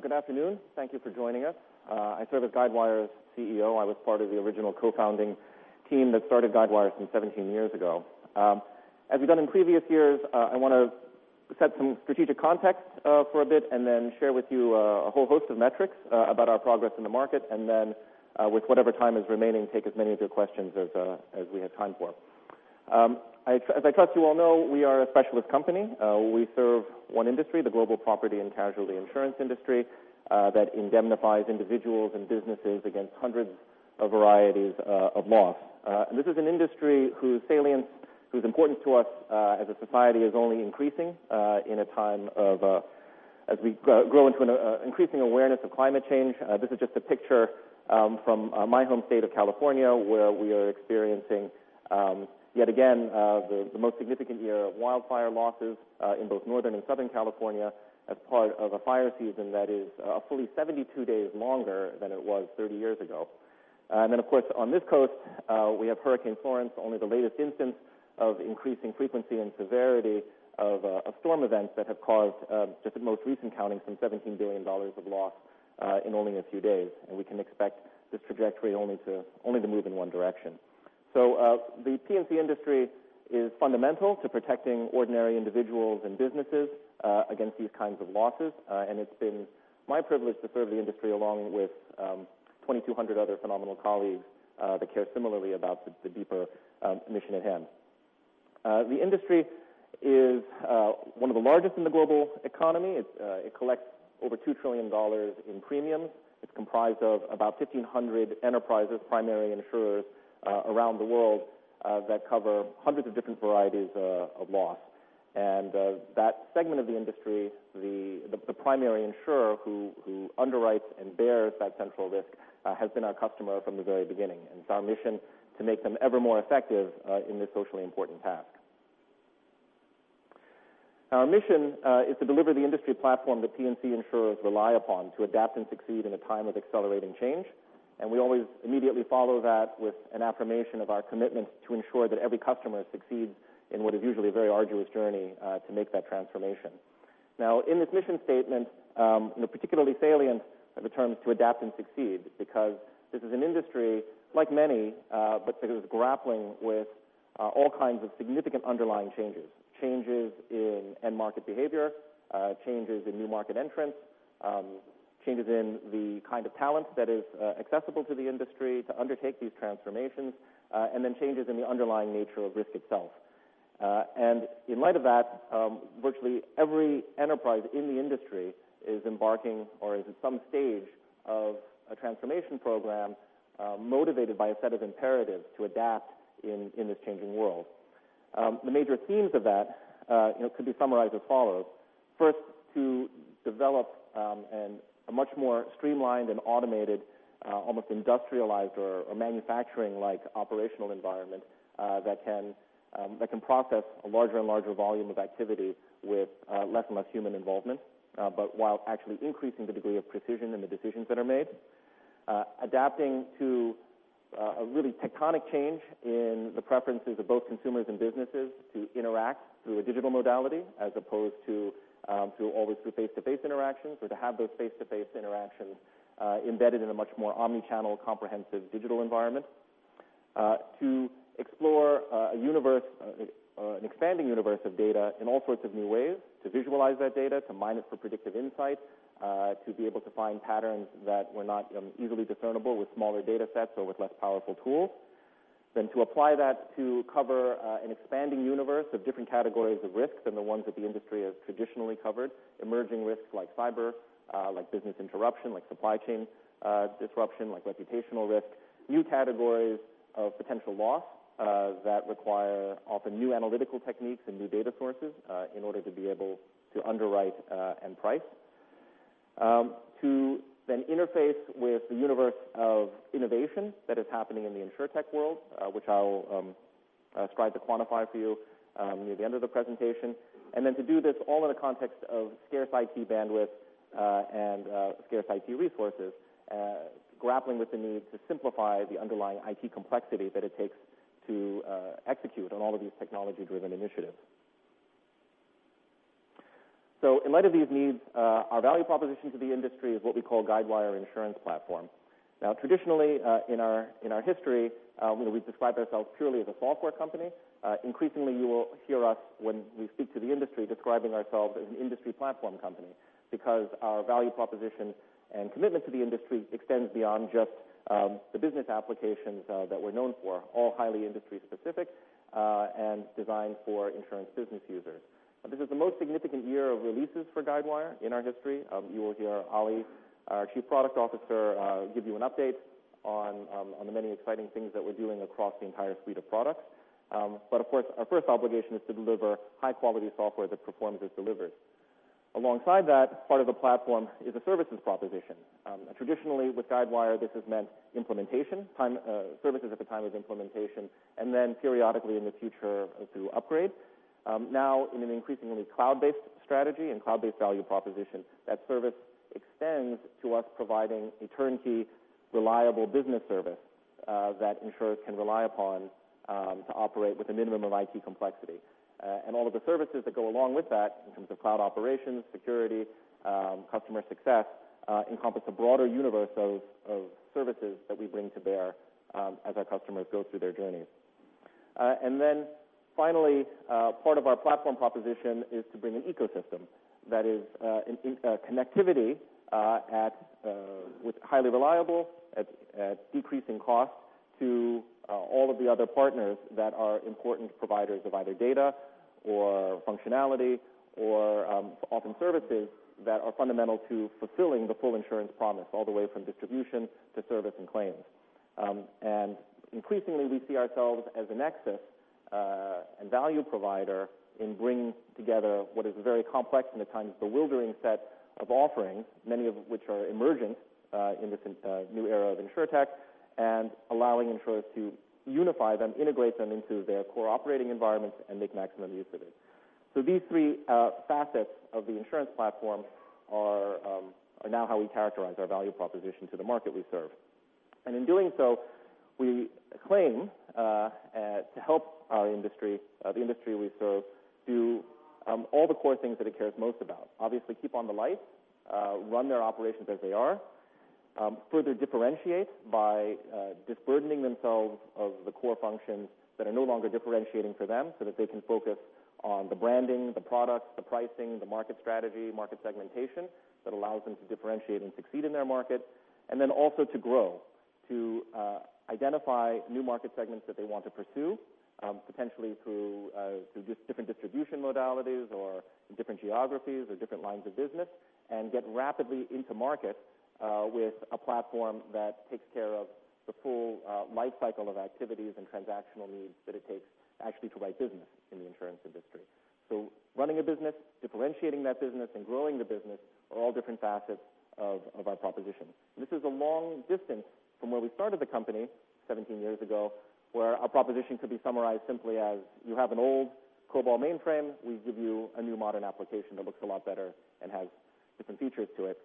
Good afternoon. Thank you for joining us. I serve as Guidewire's CEO. I was part of the original co-founding team that started Guidewire some 17 years ago. I want to set some strategic context for a bit and then share with you a whole host of metrics about our progress in the market. With whatever time is remaining, take as many of your questions as we have time for. As I trust you all know, we are a specialist company. We serve one industry, the global property and casualty insurance industry that indemnifies individuals and businesses against hundreds of varieties of loss. This is an industry whose salience, whose importance to us as a society is only increasing in a time of, as we grow into an increasing awareness of climate change. This is just a picture from my home state of California, where we are experiencing, yet again, the most significant year of wildfire losses in both Northern and Southern California as part of a fire season that is fully 72 days longer than it was 30 years ago. Then, of course, on this coast, we have Hurricane Florence, only the latest instance of increasing frequency and severity of storm events that have caused, just at most recent counting, some $17 billion of loss in only a few days. We can expect this trajectory only to move in one direction. The P&C industry is fundamental to protecting ordinary individuals and businesses against these kinds of losses. It's been my privilege to serve the industry along with 2,200 other phenomenal colleagues that care similarly about the deeper mission at hand. The industry is one of the largest in the global economy. It collects over $2 trillion in premiums. It's comprised of about 1,500 enterprises, primary insurers around the world that cover hundreds of different varieties of loss. That segment of the industry, the primary insurer who underwrites and bears that central risk has been our customer from the very beginning. It's our mission to make them ever more effective in this socially important task. Our mission is to deliver the industry platform that P&C insurers rely upon to adapt and succeed in a time of accelerating change. We always immediately follow that with an affirmation of our commitment to ensure that every customer succeeds in what is usually a very arduous journey to make that transformation. Now, in this mission statement, particularly salient are the terms to adapt and succeed because this is an industry like many, but that is grappling with all kinds of significant underlying changes. Changes in end market behavior, changes in new market entrants, changes in the kind of talent that is accessible to the industry to undertake these transformations, then changes in the underlying nature of risk itself. In light of that, virtually every enterprise in the industry is embarking or is at some stage of a transformation program motivated by a set of imperatives to adapt in this changing world. The major themes of that could be summarized as follows. First, to develop a much more streamlined and automated almost industrialized or manufacturing-like operational environment that can process a larger and larger volume of activity with less and less human involvement, but while actually increasing the degree of precision in the decisions that are made. Adapting to a really tectonic change in the preferences of both consumers and businesses to interact through a digital modality as opposed to always through face-to-face interactions or to have those face-to-face interactions embedded in a much more omni-channel comprehensive digital environment. To explore an expanding universe of data in all sorts of new ways, to visualize that data, to mine it for predictive insights, to be able to find patterns that were not easily discernible with smaller data sets or with less powerful tools. To apply that to cover an expanding universe of different categories of risks than the ones that the industry has traditionally covered. Emerging risks like cyber, like business interruption, like supply chain disruption, like reputational risk. New categories of potential loss that require often new analytical techniques and new data sources in order to be able to underwrite and price. To interface with the universe of innovation that is happening in the InsurTech world, which I'll strive to quantify for you near the end of the presentation. To do this all in the context of scarce IT bandwidth and scarce IT resources, grappling with the need to simplify the underlying IT complexity that it takes to execute on all of these technology-driven initiatives. In light of these needs, our value proposition to the industry is what we call Guidewire Insurance Platform. Traditionally in our history, we've described ourselves purely as a software company. Increasingly, you will hear us when we speak to the industry describing ourselves as an industry platform company because our value proposition and commitment to the industry extends beyond just the business applications that we're known for, all highly industry-specific and designed for insurance business users. This is the most significant year of releases for Guidewire in our history. You will hear Ali, our Chief Product Officer, give you an update on the many exciting things that we're doing across the entire suite of products. Of course, our first obligation is to deliver high-quality software that performs as delivered. Alongside that, part of the platform is a services proposition. Traditionally with Guidewire, this has meant services at the time of implementation, and then periodically in the future through upgrades. In an increasingly cloud-based strategy and cloud-based value proposition, that service extends to us providing a turnkey, reliable business service that insurers can rely upon to operate with a minimum of IT complexity. All of the services that go along with that in terms of cloud operations, security, customer success encompass a broader universe of services that we bring to bear as our customers go through their journeys. Finally, part of our platform proposition is to bring an ecosystem that is connectivity with highly reliable at decreasing costs to all of the other partners that are important providers of either data or functionality or often services that are fundamental to fulfilling the full insurance promise, all the way from distribution to service and claims. Increasingly, we see ourselves as a nexus and value provider in bringing together what is a very complex and at times bewildering set of offerings, many of which are emergent in this new era of InsurTech, and allowing insurers to unify them, integrate them into their core operating environments, and make maximum use of it. These three facets of the insurance platform are now how we characterize our value proposition to the market we serve. In doing so, we claim to help the industry we serve do all the core things that it cares most about. Obviously, keep on the lights, run their operations as they are, further differentiate by disburdening themselves of the core functions that are no longer differentiating for them so that they can focus on the branding, the products, the pricing, the market strategy, market segmentation that allows them to differentiate and succeed in their market. Then also to grow, to identify new market segments that they want to pursue, potentially through different distribution modalities or different geographies or different lines of business, and get rapidly into market with a platform that takes care of the full lifecycle of activities and transactional needs that it takes actually to write business in the insurance industry. Running a business, differentiating that business, and growing the business are all different facets of our proposition. This is a long distance from where we started the company 17 years ago, where our proposition could be summarized simply as, you have an old COBOL mainframe, we give you a new modern application that looks a lot better and has different features to it.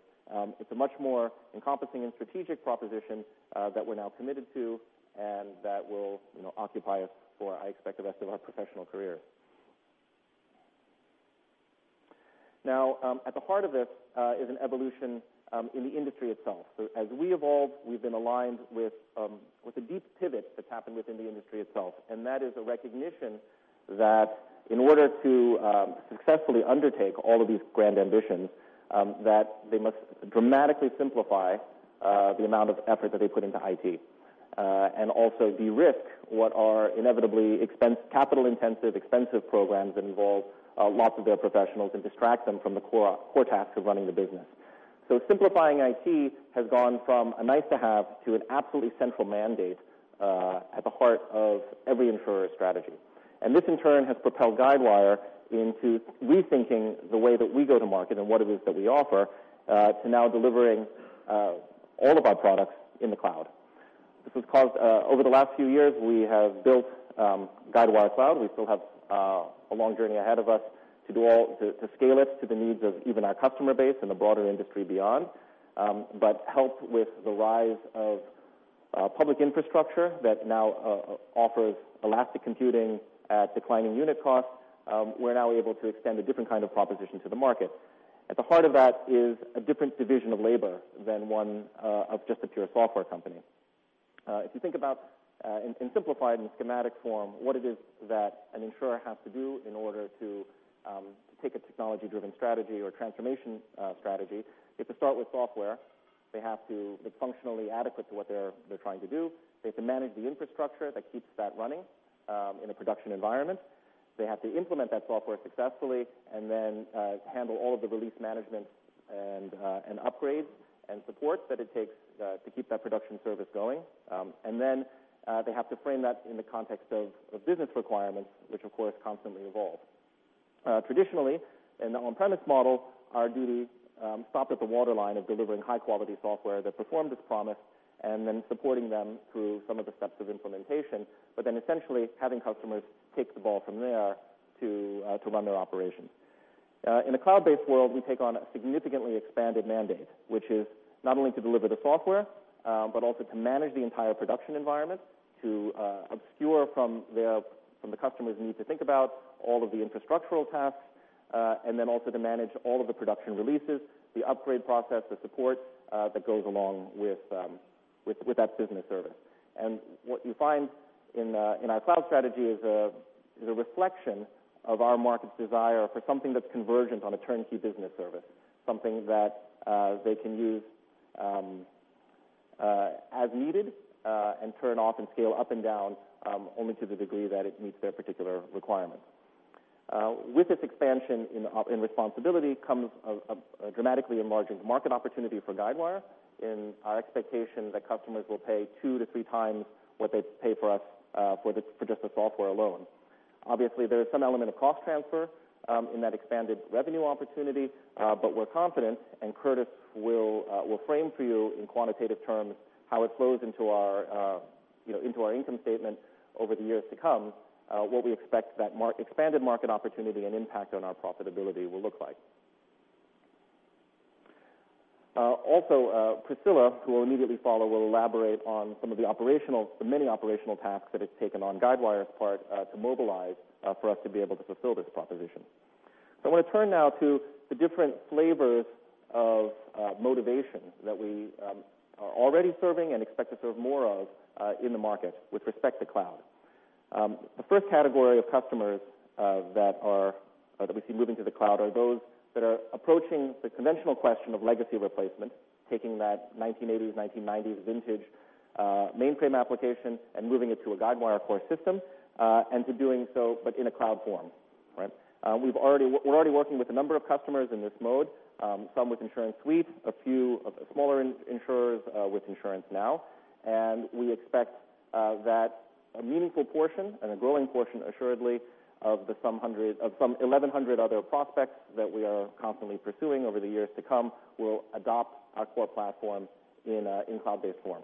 It's a much more encompassing and strategic proposition that we're now committed to and that will occupy us for, I expect, the rest of our professional careers. At the heart of this is an evolution in the industry itself. As we evolved, we've been aligned with a deep pivot that's happened within the industry itself, and that is a recognition that in order to successfully undertake all of these grand ambitions, that they must dramatically simplify the amount of effort that they put into IT. Also de-risk what are inevitably capital-intensive, expensive programs that involve lots of their professionals and distract them from the core task of running the business. Simplifying IT has gone from a nice-to-have to an absolutely central mandate at the heart of every insurer's strategy. This in turn has propelled Guidewire into rethinking the way that we go to market and what it is that we offer to now delivering all of our products in the cloud. Over the last few years, we have built Guidewire Cloud. We still have a long journey ahead of us to scale it to the needs of even our customer base and the broader industry beyond. Helped with the rise of public infrastructure that now offers elastic computing at declining unit costs, we're now able to extend a different kind of proposition to the market. At the heart of that is a different division of labor than one of just a pure software company. If you think about and simplify it in schematic form, what it is that an insurer has to do in order to take a technology-driven strategy or transformation strategy, they have to start with software. They have to be functionally adequate to what they're trying to do. They have to manage the infrastructure that keeps that running in a production environment. They have to implement that software successfully and then handle all of the release management and upgrades and support that it takes to keep that production service going. Then they have to frame that in the context of business requirements, which of course constantly evolve. Traditionally, in the on-premise model, our duties stopped at the waterline of delivering high-quality software that performed as promised and then supporting them through some of the steps of implementation, but then essentially having customers take the ball from there to run their operations. In a cloud-based world, we take on a significantly expanded mandate, which is not only to deliver the software, but also to manage the entire production environment, to obscure from the customer's need to think about all of the infrastructural tasks, and then also to manage all of the production releases, the upgrade process, the support that goes along with that business service. What you find in our cloud strategy is a reflection of our market's desire for something that's convergent on a turnkey business service, something that they can use as needed and turn off and scale up and down only to the degree that it meets their particular requirements. With this expansion in responsibility comes a dramatically enlarging market opportunity for Guidewire in our expectation that customers will pay two to three times what they pay for us for just the software alone. Obviously, there is some element of cost transfer in that expanded revenue opportunity, but we're confident, and Curtis will frame for you in quantitative terms how it flows into our income statement over the years to come, what we expect that expanded market opportunity and impact on our profitability will look like. Priscilla, who will immediately follow, will elaborate on some of the many operational tasks that it's taken on Guidewire's part to mobilize for us to be able to fulfill this proposition. I want to turn now to the different flavors of motivation that we are already serving and expect to serve more of in the market with respect to cloud. The first category of customers that we see moving to the cloud are those that are approaching the conventional question of legacy replacement, taking that 1980s, 1990s vintage mainframe application and moving it to a Guidewire core system, and to doing so, but in a cloud form. We're already working with a number of customers in this mode, some with InsuranceSuite, a few smaller insurers with InsuranceNow, and we expect that a meaningful portion and a growing portion assuredly of some 1,100 other prospects that we are constantly pursuing over the years to come will adopt our core platform in cloud-based form.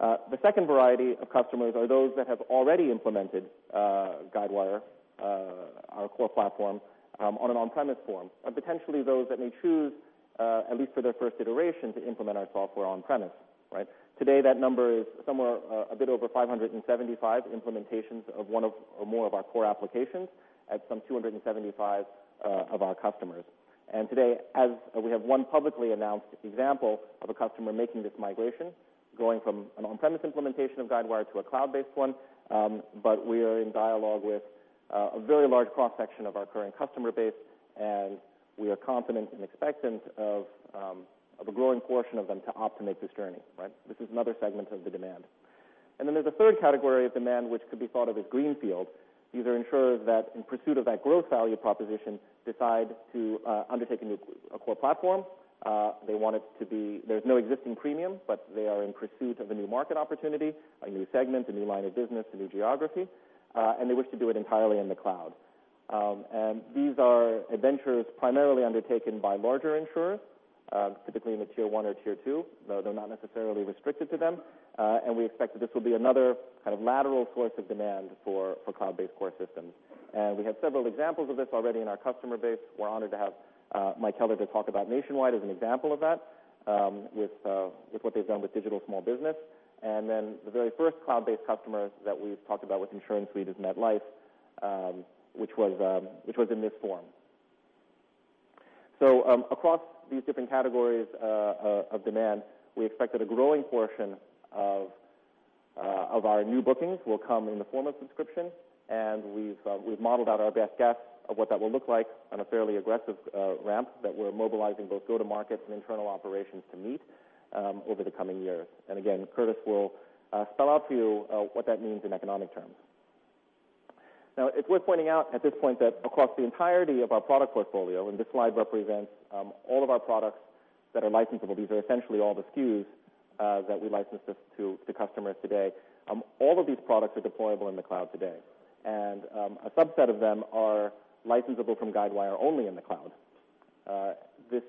The second variety of customers are those that have already implemented Guidewire, our core platform, on an on-premise form, and potentially those that may choose, at least for their first iteration, to implement our software on premise. Today, that number is a bit over 575 implementations of one or more of our core applications at some 275 of our customers. Today, as we have one publicly announced example of a customer making this migration, going from an on-premise implementation of Guidewire to a cloud-based one, but we are in dialogue with a very large cross-section of our current customer base, and we are confident in expectant of a growing portion of them to opt to make this journey. This is another segment of the demand. Then there's a third category of demand, which could be thought of as greenfield. These are insurers that in pursuit of that growth value proposition, decide to undertake a new core platform. There's no existing premium, but they are in pursuit of a new market opportunity, a new segment, a new line of business, a new geography and they wish to do it entirely in the cloud. These are adventures primarily undertaken by larger insurers typically in the tier 1 or tier 2, though they're not necessarily restricted to them and we expect that this will be another kind of lateral source of demand for cloud-based core systems. We have several examples of this already in our customer base. We're honored to have Mike Keller to talk about Nationwide as an example of that with what they've done with Digital Small Business. Then the very first cloud-based customer that we've talked about with InsuranceSuite is MetLife which was in this form. Across these different categories of demand, we expect that a growing portion of our new bookings will come in the form of subscription. We've modeled out our best guess of what that will look like on a fairly aggressive ramp that we're mobilizing both go-to-markets and internal operations to meet over the coming years. Again, Curtis will spell out to you what that means in economic terms. Now, it's worth pointing out at this point that across the entirety of our product portfolio, and this slide represents all of our products that are licensable. These are essentially all the SKUs that we license to customers today. All of these products are deployable in the cloud today, and a subset of them are licensable from Guidewire only in the cloud. This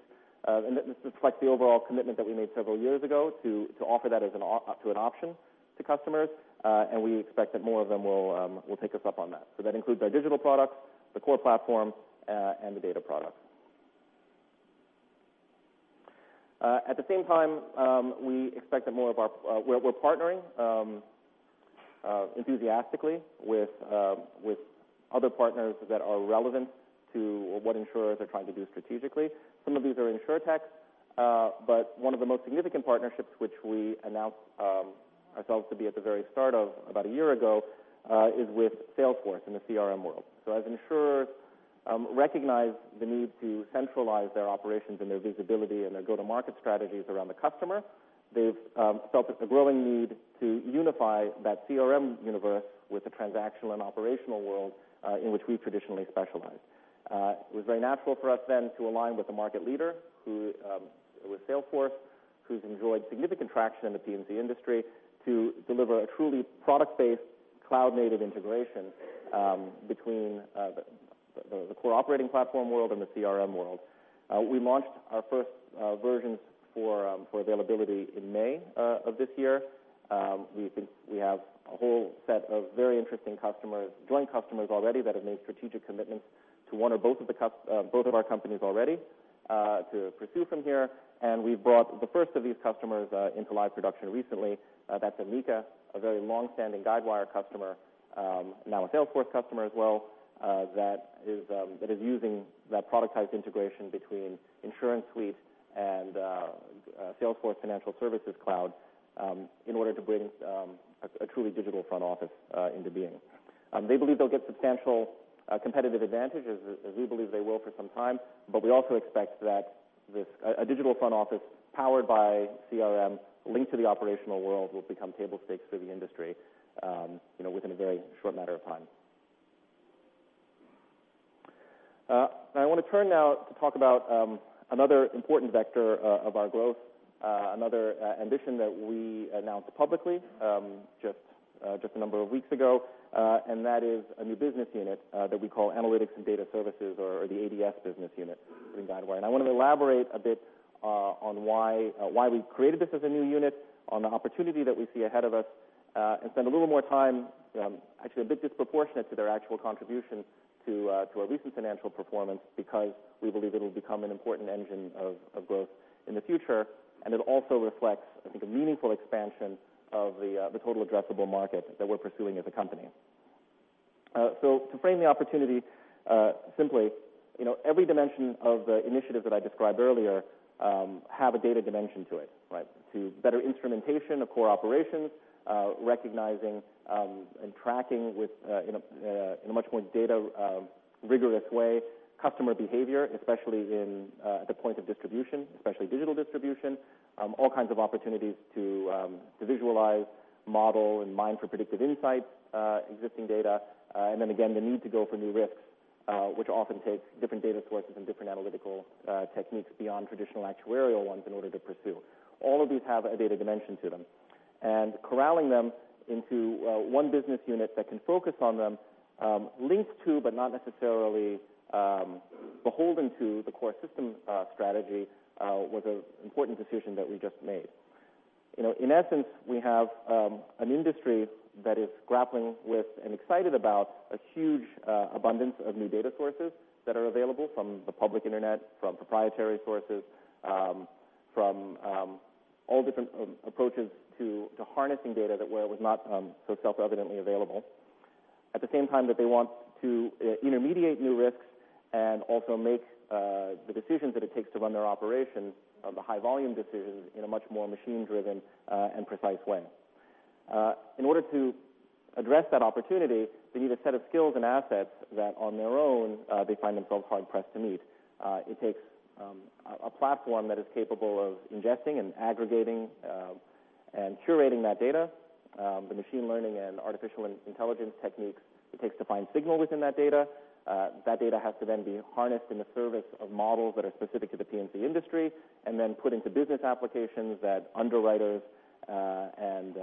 reflects the overall commitment that we made several years ago to offer that as an option to customers and we expect that more of them will take us up on that. That includes our digital products, the core platform and the data products. At the same time, we're partnering enthusiastically with other partners that are relevant to what insurers are trying to do strategically. Some of these are InsurTech, but one of the most significant partnerships which we announced ourselves to be at the very start of about a year ago is with Salesforce in the CRM world. As insurers recognize the need to centralize their operations and their visibility and their go-to-market strategies around the customer, they've felt a growing need to unify that CRM universe with the transactional and operational world in which we traditionally specialize. It was very natural for us then to align with the market leader, with Salesforce, who's enjoyed significant traction in the P&C industry to deliver a truly product-based, cloud-native integration between the core operating platform world and the CRM world. We launched our first versions for availability in May of this year. We have a whole set of very interesting joint customers already that have made strategic commitments to one or both of our companies already to pursue from here, and we've brought the first of these customers into live production recently. That's Amica, a very long-standing Guidewire customer, now a Salesforce customer as well that is using that productized integration between InsuranceSuite and Salesforce Financial Services Cloud in order to bring a truly digital front office into being. They believe they'll get substantial competitive advantage, as we believe they will for some time. We also expect that a digital front office powered by CRM linked to the operational world will become table stakes for the industry within a very short matter of time. I want to turn now to talk about another important vector of our growth, another ambition that we announced publicly just a number of weeks ago and that is a new business unit that we call Analytics and Data Services or the ADS business unit in Guidewire. I want to elaborate a bit on why we've created this as a new unit, on the opportunity that we see ahead of us. Spend a little more time, actually a bit disproportionate to their actual contribution to our recent financial performance, because we believe it'll become an important engine of growth in the future. It also reflects, I think, a meaningful expansion of the total addressable market that we're pursuing as a company. To frame the opportunity simply, every dimension of the initiative that I described earlier have a data dimension to it, right? To better instrumentation of core operations, recognizing and tracking in a much more data-rigorous way, customer behavior, especially at the point of distribution, especially digital distribution. All kinds of opportunities to visualize, model, and mine for predictive insights, existing data. Then again, the need to go for new risks, which often takes different data sources and different analytical techniques beyond traditional actuarial ones in order to pursue. All of these have a data dimension to them. Corralling them into one business unit that can focus on them, linked to but not necessarily beholden to the core system strategy, was an important decision that we just made. In essence, we have an industry that is grappling with and excited about a huge abundance of new data sources that are available from the public internet, from proprietary sources, from all different approaches to harnessing data that was not so self-evidently available. At the same time that they want to intermediate new risks and also make the decisions that it takes to run their operations of the high-volume decisions in a much more machine-driven and precise way. In order to address that opportunity, they need a set of skills and assets that on their own they find themselves hard-pressed to meet. It takes a platform that is capable of ingesting and aggregating and curating that data. The machine learning and artificial intelligence techniques it takes to find signal within that data. That data has to be harnessed in the service of models that are specific to the P&C industry, and then put into business applications that underwriters and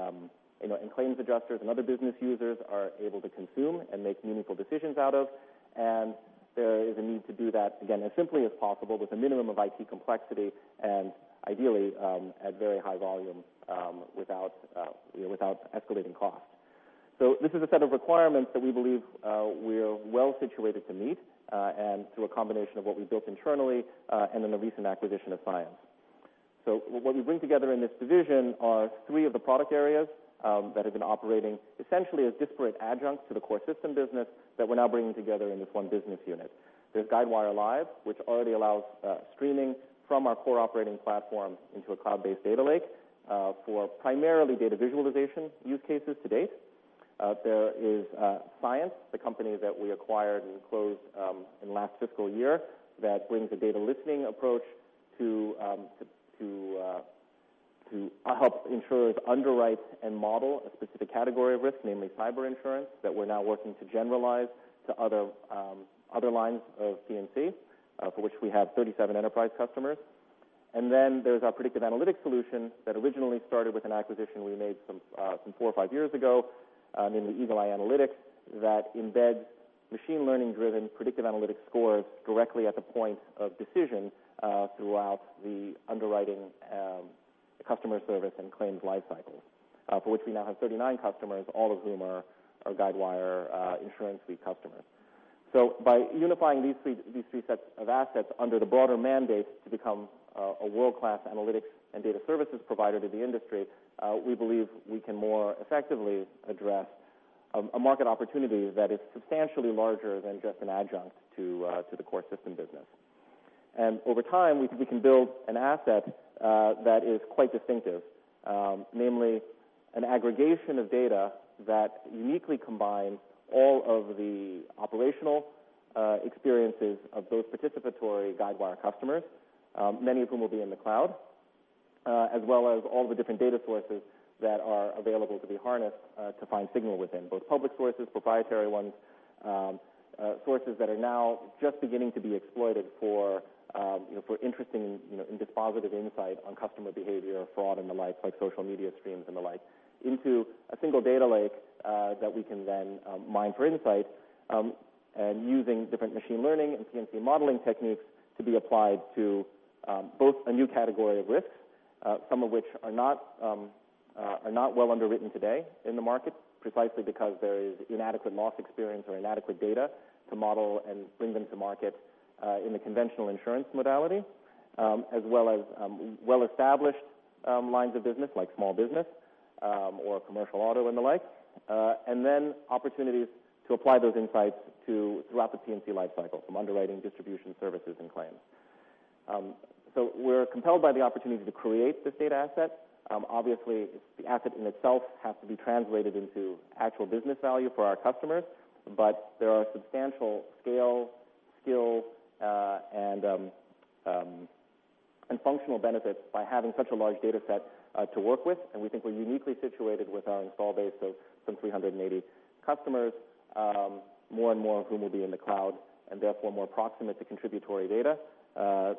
claims adjusters and other business users are able to consume and make meaningful decisions out of. There is a need to do that, again, as simply as possible with a minimum of IT complexity and ideally at very high volume without escalating cost. This is a set of requirements that we believe we're well-situated to meet and through a combination of what we built internally and in the recent acquisition of Cyence. What we bring together in this division are three of the product areas that have been operating essentially as disparate adjunct to the core system business that we're now bringing together in this one business unit. There's Guidewire Live, which already allows streaming from our core operating platform into a cloud-based data lake for primarily data visualization use cases to date. There is Cyence, the company that we acquired and closed in last fiscal year, that brings a data listening approach to help insurers underwrite and model a specific category of risk, namely cyber insurance, that we're now working to generalize to other lines of P&C for which we have 37 enterprise customers. There's our predictive analytics solution that originally started with an acquisition we made some four or five years ago, namely EagleEye Analytics, that embeds machine learning-driven predictive analytics scores directly at the point of decision throughout the underwriting customer service and claims life cycles. For which we now have 39 customers, all of whom are Guidewire InsuranceSuite customers. By unifying these three sets of assets under the broader mandate to become a world-class analytics and data services provider to the industry, we believe we can more effectively address a market opportunity that is substantially larger than just an adjunct to the core system business. Over time, we think we can build an asset that is quite distinctive. Namely, an aggregation of data that uniquely combines all of the operational experiences of those participatory Guidewire customers, many of whom will be in the cloud, as well as all the different data sources that are available to be harnessed to find signal within. Both public sources, proprietary ones, sources that are now just beginning to be exploited for interesting and dispositive insight on customer behavior, fraud, and the like social media streams and the like, into a single data lake that we can then mine for insight. Using different machine learning and P&C modeling techniques to be applied to both a new category of risks, some of which are not well underwritten today in the market precisely because there is inadequate loss experience or inadequate data to model and bring them to market in the conventional insurance modality. As well as well-established lines of business like small business or commercial auto and the like. Opportunities to apply those insights throughout the P&C life cycle from underwriting, distribution, services, and claims. We're compelled by the opportunity to create this data asset. Obviously, the asset in itself has to be translated into actual business value for our customers, there are substantial scale, skill, and functional benefits by having such a large data set to work with. We think we're uniquely situated with our install base of some 380 customers, more and more of whom will be in the cloud, and therefore more proximate to contributory data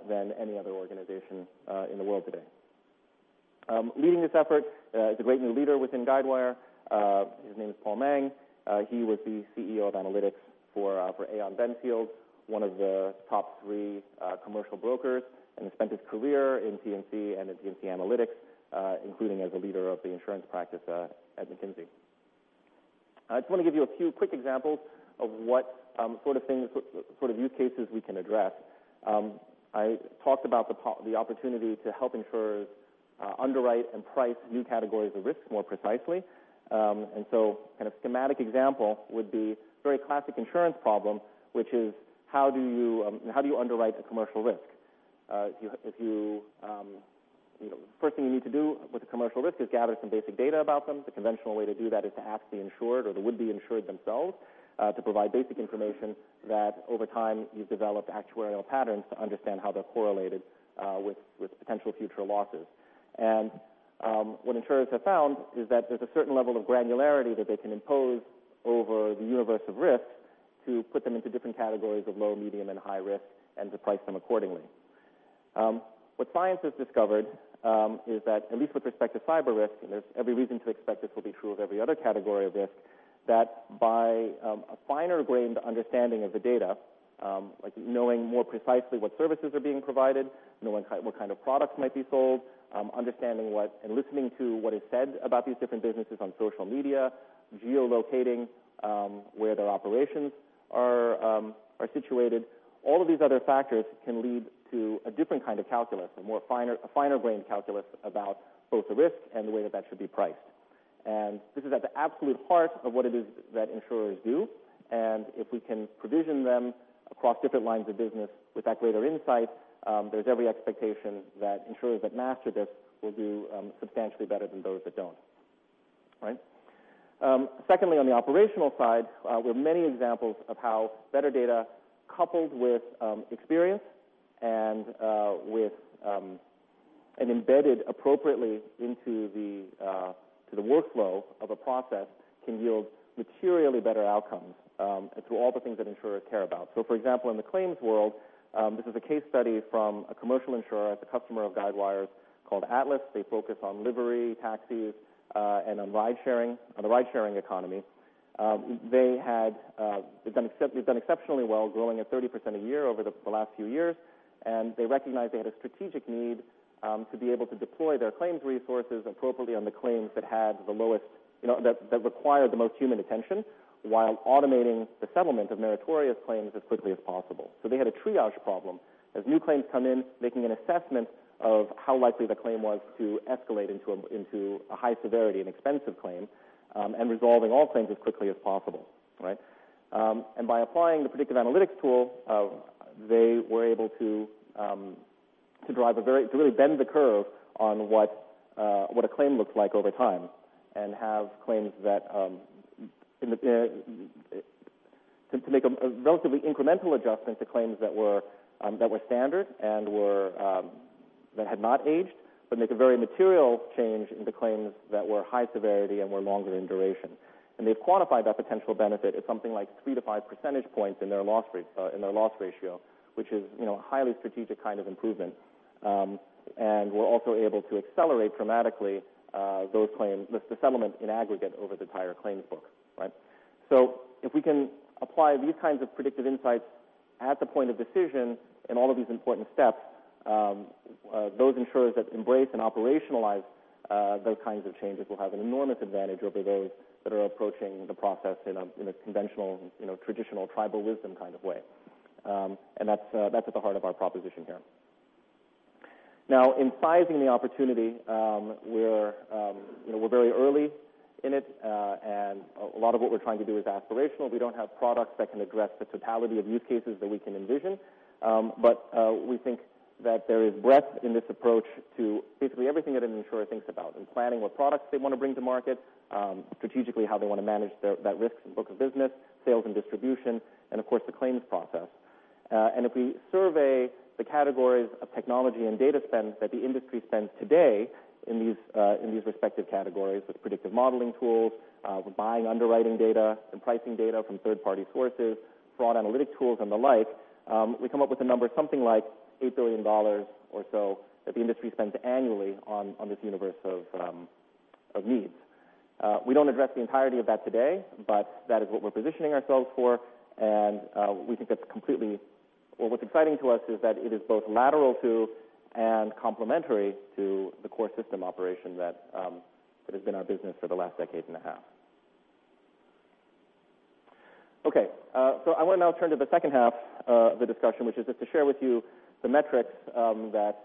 than any other organization in the world today. Leading this effort is a great new leader within Guidewire. His name is Paul Mang. He was the CEO of analytics for Aon Benfield, one of the top three commercial brokers, and has spent his career in P&C and in P&C analytics, including as a leader of the insurance practice at McKinsey. I just want to give you a few quick examples of what sort of use cases we can address. I talked about the opportunity to help insurers underwrite and price new categories of risk more precisely. A schematic example would be a very classic insurance problem, which is, how do you underwrite a commercial risk? The first thing you need to do with a commercial risk is gather some basic data about them. The conventional way to do that is to ask the insured, or the would-be insured themselves, to provide basic information that over time you've developed actuarial patterns to understand how they're correlated with potential future losses. What insurers have found is that there's a certain level of granularity that they can impose over the universe of risk to put them into different categories of low, medium, and high risk, and to price them accordingly. What science has discovered is that, at least with respect to cyber risk, there's every reason to expect this will be true of every other category of risk, that by a finer-grained understanding of the data, like knowing more precisely what services are being provided, knowing what kind of products might be sold, understanding and listening to what is said about these different businesses on social media, geo-locating where their operations are situated, all of these other factors can lead to a different kind of calculus, a finer-grained calculus about both the risk and the way that should be priced. This is at the absolute heart of what it is that insurers do, and if we can provision them across different lines of business with that greater insight, there's every expectation that insurers that master this will do substantially better than those that don't. Secondly, on the operational side, where many examples of how better data coupled with experience and embedded appropriately into the workflow of a process can yield materially better outcomes to all the things that insurers care about. For example, in the claims world, this is a case study from a commercial insurer, it's a customer of Guidewire's called Atlas. They focus on livery taxis and on the ride-sharing economy. They've done exceptionally well, growing at 30% a year over the last few years. They recognized they had a strategic need to be able to deploy their claims resources appropriately on the claims that require the most human attention while automating the settlement of meritorious claims as quickly as possible. They had a triage problem. As new claims come in, making an assessment of how likely the claim was to escalate into a high-severity and expensive claim, resolving all claims as quickly as possible. By applying the predictive analytics tool, they were able to really bend the curve on what a claim looks like over time and to make a relatively incremental adjustment to claims that were standard and that had not aged, but make a very material change in the claims that were high severity and were longer in duration. They've quantified that potential benefit at something like 3 to 5 percentage points in their loss ratio, which is a highly strategic kind of improvement, were also able to accelerate dramatically those claims with the settlement in aggregate over the entire claims book. If we can apply these kinds of predictive insights at the point of decision in all of these important steps, those insurers that embrace and operationalize those kinds of changes will have an enormous advantage over those that are approaching the process in a conventional, traditional tribal wisdom kind of way. That's at the heart of our proposition here. Now, in sizing the opportunity, we're very early in it, and a lot of what we're trying to do is aspirational. We don't have products that can address the totality of use cases that we can envision. We think that there is breadth in this approach to basically everything that an insurer thinks about in planning what products they want to bring to market, strategically how they want to manage that risk and book of business, sales and distribution, and of course, the claims process. If we survey the categories of technology and data spend that the industry spends today in these respective categories with predictive modeling tools, with buying underwriting data and pricing data from third-party sources, fraud analytic tools, and the like, we come up with a number something like $8 billion or so that the industry spends annually on this universe of needs. We don't address the entirety of that today, but that is what we're positioning ourselves for, and what's exciting to us is that it is both lateral to and complementary to the core system operation that has been our business for the last decade and a half. Okay. I want to now turn to the second half of the discussion, which is just to share with you the metrics that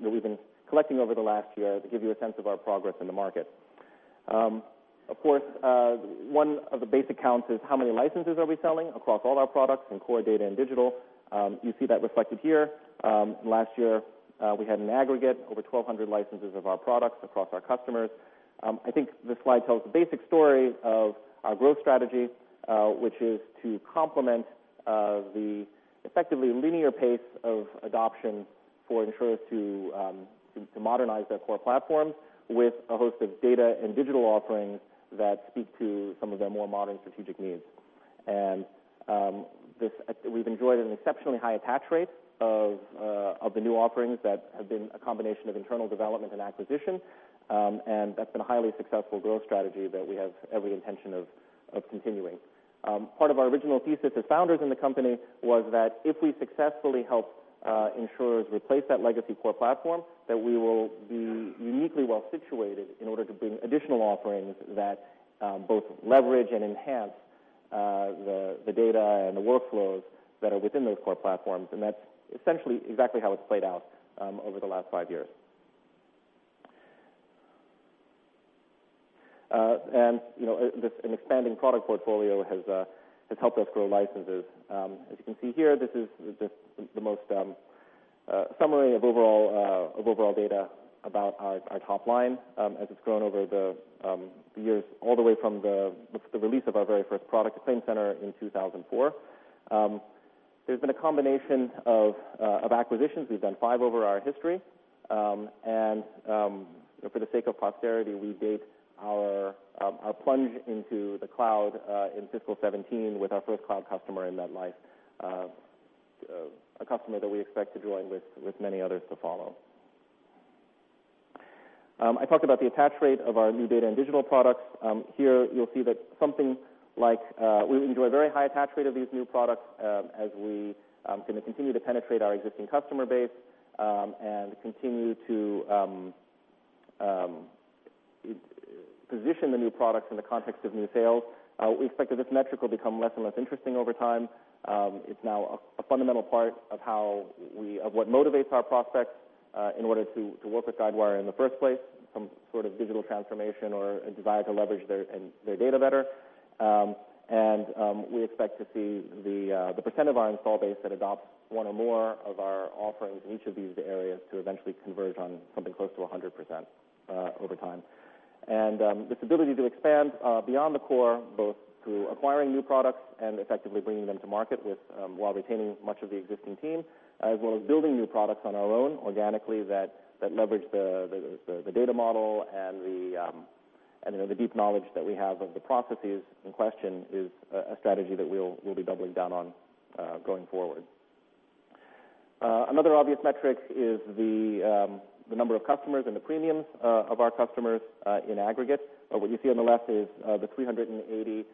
we've been collecting over the last year to give you a sense of our progress in the market. Of course, one of the basic counts is how many licenses are we selling across all our products in core data and digital. You see that reflected here. Last year, we had in aggregate over 1,200 licenses of our products across our customers. I think this slide tells the basic story of our growth strategy, which is to complement the effectively linear pace of adoption for insurers to modernize their core platforms with a host of data and digital offerings that speak to some of their more modern strategic needs. We've enjoyed an exceptionally high attach rate of the new offerings that have been a combination of internal development and acquisition. That's been a highly successful growth strategy that we have every intention of continuing. Part of our original thesis as founders in the company was that if we successfully help insurers replace that legacy core platform, that we will be uniquely well-situated in order to bring additional offerings that both leverage and enhance the data and the workflows that are within those core platforms. That's essentially exactly how it's played out over the last five years. An expanding product portfolio has helped us grow licenses. As you can see here, this is the summary of overall data about our top line as it's grown over the years, all the way from the release of our very first product, ClaimCenter, in 2004. There's been a combination of acquisitions. We've done five over our history. For the sake of posterity, we date our plunge into the cloud in fiscal 2017 with our first cloud customer in that life. A customer that we expect to join with many others to follow. I talked about the attach rate of our new data and digital products. Here, you'll see that we enjoy a very high attach rate of these new products as we continue to penetrate our existing customer base and continue to position the new products in the context of new sales. We expect that this metric will become less and less interesting over time. It's now a fundamental part of what motivates our prospects in order to work with Guidewire in the first place, some sort of digital transformation or a desire to leverage their data better. We expect to see the percent of our install base that adopts one or more of our offerings in each of these areas to eventually converge on something close to 100% over time. This ability to expand beyond the core, both through acquiring new products and effectively bringing them to market while retaining much of the existing team, as well as building new products on our own organically that leverage the data model and the deep knowledge that we have of the processes in question, is a strategy that we'll be doubling down on going forward. Another obvious metric is the number of customers and the premiums of our customers in aggregate. What you see on the left is the 380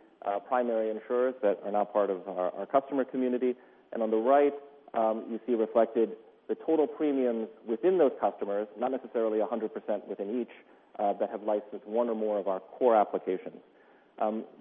primary insurers that are now part of our customer community. On the right, you see reflected the total premiums within those customers, not necessarily 100% within each, that have licensed one or more of our core applications.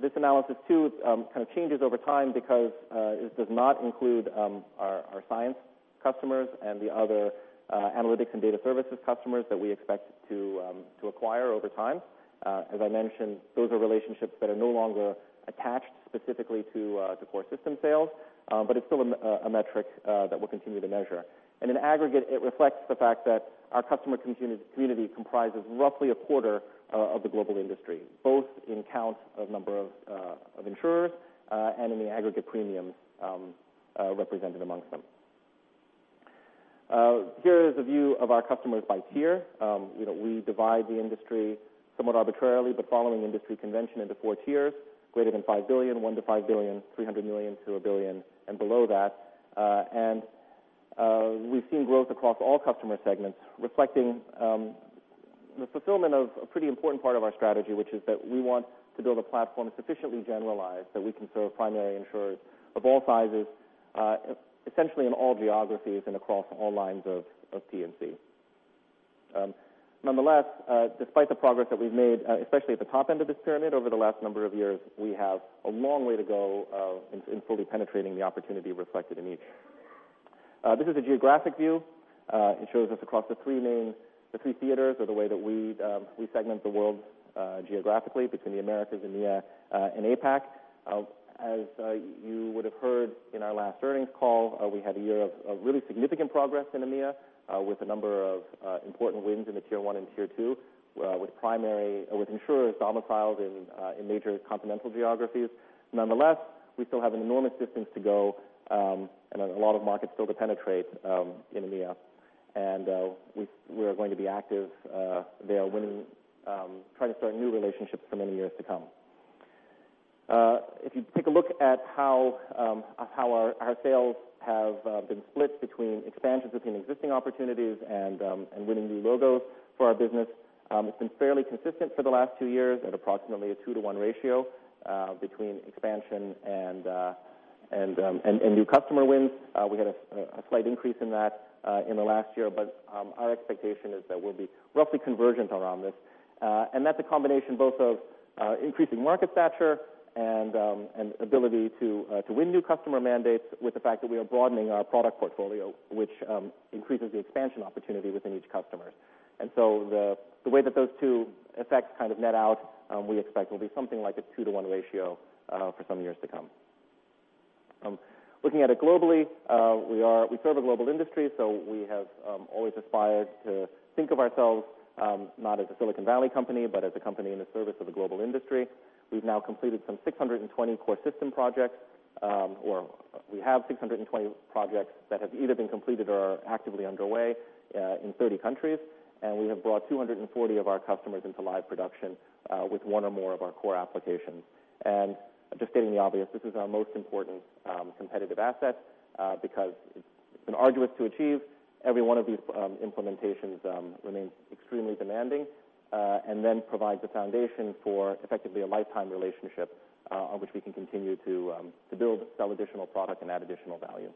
This analysis too kind of changes over time because it does not include our Cyence customers and the other Analytics and Data Services customers that we expect to acquire over time. As I mentioned, those are relationships that are no longer attached specifically to core system sales, but it's still a metric that we'll continue to measure. In aggregate, it reflects the fact that our customer community comprises roughly a quarter of the global industry, both in count of number of insurers and in the aggregate premiums represented amongst them. Here is a view of our customers by tier. We divide the industry somewhat arbitrarily but following industry convention into 4 tiers, greater than $5 billion, $1 billion-$5 billion, $300 million-$1 billion, and below that. We've seen growth across all customer segments reflecting the fulfillment of a pretty important part of our strategy, which is that we want to build a platform that's sufficiently generalized that we can serve primary insurers of all sizes, essentially in all geographies and across all lines of P&C. Nonetheless, despite the progress that we've made, especially at the top end of this pyramid over the last number of years, we have a long way to go in fully penetrating the opportunity reflected in each. This is a geographic view. It shows us across the three theaters or the way that we segment the world geographically between the Americas, EMEA and APAC. As you would have heard in our last earnings call, we had a year of really significant progress in EMEA with a number of important wins in the tier 1 and tier 2 with insurers domiciled in major continental geographies. Nonetheless, we still have an enormous distance to go and a lot of markets still to penetrate in EMEA. We are going to be active there trying to start new relationships for many years to come. If you take a look at how our sales have been split between expansions within existing opportunities and winning new logos for our business, it's been fairly consistent for the last two years at approximately a 2 to 1 ratio between expansion and new customer wins. Our expectation is that we'll be roughly convergent around this. That's a combination both of increasing market stature and ability to win new customer mandates with the fact that we are broadening our product portfolio, which increases the expansion opportunity within each customer. The way that those two effects kind of net out, we expect will be something like a 2 to 1 ratio for some years to come. Looking at it globally, we serve a global industry, so we have always aspired to think of ourselves not as a Silicon Valley company, but as a company in the service of a global industry. We've now completed some 620 core system projects. We have 620 projects that have either been completed or are actively underway in 30 countries. We have brought 240 of our customers into live production with one or more of our core applications. Just stating the obvious, this is our most important competitive asset because it's been arduous to achieve. Every one of these implementations remains extremely demanding and then provides a foundation for effectively a lifetime relationship on which we can continue to build, sell additional product and add additional value.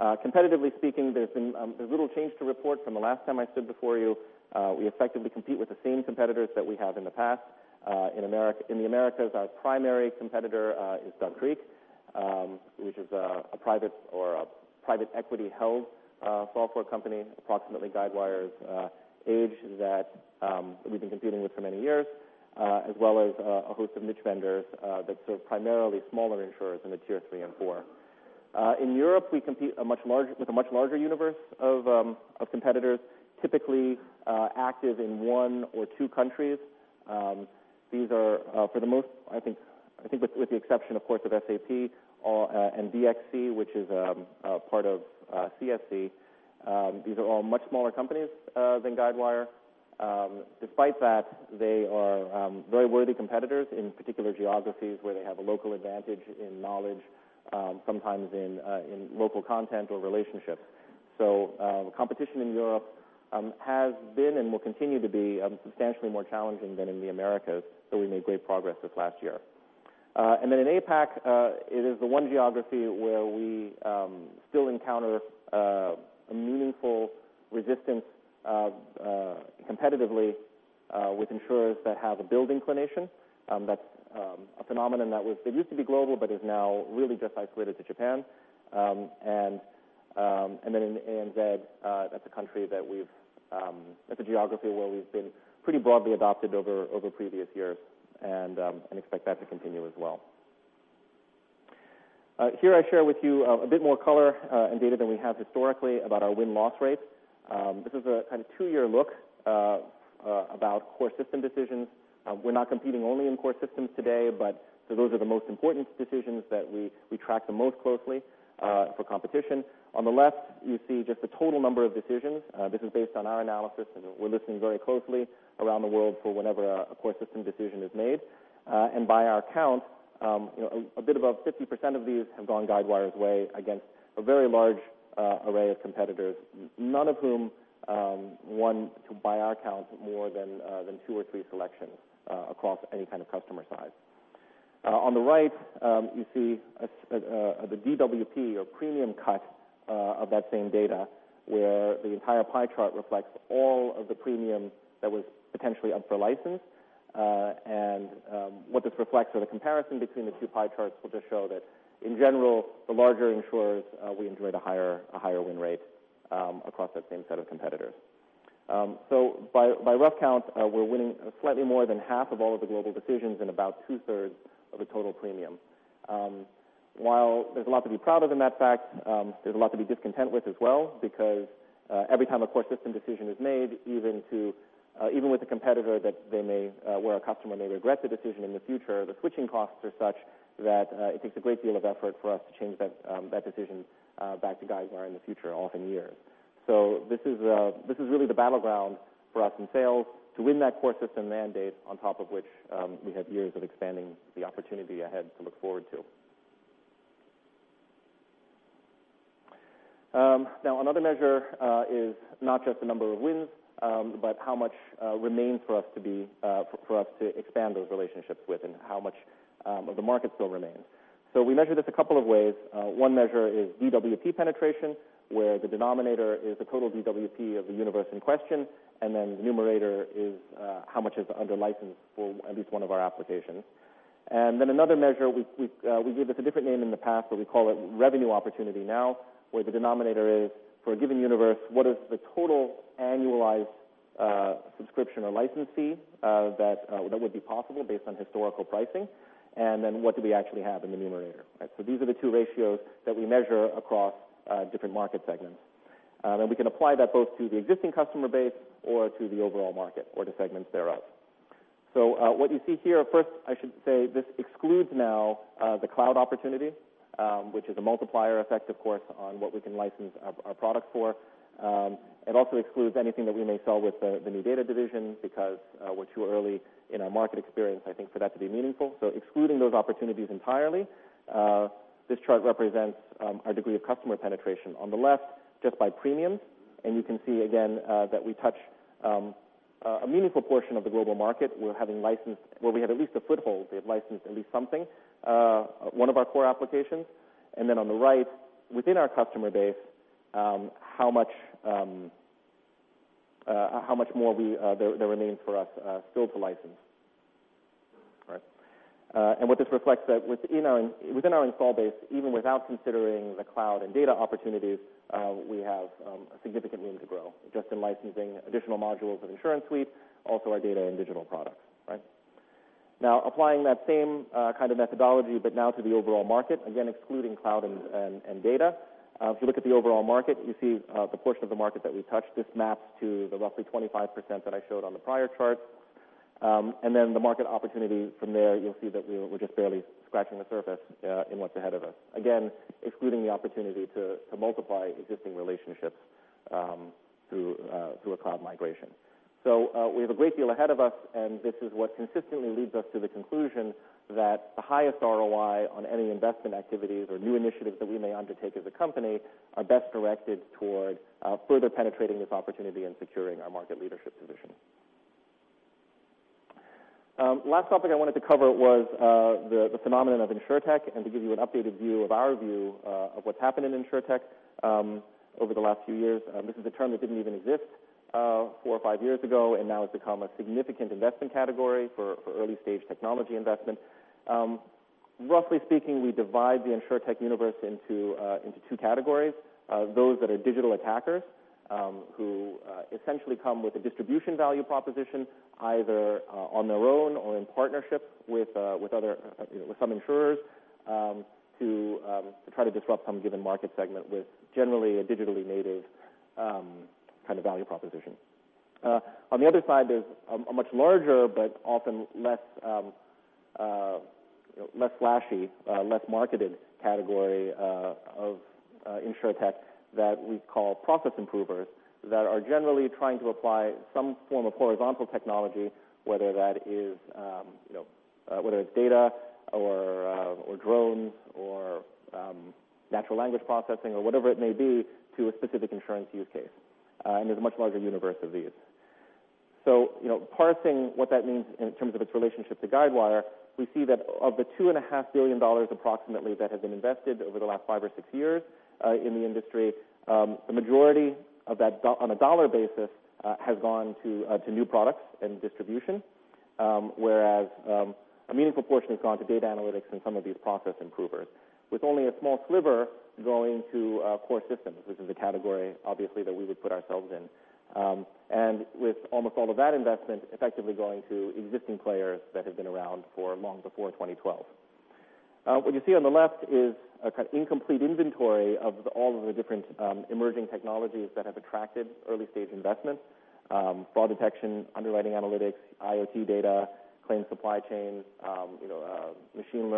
Competitively speaking, there is little change to report from the last time I stood before you. We effectively compete with the same competitors that we have in the past. In the Americas, our primary competitor is Duck Creek, which is a private equity-held software company, approximately Guidewire's age that we've been competing with for many years, as well as a host of niche vendors that serve primarily smaller insurers in the tier 3 and 4. In Europe, we compete with a much larger universe of competitors, typically active in one or two countries. I think with the exception of course of SAP and DXC, which is part of CSC. These are all much smaller companies than Guidewire. Despite that, they are very worthy competitors in particular geographies where they have a local advantage in knowledge, sometimes in local content or relationships. So competition in Europe has been and will continue to be substantially more challenging than in the Americas, though we made great progress this last year. In APAC, it is the one geography where we still encounter a meaningful resistance competitively with insurers that have a build inclination. That is a phenomenon that used to be global, but is now really just isolated to Japan. In ANZ, that is a geography where we have been pretty broadly adopted over previous years and expect that to continue as well. Here I share with you a bit more color and data than we have historically about our win-loss rates. This is a 2-year look about core system decisions. We are not competing only in core systems today, but those are the most important decisions that we track the most closely for competition. On the left, you see just the total number of decisions. This is based on our analysis, and we are listening very closely around the world for whenever a core system decision is made. By our count, a bit above 50% of these have gone Guidewire's way against a very large array of competitors, none of whom won, by our count, more than two or three selections across any kind of customer size. On the right, you see the DWP or premium cut of that same data, where the entire pie chart reflects all of the premium that was potentially up for license. What this reflects are the comparison between the two pie charts will just show that in general, the larger insurers we enjoyed a higher win rate across that same set of competitors. So by rough count, we are winning slightly more than half of all of the global decisions and about two-thirds of the total premium. While there's a lot to be proud of in that fact, there's a lot to be discontent with as well, because every time a core system decision is made, even with a competitor where a customer may regret the decision in the future, the switching costs are such that it takes a great deal of effort for us to change that decision back to Guidewire in the future, often years. This is really the battleground for us in sales to win that core system mandate on top of which we have years of expanding the opportunity ahead to look forward to. Another measure is not just the number of wins, but how much remains for us to expand those relationships with and how much of the market still remains. We measure this a couple of ways. One measure is DWP penetration, where the denominator is the total DWP of the universe in question, the numerator is how much is under license for at least one of our applications. Another measure, we gave this a different name in the past, but we call it revenue opportunity now, where the denominator is for a given universe, what is the total annualized subscription or license fee that would be possible based on historical pricing? What do we actually have in the numerator? These are the two ratios that we measure across different market segments. We can apply that both to the existing customer base or to the overall market or to segments thereof. What you see here, first, I should say this excludes now the cloud opportunity, which is a multiplier effect, of course, on what we can license our product for. It also excludes anything that we may sell with the new data division because we're too early in our market experience, I think, for that to be meaningful. Excluding those opportunities entirely, this chart represents our degree of customer penetration. On the left, just by premiums, and you can see again that we touch a meaningful portion of the global market where we have at least a foothold. They have licensed at least something, one of our core applications. On the right, within our customer base, how much more there remains for us still to license. Right. What this reflects that within our install base, even without considering the cloud and data opportunities, we have a significant room to grow just in licensing additional modules of InsuranceSuite, also our data and digital products. Right. Applying that same kind of methodology, but now to the overall market, again, excluding cloud and data. If you look at the overall market, you see the portion of the market that we touch. This maps to the roughly 25% that I showed on the prior chart. The market opportunity from there, you'll see that we're just barely scratching the surface in what's ahead of us. Again, excluding the opportunity to multiply existing relationships through a cloud migration. We have a great deal ahead of us, and this is what consistently leads us to the conclusion that the highest ROI on any investment activities or new initiatives that we may undertake as a company are best directed toward further penetrating this opportunity and securing our market leadership position. Last topic I wanted to cover was the phenomenon of InsurTech and to give you an updated view of our view of what's happened in InsurTech over the last few years. This is a term that didn't even exist four or five years ago, and now it's become a significant investment category for early-stage technology investment. Roughly speaking, we divide the InsurTech universe into two categories. Those that are digital attackers who essentially come with a distribution value proposition, either on their own or in partnership with some insurers to try to disrupt some given market segment with generally a digitally native kind of value proposition. On the other side, there's a much larger but often less flashy, less marketed category of InsurTech that we call process improvers, that are generally trying to apply some form of horizontal technology, whether that is data or drones or natural language processing or whatever it may be to a specific insurance use case. There's a much larger universe of these. Parsing what that means in terms of its relationship to Guidewire, we see that of the $2.5 billion approximately that has been invested over the last five or six years in the industry the majority of that on a dollar basis has gone to new products and distribution whereas a meaningful portion has gone to data analytics and some of these process improvers. With only a small sliver going to core systems, which is a category, obviously, that we would put ourselves in. With almost all of that investment effectively going to existing players that have been around for long before 2012. What you see on the left is an incomplete inventory of all of the different emerging technologies that have attracted early-stage investments. Fraud detection, underwriting analytics, IoT data, claims supply chains, machine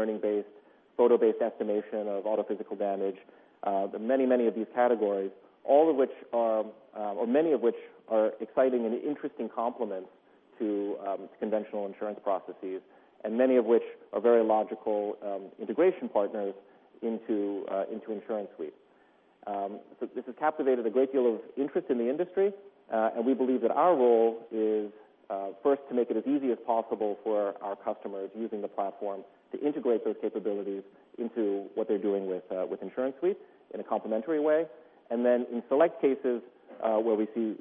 learning-based, photo-based estimation of auto physical damage many of these categories, many of which are exciting and interesting complements to conventional insurance processes, and many of which are very logical integration partners into InsuranceSuite. This has captivated a great deal of interest in the industry. We believe that our role is first to make it as easy as possible for our customers using the platform to integrate those capabilities into what they're doing with InsuranceSuite in a complementary way. Then in select cases where we see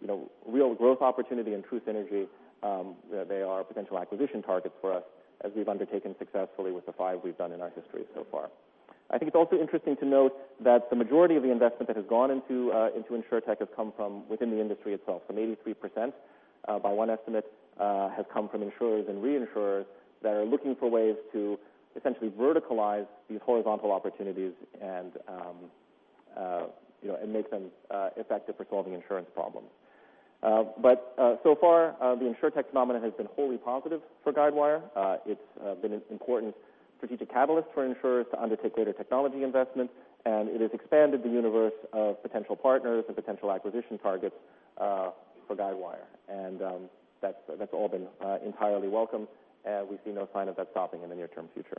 real growth opportunity and true synergy that they are potential acquisition targets for us as we've undertaken successfully with the five we've done in our history so far. I think it's also interesting to note that the majority of the investment that has gone into InsurTech has come from within the industry itself. Some 83%, by one estimate has come from insurers and reinsurers that are looking for ways to essentially verticalize these horizontal opportunities and make them effective for solving insurance problems. So far, the InsurTech phenomenon has been wholly positive for Guidewire. It's been an important strategic catalyst for insurers to undertake later technology investments, and it has expanded the universe of potential partners and potential acquisition targets for Guidewire. That's all been entirely welcome. We see no sign of that stopping in the near-term future.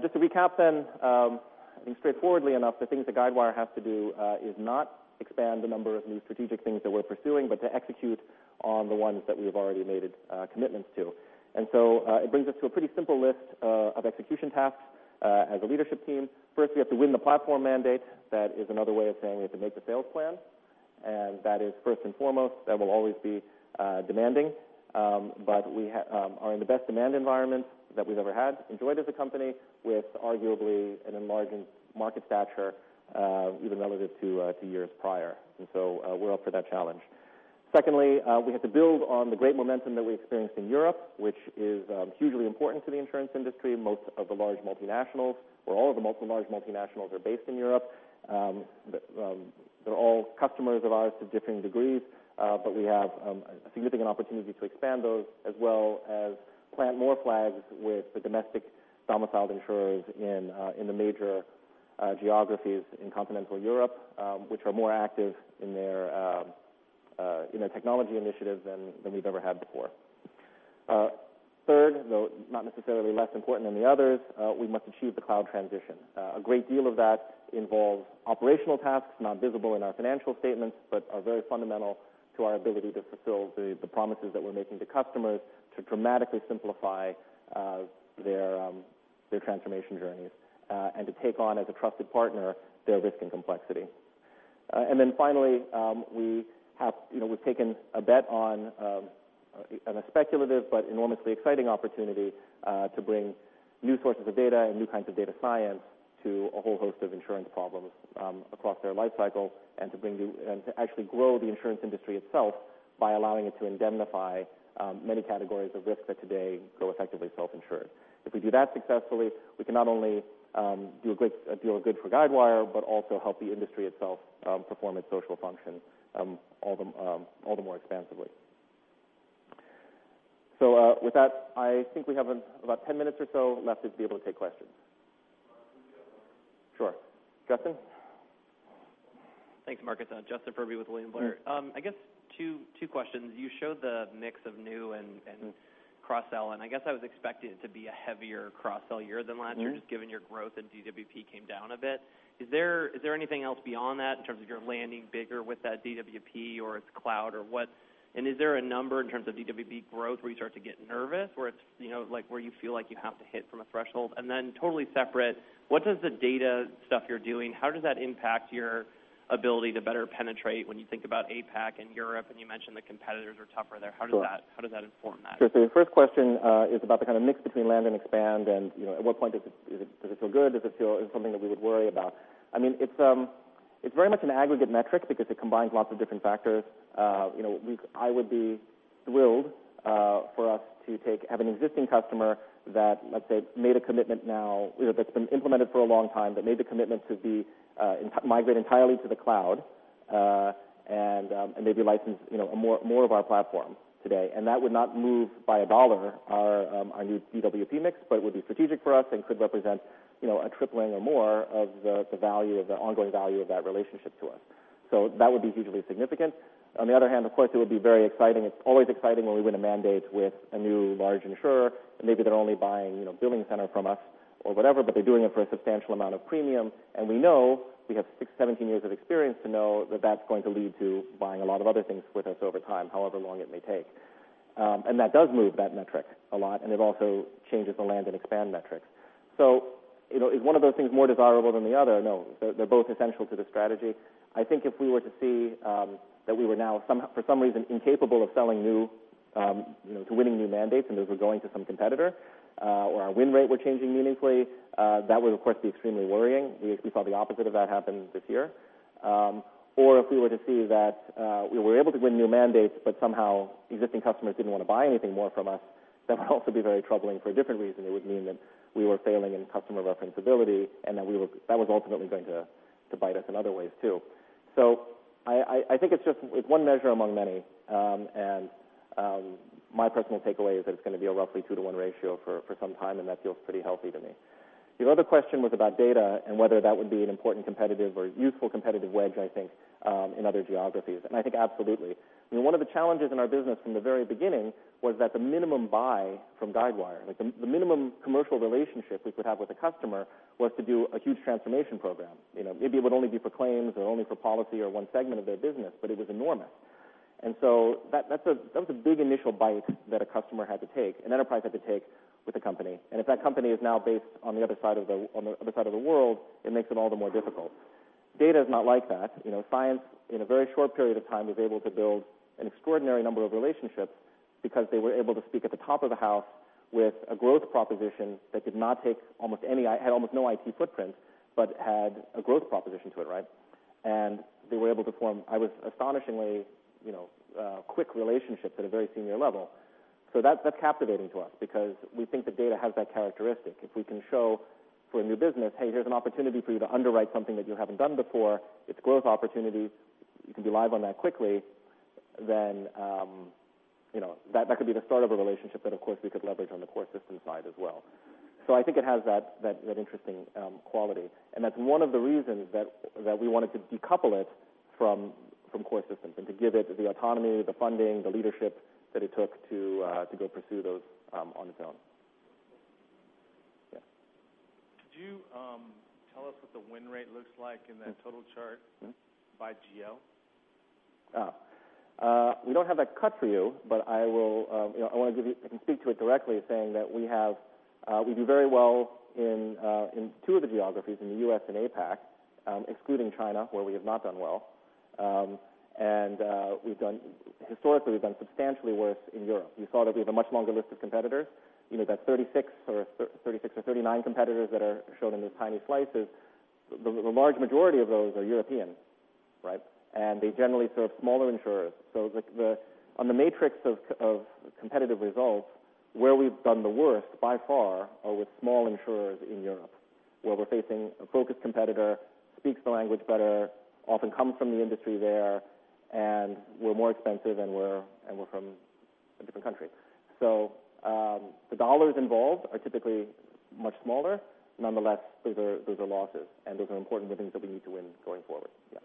Just to recap then I think straightforwardly enough, the things that Guidewire has to do is not expand the number of new strategic things that we're pursuing, but to execute on the ones that we have already made commitments to. It brings us to a pretty simple list of execution tasks as a leadership team. First, we have to win the platform mandate. That is another way of saying we have to make the sales plan. That is first and foremost, that will always be demanding. We are in the best demand environment that we've ever had enjoyed as a company with arguably an enlarging market stature even relative to years prior. We're up for that challenge. Secondly, we have to build on the great momentum that we experienced in Europe, which is hugely important to the insurance industry. Most of the large multinationals or all of the large multinationals are based in Europe. They're all customers of ours to differing degrees. We have a significant opportunity to expand those as well as plant more flags with the domestic domiciled insurers in the major geographies in continental Europe which are more active in their technology initiatives than we've ever had before. Third, though not necessarily less important than the others we must achieve the cloud transition. A great deal of that involves operational tasks not visible in our financial statements, but are very fundamental to our ability to fulfill the promises that we're making to customers to dramatically simplify their transformation journeys and to take on as a trusted partner their risk and complexity. Finally we've taken a bet on a speculative but enormously exciting opportunity to bring new sources of data and new kinds of data science to a whole host of insurance problems across their life cycle and to actually grow the insurance industry itself by allowing it to indemnify many categories of risk that today go effectively self-insured. If we do that successfully, we can not only do a good deal of good for Guidewire, but also help the industry itself perform its social function all the more expansively. With that, I think we have about 10 minutes or so left to be able to take questions. We have one. Sure. Justin? Thanks, Marcus. Justin Furby with William Blair. I guess two questions. You showed the mix of new and cross-sell, and I guess I was expecting it to be a heavier cross-sell year than last year, just given your growth and DWP came down a bit. Is there anything else beyond that in terms of your landing bigger with that DWP or its cloud or what? Is there a number in terms of DWP growth where you start to get nervous, where you feel like you have to hit from a threshold? Totally separate, what does the data stuff you're doing, how does that impact your ability to better penetrate when you think about APAC and Europe, and you mentioned the competitors are tougher there? Sure. How does that inform that? Your first question is about the kind of mix between land and expand and at what point does it feel good? Is it something that we would worry about? It's very much an aggregate metric because it combines lots of different factors. I would be thrilled for us to have an existing customer that's been implemented for a long time, that made the commitment to migrate entirely to the cloud, and maybe license more of our platform today. That would not move by $1 our new DWP mix, but it would be strategic for us and could represent a tripling or more of the ongoing value of that relationship to us. That would be hugely significant. On the other hand, of course, it would be very exciting. It's always exciting when we win a mandate with a new large insurer, and maybe they're only buying BillingCenter from us or whatever, but they're doing it for a substantial amount of premium. We know, we have 16, 17 years of experience to know that's going to lead to buying a lot of other things with us over time, however long it may take. That does move that metric a lot, and it also changes the land and expand metric. Is one of those things more desirable than the other? No. They're both essential to the strategy. I think if we were to see that we were now, for some reason, incapable of selling new, winning new mandates, and those were going to some competitor, or our win rate were changing meaningfully, that would, of course, be extremely worrying. We saw the opposite of that happen this year. If we were to see that we were able to win new mandates, but somehow existing customers didn't want to buy anything more from us, that would also be very troubling for a different reason. It would mean that we were failing in customer referenceability, and that was ultimately going to bite us in other ways, too. I think it's one measure among many, and my personal takeaway is that it's going to be a roughly 2 to 1 ratio for some time, and that feels pretty healthy to me. Your other question was about data and whether that would be an important competitive or useful competitive wedge, I think, in other geographies. I think absolutely. One of the challenges in our business from the very beginning was that the minimum buy from Guidewire, the minimum commercial relationship we could have with a customer was to do a huge transformation program. Maybe it would only be for claims or only for policy or one segment of their business, but it was enormous. That was a big initial bite that a customer had to take, an enterprise had to take with a company. If that company is now based on the other side of the world, it makes it all the more difficult. Data is not like that. Cyence, in a very short period of time, was able to build an extraordinary number of relationships because they were able to speak at the top of the house with a growth proposition that had almost no IT footprint but had a growth proposition to it, right? They were able to form astonishingly quick relationships at a very senior level. That's captivating to us because we think that data has that characteristic. If we can show for a new business, "Hey, here's an opportunity for you to underwrite something that you haven't done before. It's growth opportunities. You can be live on that quickly," then that could be the start of a relationship that, of course, we could leverage on the core system side as well. I think it has that interesting quality, and that's one of the reasons that we wanted to decouple it from core systems and to give it the autonomy, the funding, the leadership that it took to go pursue those on its own. Yeah. Could you tell us what the win rate looks like in that total chart by GL? We don't have that cut for you, but I can speak to it directly saying that we do very well in two of the geographies, in the U.S. and APAC, excluding China, where we have not done well. Historically, we've done substantially worse in Europe. You saw that we have a much longer list of competitors. That 36 or 39 competitors that are shown in those tiny slices, the large majority of those are European, right? They generally serve smaller insurers. On the matrix of competitive results, where we've done the worst by far are with small insurers in Europe, where we're facing a focused competitor, speaks the language better, often comes from the industry there, and we're more expensive, and we're from a different country. The dollars involved are typically much smaller. Nonetheless, those are losses, those are important winnings that we need to win going forward. Yeah.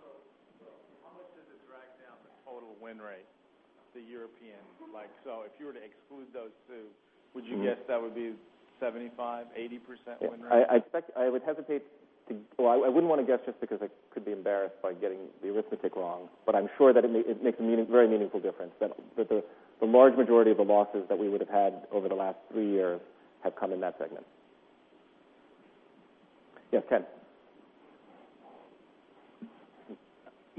How much does it drag down the total win rate, the European? If you were to exclude those two, would you guess that would be 75%-80% win rate? I wouldn't want to guess just because I could be embarrassed by getting the arithmetic wrong. I'm sure that it makes a very meaningful difference, that the large majority of the losses that we would have had over the last three years have come in that segment. Yes, Ken.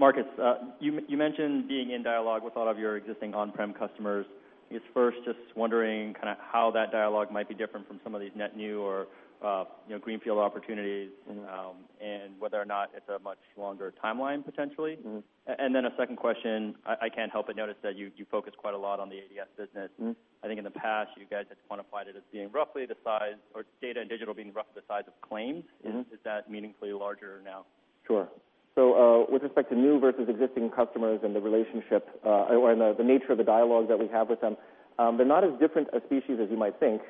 Marcus, you mentioned being in dialogue with a lot of your existing on-prem customers. I guess first, just wondering how that dialogue might be different from some of these net new or greenfield opportunities and whether or not it's a much longer timeline, potentially. A second question, I can't help but notice that you focus quite a lot on the ADS business. I think in the past, you guys had quantified it as being roughly the size, or data and digital being roughly the size of claims. Is that meaningfully larger now? Sure. With respect to new versus existing customers and the relationship, or the nature of the dialogue that we have with them, they're not as different a species as you might think.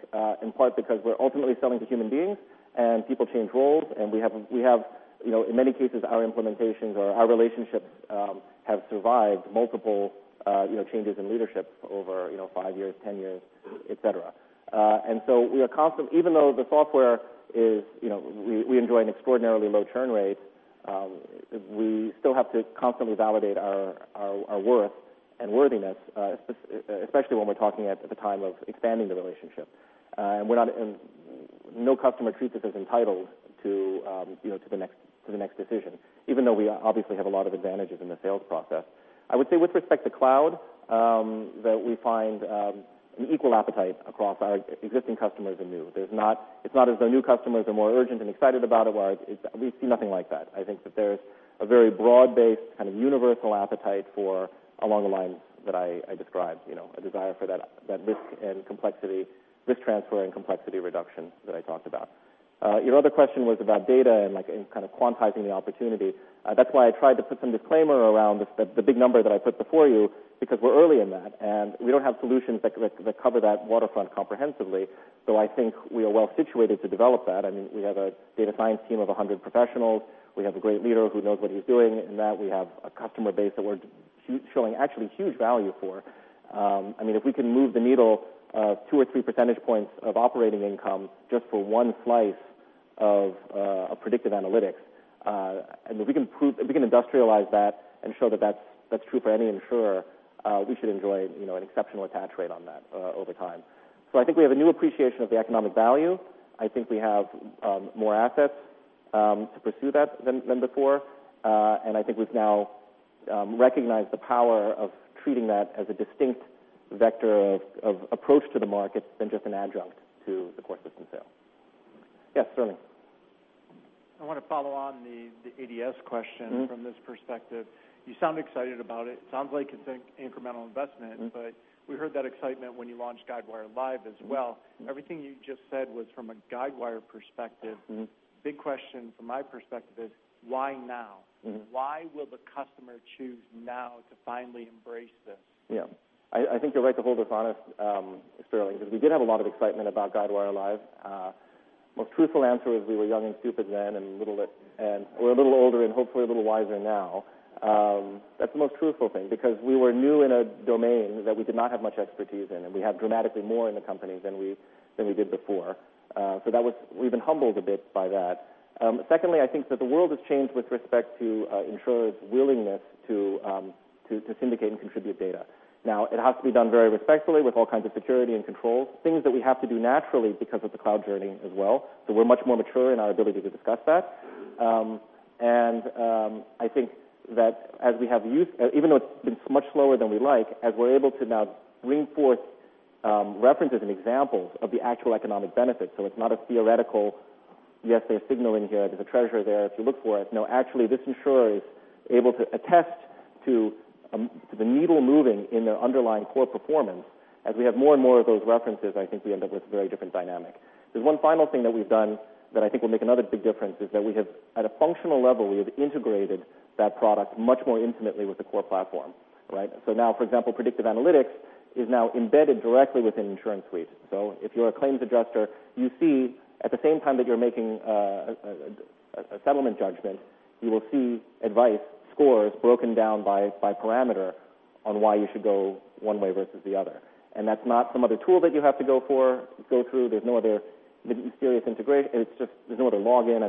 In part because we're ultimately selling to human beings and people change roles. We have, in many cases, our implementations or our relationships have survived multiple changes in leadership over five years, 10 years, et cetera. Even though the software is, we enjoy an extraordinarily low churn rate, we still have to constantly validate our worth and worthiness, especially when we're talking at the time of expanding the relationship. No customer treats us as entitled to the next decision, even though we obviously have a lot of advantages in the sales process. I would say with respect to Cloud, that we find an equal appetite across our existing customers and new. It's not as though new customers are more urgent and excited about it. We see nothing like that. I think that there's a very broad-based kind of universal appetite for along the lines that I described, a desire for that risk transfer and complexity reduction that I talked about. Your other question was about data and kind of quantizing the opportunity. That's why I tried to put some disclaimer around the big number that I put before you, because we're early in that, and we don't have solutions that cover that waterfront comprehensively. I think we are well-situated to develop that. We have a data science team of 100 professionals. We have a great leader who knows what he's doing in that. We have a customer base that we're showing actually huge value for. If we can move the needle two or three percentage points of operating income just for one slice of predictive analytics, and if we can industrialize that and show that that's true for any insurer, we should enjoy an exceptional attach rate on that over time. I think we have a new appreciation of the economic value. I think we have more assets to pursue that than before. I think we've now recognized the power of treating that as a distinct vector of approach to the market than just an adjunct to the core system sale. Yes, Sterling. I want to follow on the ADS question from this perspective. You sound excited about it. It sounds like it's an incremental investment, but we heard that excitement when you launched Guidewire Live as well. Everything you just said was from a Guidewire perspective. Big question from my perspective is why now? Why will the customer choose now to finally embrace this? Yeah. I think you're right to hold us honest, Sterling, we did have a lot of excitement about Guidewire Live. Most truthful answer is we were young and stupid then, we're a little older and hopefully a little wiser now. That's the most truthful thing, we were new in a domain that we did not have much expertise in, we have dramatically more in the company than we did before. We've been humbled a bit by that. Secondly, I think that the world has changed with respect to insurers' willingness to syndicate and contribute data. It has to be done very respectfully with all kinds of security and controls, things that we have to do naturally because of the cloud journey as well. We're much more mature in our ability to discuss that. I think that as we have used, even though it's been much slower than we like, as we're able to now bring forth references and examples of the actual economic benefits. It's not a theoretical, yes, they're signaling here. There's a treasure there if you look for it. Actually, this insurer is able to attest to the needle moving in their underlying core performance. As we have more and more of those references, I think we end up with a very different dynamic. There's one final thing that we've done that I think will make another big difference, is that at a functional level, we have integrated that product much more intimately with the core platform. Right? Now, for example, predictive analytics is now embedded directly within InsuranceSuite. If you're a claims adjuster, you see at the same time that you're making a settlement judgment, you will see advice scores broken down by parameter on why you should go one way versus the other. That's not some other tool that you have to go through. There's no other mysterious integration. There's no other login.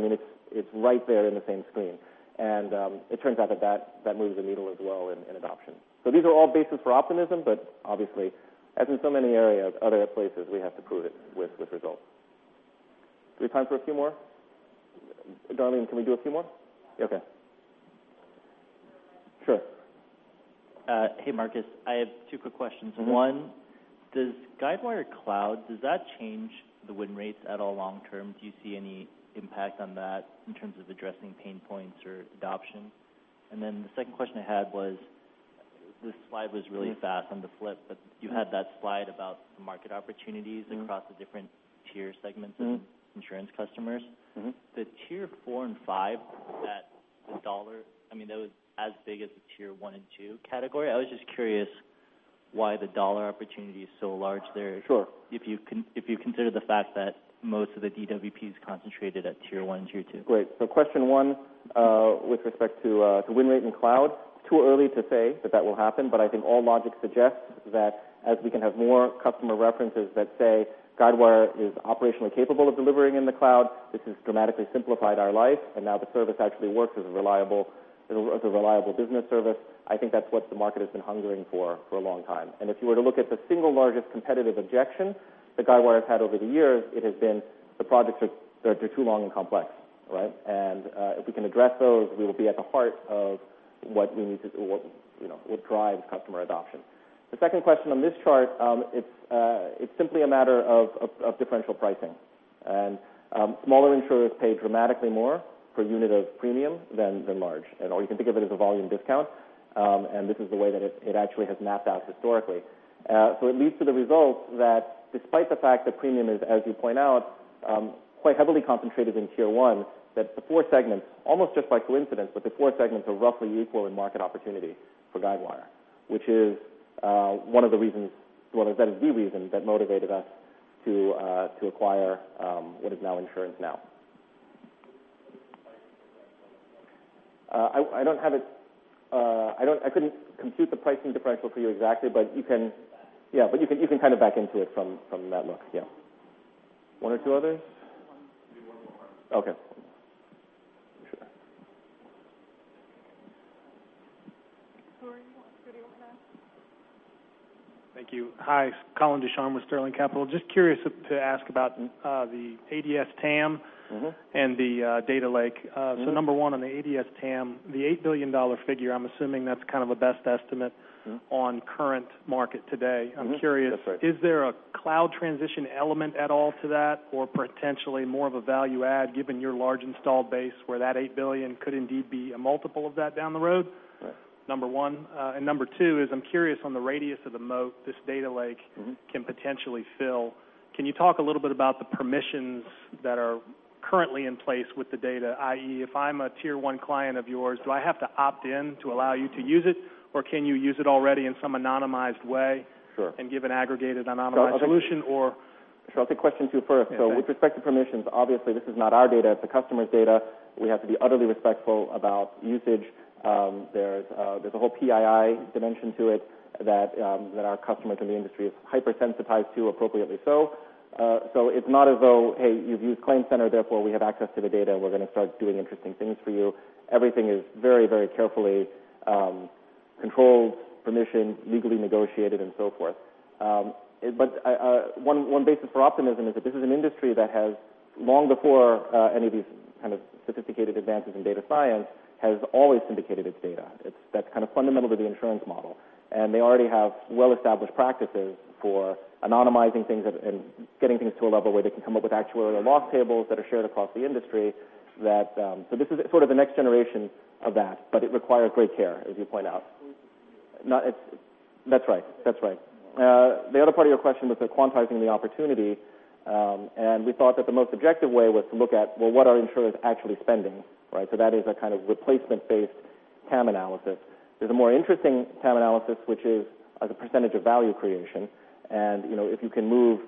It's right there in the same screen. It turns out that that moves the needle as well in adoption. These are all bases for optimism, but obviously, as in so many areas, other places, we have to prove it with results. Do we have time for a few more? Darlene, can we do a few more? Okay. Sure. Hey, Marcus. I have two quick questions. One, does Guidewire Cloud, does that change the win rates at all long term? Do you see any impact on that in terms of addressing pain points or adoption? The second question I had was, this slide was really fast on the flip, you had that slide about the market opportunities across the different tier segments of insurance customers. The tier 4 and 5, that was as big as the tier 1 and 2 category. I was just curious why the dollar opportunity is so large there. Sure If you consider the fact that most of the DWP is concentrated at tier 1, tier 2. Great. Question one with respect to win rate and cloud. Too early to say that will happen, but I think all logic suggests that as we can have more customer references that say Guidewire is operationally capable of delivering in the cloud, this has dramatically simplified our life, and now the service actually works as a reliable business service. I think that's what the market has been hungering for for a long time. If you were to look at the single largest competitive objection that Guidewire's had over the years, it has been the projects are too long and complex. Right? If we can address those, we will be at the heart of what drives customer adoption. The second question on this chart, it's simply a matter of differential pricing. Smaller insurers pay dramatically more per unit of premium than large. Or you can think of it as a volume discount. This is the way that it actually has mapped out historically. It leads to the result that despite the fact that premium is, as you point out, quite heavily concentrated in tier 1, that the four segments, almost just by coincidence, but the four segments are roughly equal in market opportunity for Guidewire, which is one of the reasons, well, that is the reason that motivated us to acquire what is now InsuranceNow. What is the pricing differential I couldn't compute the pricing differential for you exactly. You can back into it. Yeah, but you can kind of back into it from that look, yeah. One or two others? One. Maybe one more. Okay. Let me check. Who are you on video with next? Thank you. Hi, Colin Deschamps with Sterling Capital. Just curious to ask about the ADS TAM and the data lake. Number one on the ADS TAM, the $8 billion figure, I'm assuming that's kind of a best estimate on current market today. That's right. I'm curious, is there a cloud transition element at all to that or potentially more of a value add given your large installed base where that $8 billion could indeed be a multiple of that down the road? Right. Number one. Number two is I'm curious on the radius of the moat this data lake- can potentially fill. You talk a little bit about the permissions that are currently in place with the data, i.e., if I'm a tier 1 client of yours, do I have to opt in to allow you to use it, or can you use it already in some anonymized way? Sure. Give an aggregated anonymous solution or- Sure. I'll take question two first. Okay. With respect to permissions, obviously this is not our data, it's the customer's data. We have to be utterly respectful about usage. There's a whole PII dimension to it that our customer and the industry is hypersensitized to, appropriately so. It's not as though, hey, you've used ClaimCenter, therefore, we have access to the data, we're going to start doing interesting things for you. Everything is very carefully controlled, permission, legally negotiated, and so forth. One basis for optimism is that this is an industry that has, long before any of these kind of sophisticated advances in data science, has always syndicated its data. That's kind of fundamental to the insurance model. They already have well-established practices for anonymizing things and getting things to a level where they can come up with actuarial loss tables that are shared across the industry. This is sort of the next generation of that, but it requires great care, as you point out. That's right. The other part of your question was the quantizing the opportunity. We thought that the most objective way was to look at, well, what are insurers actually spending, right? That is a kind of replacement-based TAM analysis. There's a more interesting TAM analysis, which is as a percentage of value creation. If you can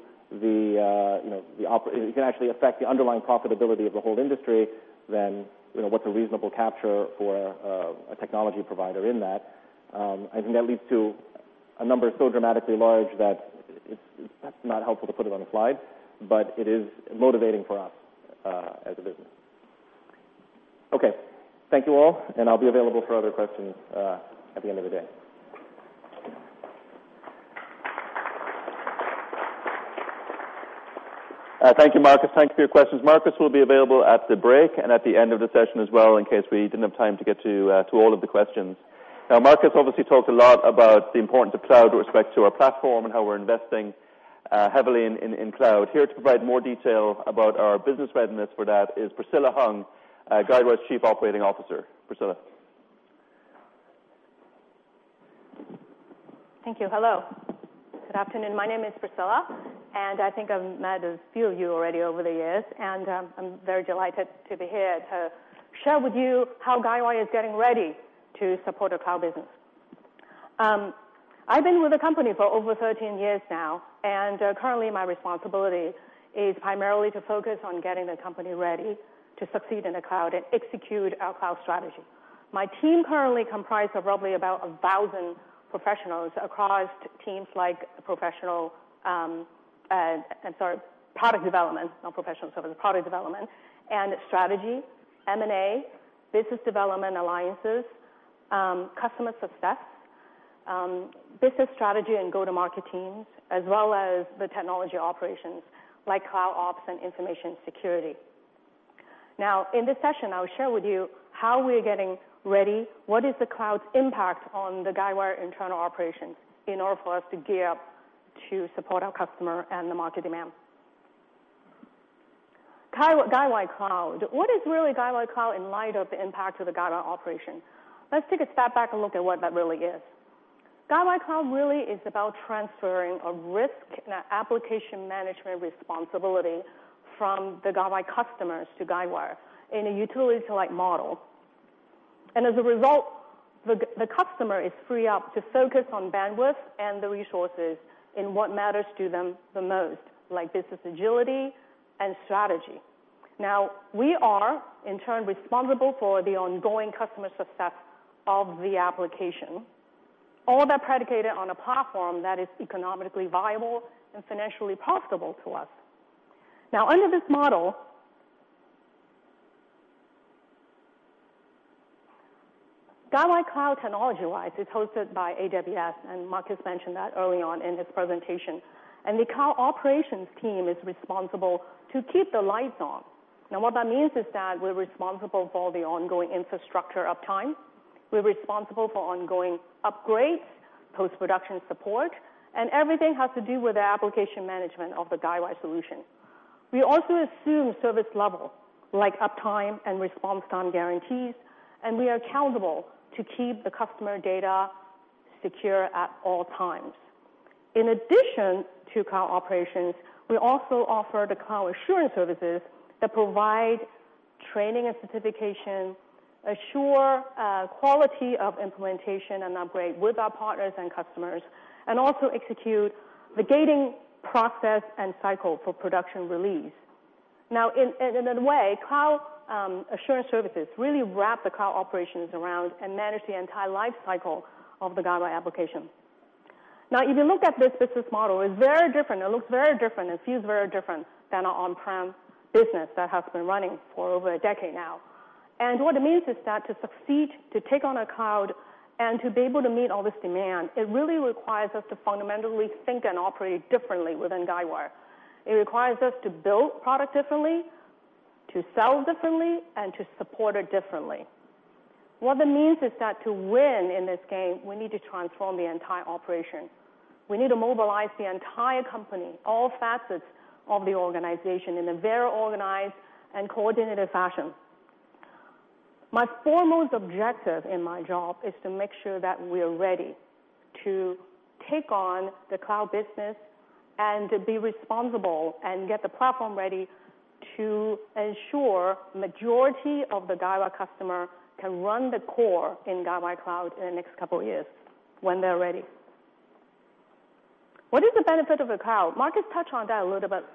actually affect the underlying profitability of the whole industry, then what's a reasonable capture for a technology provider in that? I think that leads to a number so dramatically large that it's not helpful to put it on a slide, but it is motivating for us as a business. Okay. Thank you all, and I'll be available for other questions at the end of the day. Thank you, Marcus. Thank you for your questions. Marcus will be available at the break and at the end of the session as well in case we didn't have time to get to all of the questions. Now, Marcus obviously talked a lot about the importance of cloud with respect to our platform and how we're investing heavily in cloud. Here to provide more detail about our business readiness for that is Priscilla Hung, Guidewire's Chief Operating Officer. Priscilla. Thank you. Hello. Good afternoon. My name is Priscilla, and I think I've met a few of you already over the years, and I'm very delighted to be here to share with you how Guidewire is getting ready to support a cloud business. I've been with the company for over 13 years now, and currently, my responsibility is primarily to focus on getting the company ready to succeed in the cloud and execute our cloud strategy. My team currently comprise of roughly about 1,000 professionals across teams like product development, not professional services, product development and strategy, M&A, business development alliances, customer success, business strategy, and go-to-market teams, as well as the technology operations like cloud ops and information security. In this session, I'll share with you how we're getting ready, what is the cloud's impact on the Guidewire internal operations in order for us to gear up to support our customer and the market demand. Guidewire Cloud. What is really Guidewire Cloud in light of the impact of the Guidewire operation? Let's take a step back and look at what that really is. Guidewire Cloud really is about transferring a risk and application management responsibility from the Guidewire customers to Guidewire in a utility-like model. As a result, the customer is free up to focus on bandwidth and the resources in what matters to them the most, like business agility and strategy. We are, in turn, responsible for the ongoing customer success of the application. All that predicated on a platform that is economically viable and financially profitable to us. Under this model, Guidewire Cloud, technology-wise, is hosted by AWS, and Marcus mentioned that early on in his presentation. The cloud operations team is responsible to keep the lights on. What that means is that we're responsible for the ongoing infrastructure uptime, we're responsible for ongoing upgrades, post-production support, and everything has to do with the application management of the Guidewire solution. We also assume service level, like uptime and response time guarantees, and we are accountable to keep the customer data secure at all times. In addition to cloud operations, we also offer the cloud assurance services that provide training and certification, assure quality of implementation and upgrade with our partners and customers, and also execute the gating process and cycle for production release. In a way, cloud assurance services really wrap the cloud operations around and manage the entire lifecycle of the Guidewire application. If you look at this business model, it's very different. It looks very different and feels very different than our on-prem business that has been running for over a decade now. What it means is that to succeed, to take on a cloud, and to be able to meet all this demand, it really requires us to fundamentally think and operate differently within Guidewire. It requires us to build product differently, to sell differently, and to support it differently. What that means is that to win in this game, we need to transform the entire operation. We need to mobilize the entire company, all facets of the organization, in a very organized and coordinated fashion. My foremost objective in my job is to make sure that we are ready to take on the cloud business and to be responsible and get the platform ready to ensure majority of the Guidewire customer can run the core in Guidewire Cloud in the next couple of years when they're ready. What is the benefit of a cloud? Marcus touched on that a little bit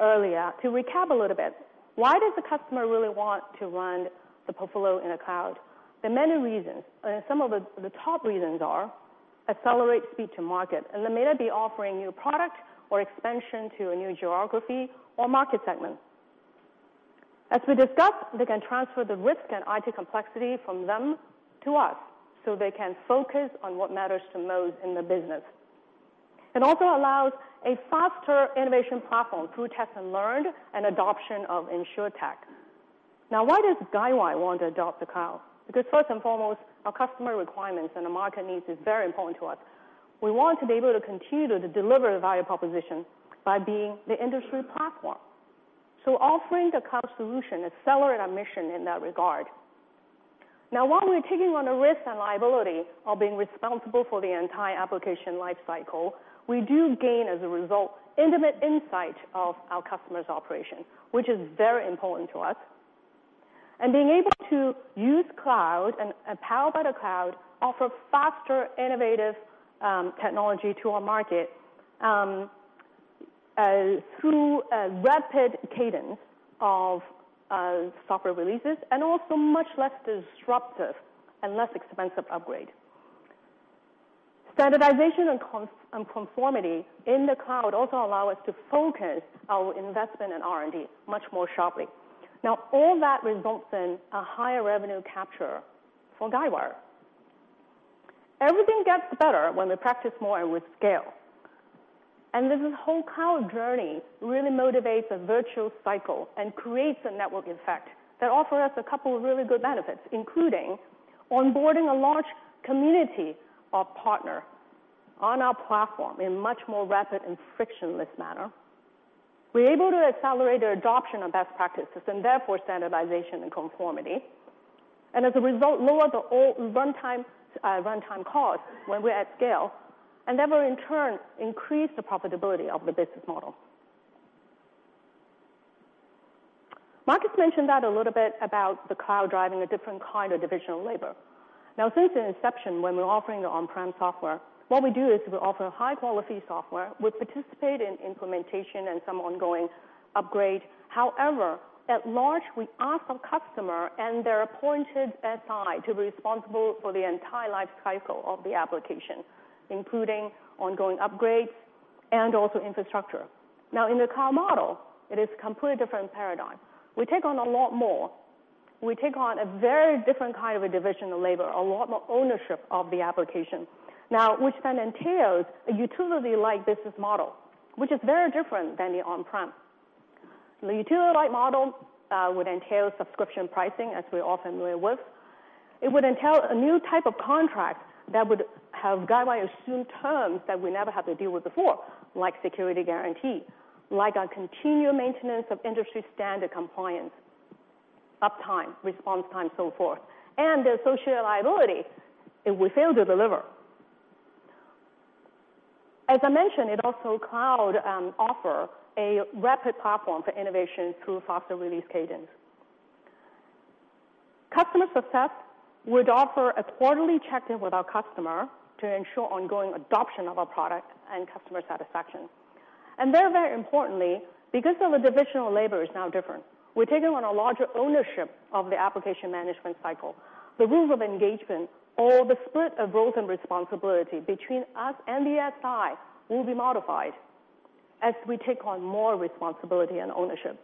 earlier. To recap a little bit, why does the customer really want to run the portfolio in a cloud? There are many reasons, and some of the top reasons are accelerate speed to market, and that may be offering new product or expansion to a new geography or market segment. As we discussed, they can transfer the risk and IT complexity from them to us so they can focus on what matters the most in the business. It also allows a faster innovation platform through test and learn and adoption of InsurTech. Why does Guidewire want to adopt the cloud? First and foremost, our customer requirements and the market needs is very important to us. We want to be able to continue to deliver the value proposition by being the industry platform. Offering the cloud solution accelerate our mission in that regard. While we're taking on the risk and liability of being responsible for the entire application lifecycle, we do gain, as a result, intimate insight of our customers' operation, which is very important to us. Being able to use cloud and power by the cloud offers faster, innovative technology to our market through a rapid cadence of software releases and also much less disruptive and less expensive upgrade. Standardization and conformity in the cloud also allow us to focus our investment in R&D much more sharply. All that results in a higher revenue capture for Guidewire. Everything gets better when we practice more and with scale. This whole cloud journey really motivates a virtuous cycle and creates a network effect that offers us a couple of really good benefits, including onboarding a large community of partner on our platform in much more rapid and frictionless manner. We're able to accelerate their adoption of best practices and therefore standardization and conformity. As a result, lower the runtime cost when we're at scale, and therefore in turn, increase the profitability of the business model. Marcus mentioned that a little bit about the cloud driving a different kind of division of labor. Since the inception, when we're offering the on-prem software, what we do is we offer high-quality software. We participate in implementation and some ongoing upgrade. However, at large, we ask our customer and their appointed SI to be responsible for the entire lifecycle of the application, including ongoing upgrades and also infrastructure. In the cloud model, it is completely different paradigm. We take on a lot more. We take on a very different kind of a division of labor, a lot more ownership of the application. Which then entails a utility-like business model, which is very different than the on-prem. The utility-like model would entail subscription pricing, as we're all familiar with. It would entail a new type of contract that would have Guidewire assume terms that we never had to deal with before, like security guarantee, like a continued maintenance of industry standard compliance, uptime, response time, so forth, and the associated liability if we fail to deliver. As I mentioned, it also cloud offer a rapid platform for innovation through faster release cadence. Customer success would offer a quarterly check-in with our customer to ensure ongoing adoption of our product and customer satisfaction. Very importantly, because of the division of labor is now different, we're taking on a larger ownership of the application management cycle. The rules of engagement or the split of roles and responsibility between us and the SI will be modified as we take on more responsibility and ownership.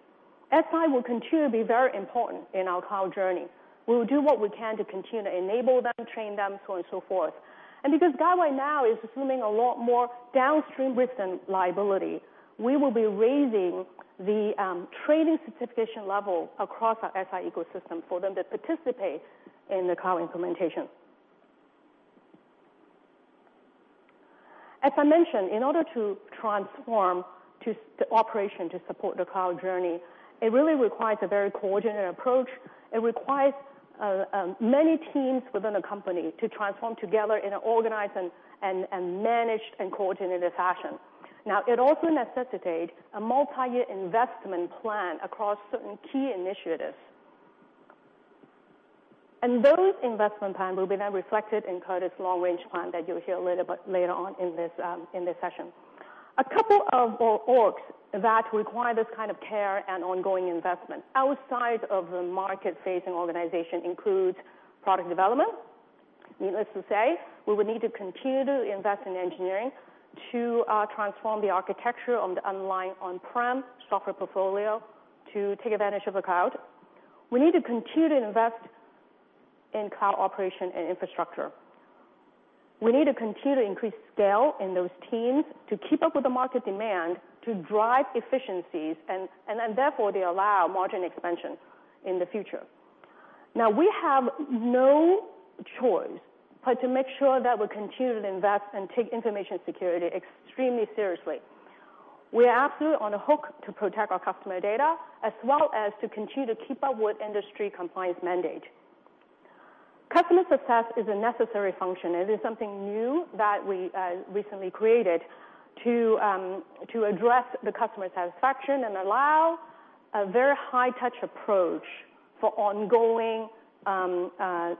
SI will continue to be very important in our cloud journey. We will do what we can to continue to enable them, train them, so on and so forth. Because Guidewire now is assuming a lot more downstream risk and liability, we will be raising the training certification level across our SI ecosystem for them to participate in the cloud implementation. As I mentioned, in order to transform the operation to support the cloud journey, it really requires a very coordinated approach. It requires many teams within a company to transform together in an organized and managed and coordinated fashion. It also necessitates a multi-year investment plan across certain key initiatives. Those investment plan will be then reflected in Curtis' long-range plan that you'll hear later on in this session. A couple of orgs that require this kind of care and ongoing investment outside of the market-facing organization includes product development. Needless to say, we will need to continue to invest in engineering to transform the architecture on the underlying on-prem software portfolio to take advantage of the cloud. We need to continue to invest in Cloud Operation and infrastructure. We need to continue to increase scale in those teams to keep up with the market demand to drive efficiencies and then therefore they allow margin expansion in the future. We have no choice but to make sure that we continue to invest and take information security extremely seriously. We are absolutely on the hook to protect our customer data as well as to continue to keep up with industry compliance mandate. Customer success is a necessary function. It is something new that we recently created to address the customer satisfaction and allow a very high-touch approach for ongoing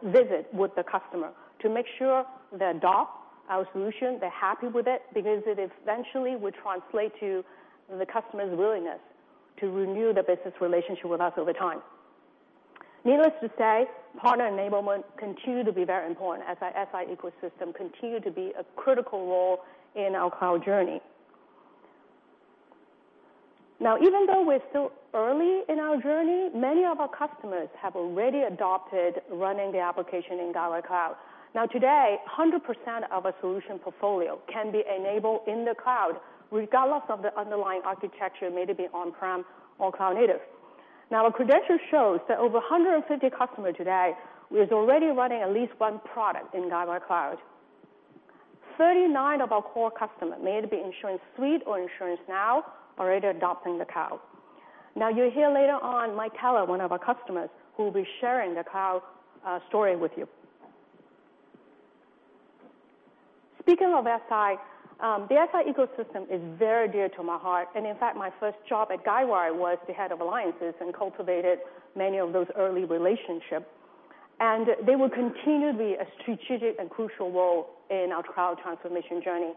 visit with the customer to make sure they adopt our solution, they're happy with it, because it eventually will translate to the customer's willingness to renew the business relationship with us over time. Needless to say, partner enablement continue to be very important as our SI ecosystem continue to be a critical role in our cloud journey. Even though we're still early in our journey, many of our customers have already adopted running the application in Guidewire Cloud. Today, 100% of our solution portfolio can be enabled in the cloud regardless of the underlying architecture, may it be on-prem or cloud-native. Our credential shows that over 150 customer today is already running at least one product in Guidewire Cloud. 39 of our core customer, may it be InsuranceSuite or InsuranceNow, already adopting the cloud. You'll hear later on Mike Keller, one of our customers, who will be sharing the cloud story with you. Speaking of SI, the SI ecosystem is very dear to my heart, and in fact, my first job at Guidewire was the head of alliances and cultivated many of those early relationships, and they will continue the strategic and crucial role in our cloud transformation journey.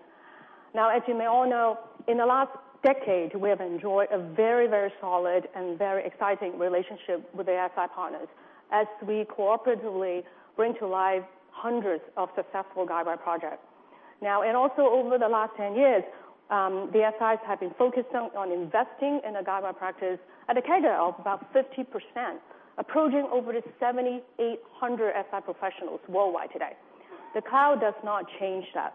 As you may all know, in the last decade, we have enjoyed a very, very solid and very exciting relationship with the SI partners as we cooperatively bring to life hundreds of successful Guidewire projects. Also over the last 10 years, the SIs have been focused on investing in the Guidewire practice at a CAGR of about 50%, approaching over the 7,800 SI professionals worldwide today. The cloud does not change that.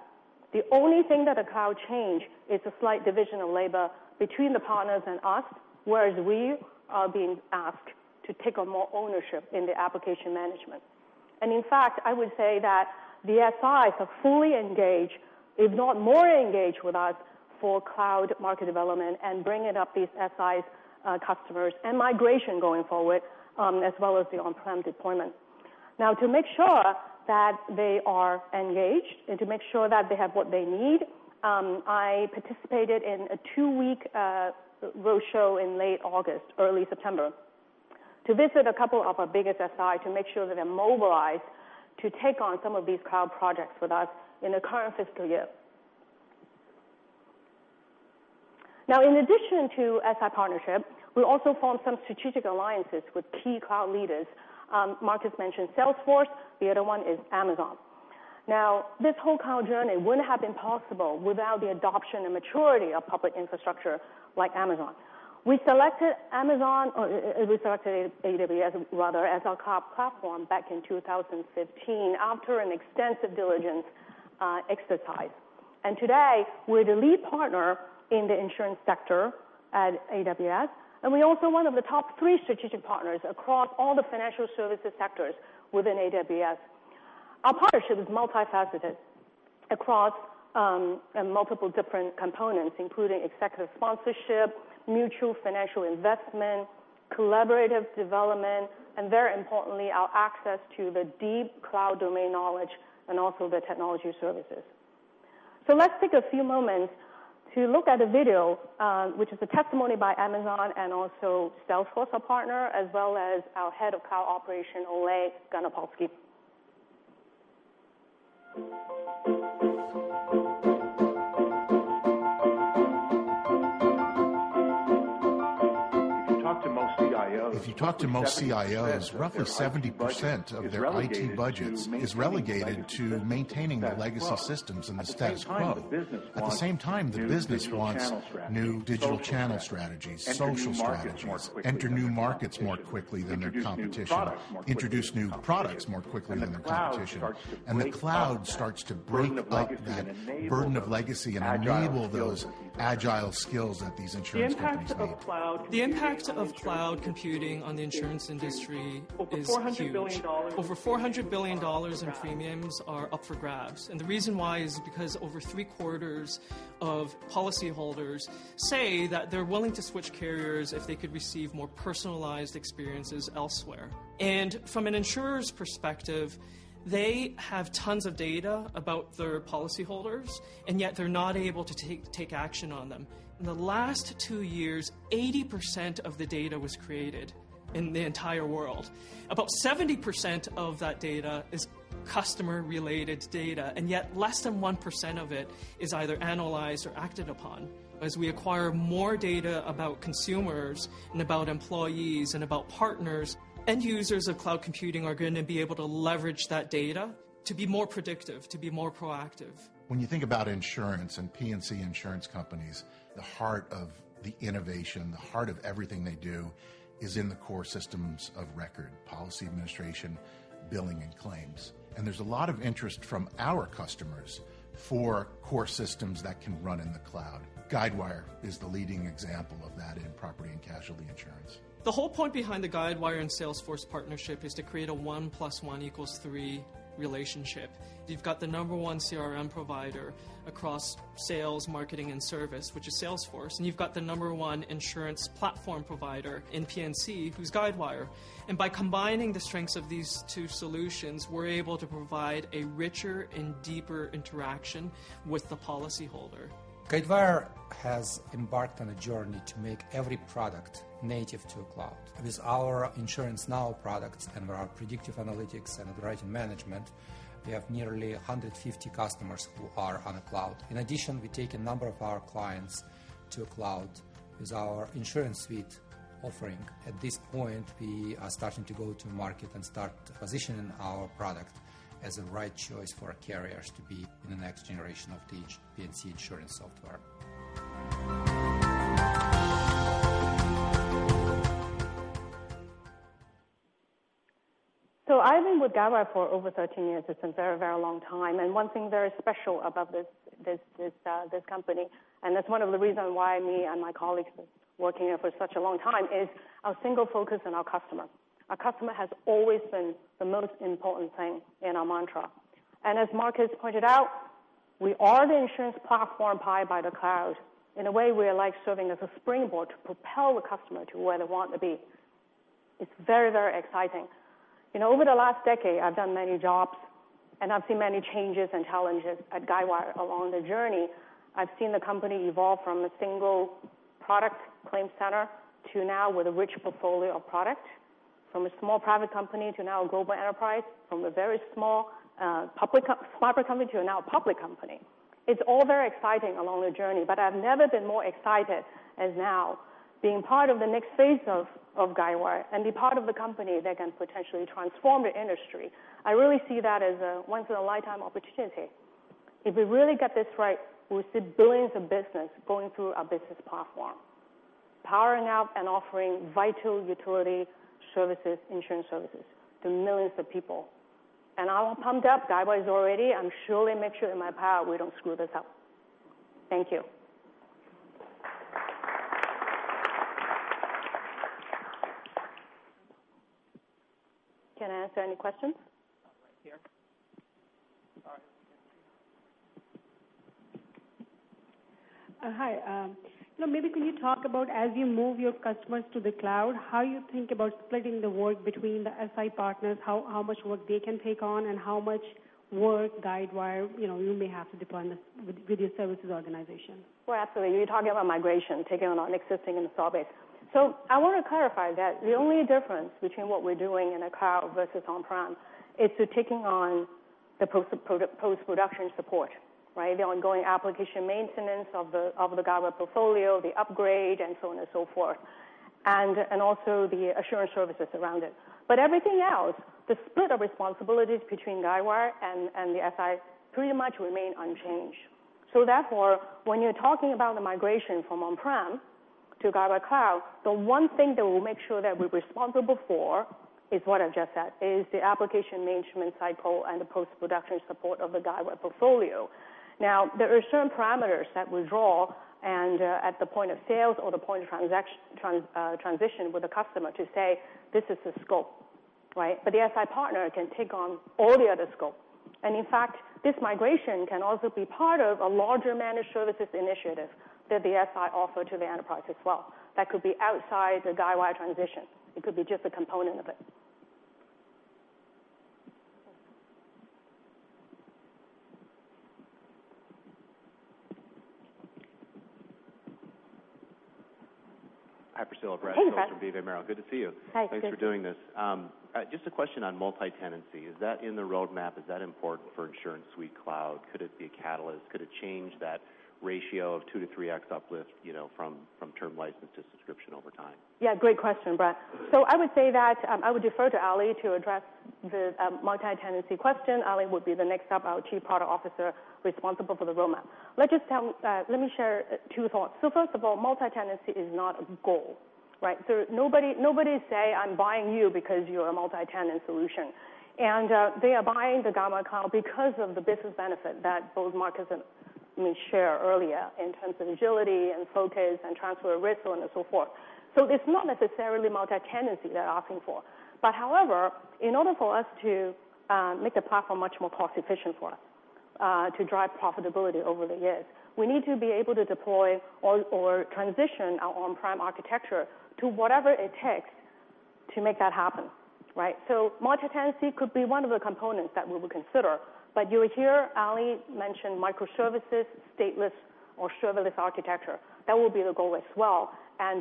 The only thing that the cloud changes is a slight division of labor between the partners and us, whereas we are being asked to take on more ownership in the application management. In fact, I would say that the SIs are fully engaged, if not more engaged with us for cloud market development and bringing up these SIs customers and migration going forward, as well as the on-prem deployment. To make sure that they are engaged and to make sure that they have what they need, I participated in a two-week roadshow in late August, early September to visit a couple of our biggest SI to make sure that they're mobilized to take on some of these cloud projects with us in the current fiscal year. In addition to SI partnership, we also formed some strategic alliances with key cloud leaders. Marcus mentioned Salesforce. The other one is Amazon. This whole cloud journey wouldn't have been possible without the adoption and maturity of public infrastructure like Amazon. We selected Amazon, or we selected AWS rather, as our cloud platform back in 2015 after an extensive diligence exercise. Today, we're the lead partner in the insurance sector at AWS, and we're also one of the top three strategic partners across all the financial services sectors within AWS. Our partnership is multifaceted across multiple different components, including executive sponsorship, mutual financial investment, collaborative development, and very importantly, our access to the deep cloud domain knowledge and also the technology services. Let's take a few moments to look at a video, which is a testimony by Amazon and also Salesforce, our partner, as well as our Head of Cloud Operation, Oleh Ganapolskyi. If you talk to most CIOs, roughly 70% of their IT budgets is relegated to maintaining their legacy systems and the status quo. At the same time, the business wants new digital channel strategies, social strategies, enter new markets more quickly than their competition, introduce new products more quickly than their competition, the cloud starts to break up that burden of legacy and enable those agile skills that these insurance companies need. The impact of cloud computing on the insurance industry is huge. Over $400 billion in premiums are up for grabs. The reason why is because over three-quarters of policyholders say that they're willing to switch carriers if they could receive more personalized experiences elsewhere. From an insurer's perspective, they have tons of data about their policyholders, and yet they're not able to take action on them. In the last two years, 80% of the data was created in the entire world. About 70% of that data is customer-related data, and yet less than 1% of it is either analyzed or acted upon. As we acquire more data about consumers, and about employees, and about partners, end users of cloud computing are going to be able to leverage that data to be more predictive, to be more proactive. When you think about insurance and P&C insurance companies, the heart of the innovation, the heart of everything they do, is in the core systems of record: policy administration, billing, and claims. There's a lot of interest from our customers for core systems that can run in the cloud. Guidewire is the leading example of that in property and casualty insurance. The whole point behind the Guidewire and Salesforce partnership is to create a one plus one equals three relationship. You've got the number 1 CRM provider across sales, marketing, and service, which is Salesforce, and you've got the number 1 insurance platform provider in P&C, who's Guidewire. By combining the strengths of these two solutions, we're able to provide a richer and deeper interaction with the policyholder. Guidewire has embarked on a journey to make every product native to a cloud. With our InsuranceNow products and our predictive analytics and underwriting management, we have nearly 150 customers who are on a cloud. In addition, we take a number of our clients to a cloud with our InsuranceSuite offering. At this point, we are starting to go to market and start positioning our product as a right choice for our carriers to be in the next generation of P&C insurance software. I've been with Guidewire for over 13 years. It's a very long time. One thing very special about this company, and that's one of the reasons why me and my colleagues have been working here for such a long time, is our single focus on our customer. Our customer has always been the most important thing in our mantra. As Marcus has pointed out, we are the insurance platform powered by the cloud. In a way, we are like serving as a springboard to propel the customer to where they want to be. It's very exciting. Over the last decade, I've done many jobs, and I've seen many changes and challenges at Guidewire along the journey. I've seen the company evolve from a single product ClaimCenter to now with a rich portfolio of product. From a small private company to now a global enterprise. From a very small private company to now a public company. It's all very exciting along the journey, but I've never been more excited as now, being part of the next phase of Guidewire and be part of the company that can potentially transform the industry. I really see that as a once in a lifetime opportunity. If we really get this right, we'll see billions of business going through our business platform, powering up and offering vital utility insurance services to millions of people. I'm pumped up, Guidewire is all ready. I'm surely making sure in my power we don't screw this up. Thank you. Can I answer any questions? Right here. Hi. Maybe can you talk about, as you move your customers to the cloud, how you think about splitting the work between the SI partners, how much work they can take on, and how much work Guidewire, you may have to deploy with your services organization? Well, absolutely. You're talking about migration, taking on an existing install base. I want to clarify that the only difference between what we're doing in a cloud versus on-prem is to taking on the post-production support, right? The ongoing application maintenance of the Guidewire portfolio, the upgrade, and so on and so forth, and also the assurance services around it. Everything else, the split of responsibilities between Guidewire and the SI pretty much remain unchanged. Therefore, when you're talking about the migration from on-prem to Guidewire Cloud, the one thing that we'll make sure that we're responsible for is what I've just said, is the application management cycle and the post-production support of the Guidewire portfolio. Now, there are certain parameters that we draw and, at the point of sales or the point of transition with a customer to say, "This is the scope," right? The SI partner can take on all the other scope. In fact, this migration can also be part of a larger managed services initiative that the SI offer to the enterprise as well. That could be outside the Guidewire transition. It could be just a component of it. Hi, Priscilla. Brett Hey, Brett Wilson from B.V. Merrill. Good to see you. Hi. Good. Thanks for doing this. Just a question on multi-tenancy. Is that in the roadmap? Is that important for InsuranceSuite Cloud? Could it be a catalyst? Could it change that ratio of 2x-3x uplift from term license to subscription over time? Great question, Brett. I would say that I would defer to Ali to address the multi-tenancy question. Ali would be the next up, our Chief Product Officer responsible for the roadmap. Let me share two thoughts. First of all, multi-tenancy is not a goal, right? Nobody say, "I'm buying you because you're a multi-tenant solution." They are buying the Guidewire Cloud because of the business benefit that both Marcus and We shared earlier in terms of agility and focus and transfer of risk and so forth. It's not necessarily multi-tenancy they're asking for. However, in order for us to make the platform much more cost efficient for us to drive profitability over the years, we need to be able to deploy or transition our on-prem architecture to whatever it takes to make that happen. Right? Multi-tenancy could be one of the components that we will consider. You will hear Ali mention microservices, stateless or serverless architecture. That will be the goal as well.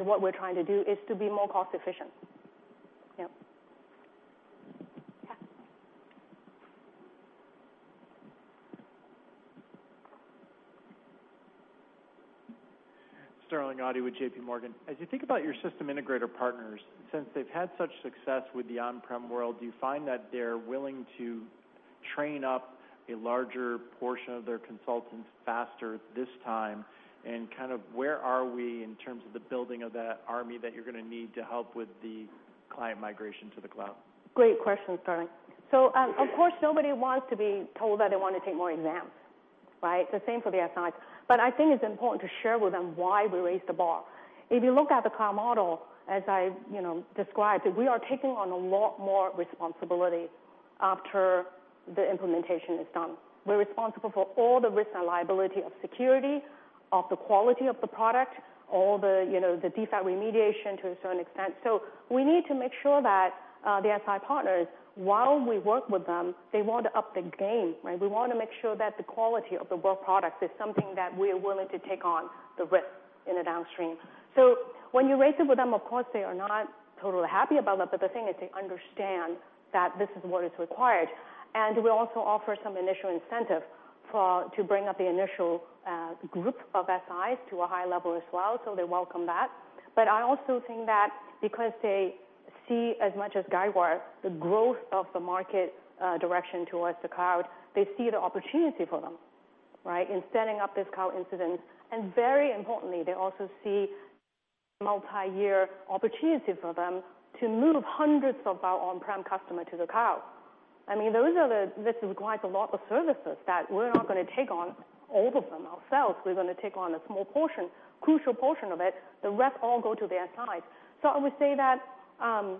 What we're trying to do is to be more cost efficient. Yeah. Sterling Auty with JPMorgan. As you think about your system integrator partners, since they've had such success with the on-prem world, do you find that they're willing to train up a larger portion of their consultants faster this time? Where are we in terms of the building of that army that you're going to need to help with the client migration to the cloud? Great question, Sterling. Of course, nobody wants to be told that they want to take more exams, right? The same for the SIs. I think it's important to share with them why we raised the bar. If you look at the cloud model, as I described, we are taking on a lot more responsibility after the implementation is done. We're responsible for all the risk and liability of security, of the quality of the product, all the defect remediation to a certain extent. We need to make sure that the SI partners, while we work with them, they want to up their game, right? We want to make sure that the quality of the work product is something that we are willing to take on the risk in the downstream. When you raise it with them, of course, they are not totally happy about that. The thing is, they understand that this is what is required. We also offer some initial incentive to bring up the initial group of SIs to a high level as well. They welcome that. I also think that because they see as much as Guidewire the growth of the market direction towards the cloud, they see the opportunity for them, right, in setting up this cloud incentive. Very importantly, they also see multi-year opportunity for them to move hundreds of our on-prem customer to the cloud. This requires a lot of services that we're not going to take on all of them ourselves. We're going to take on a small portion, crucial portion of it. The rest all go to the SIs.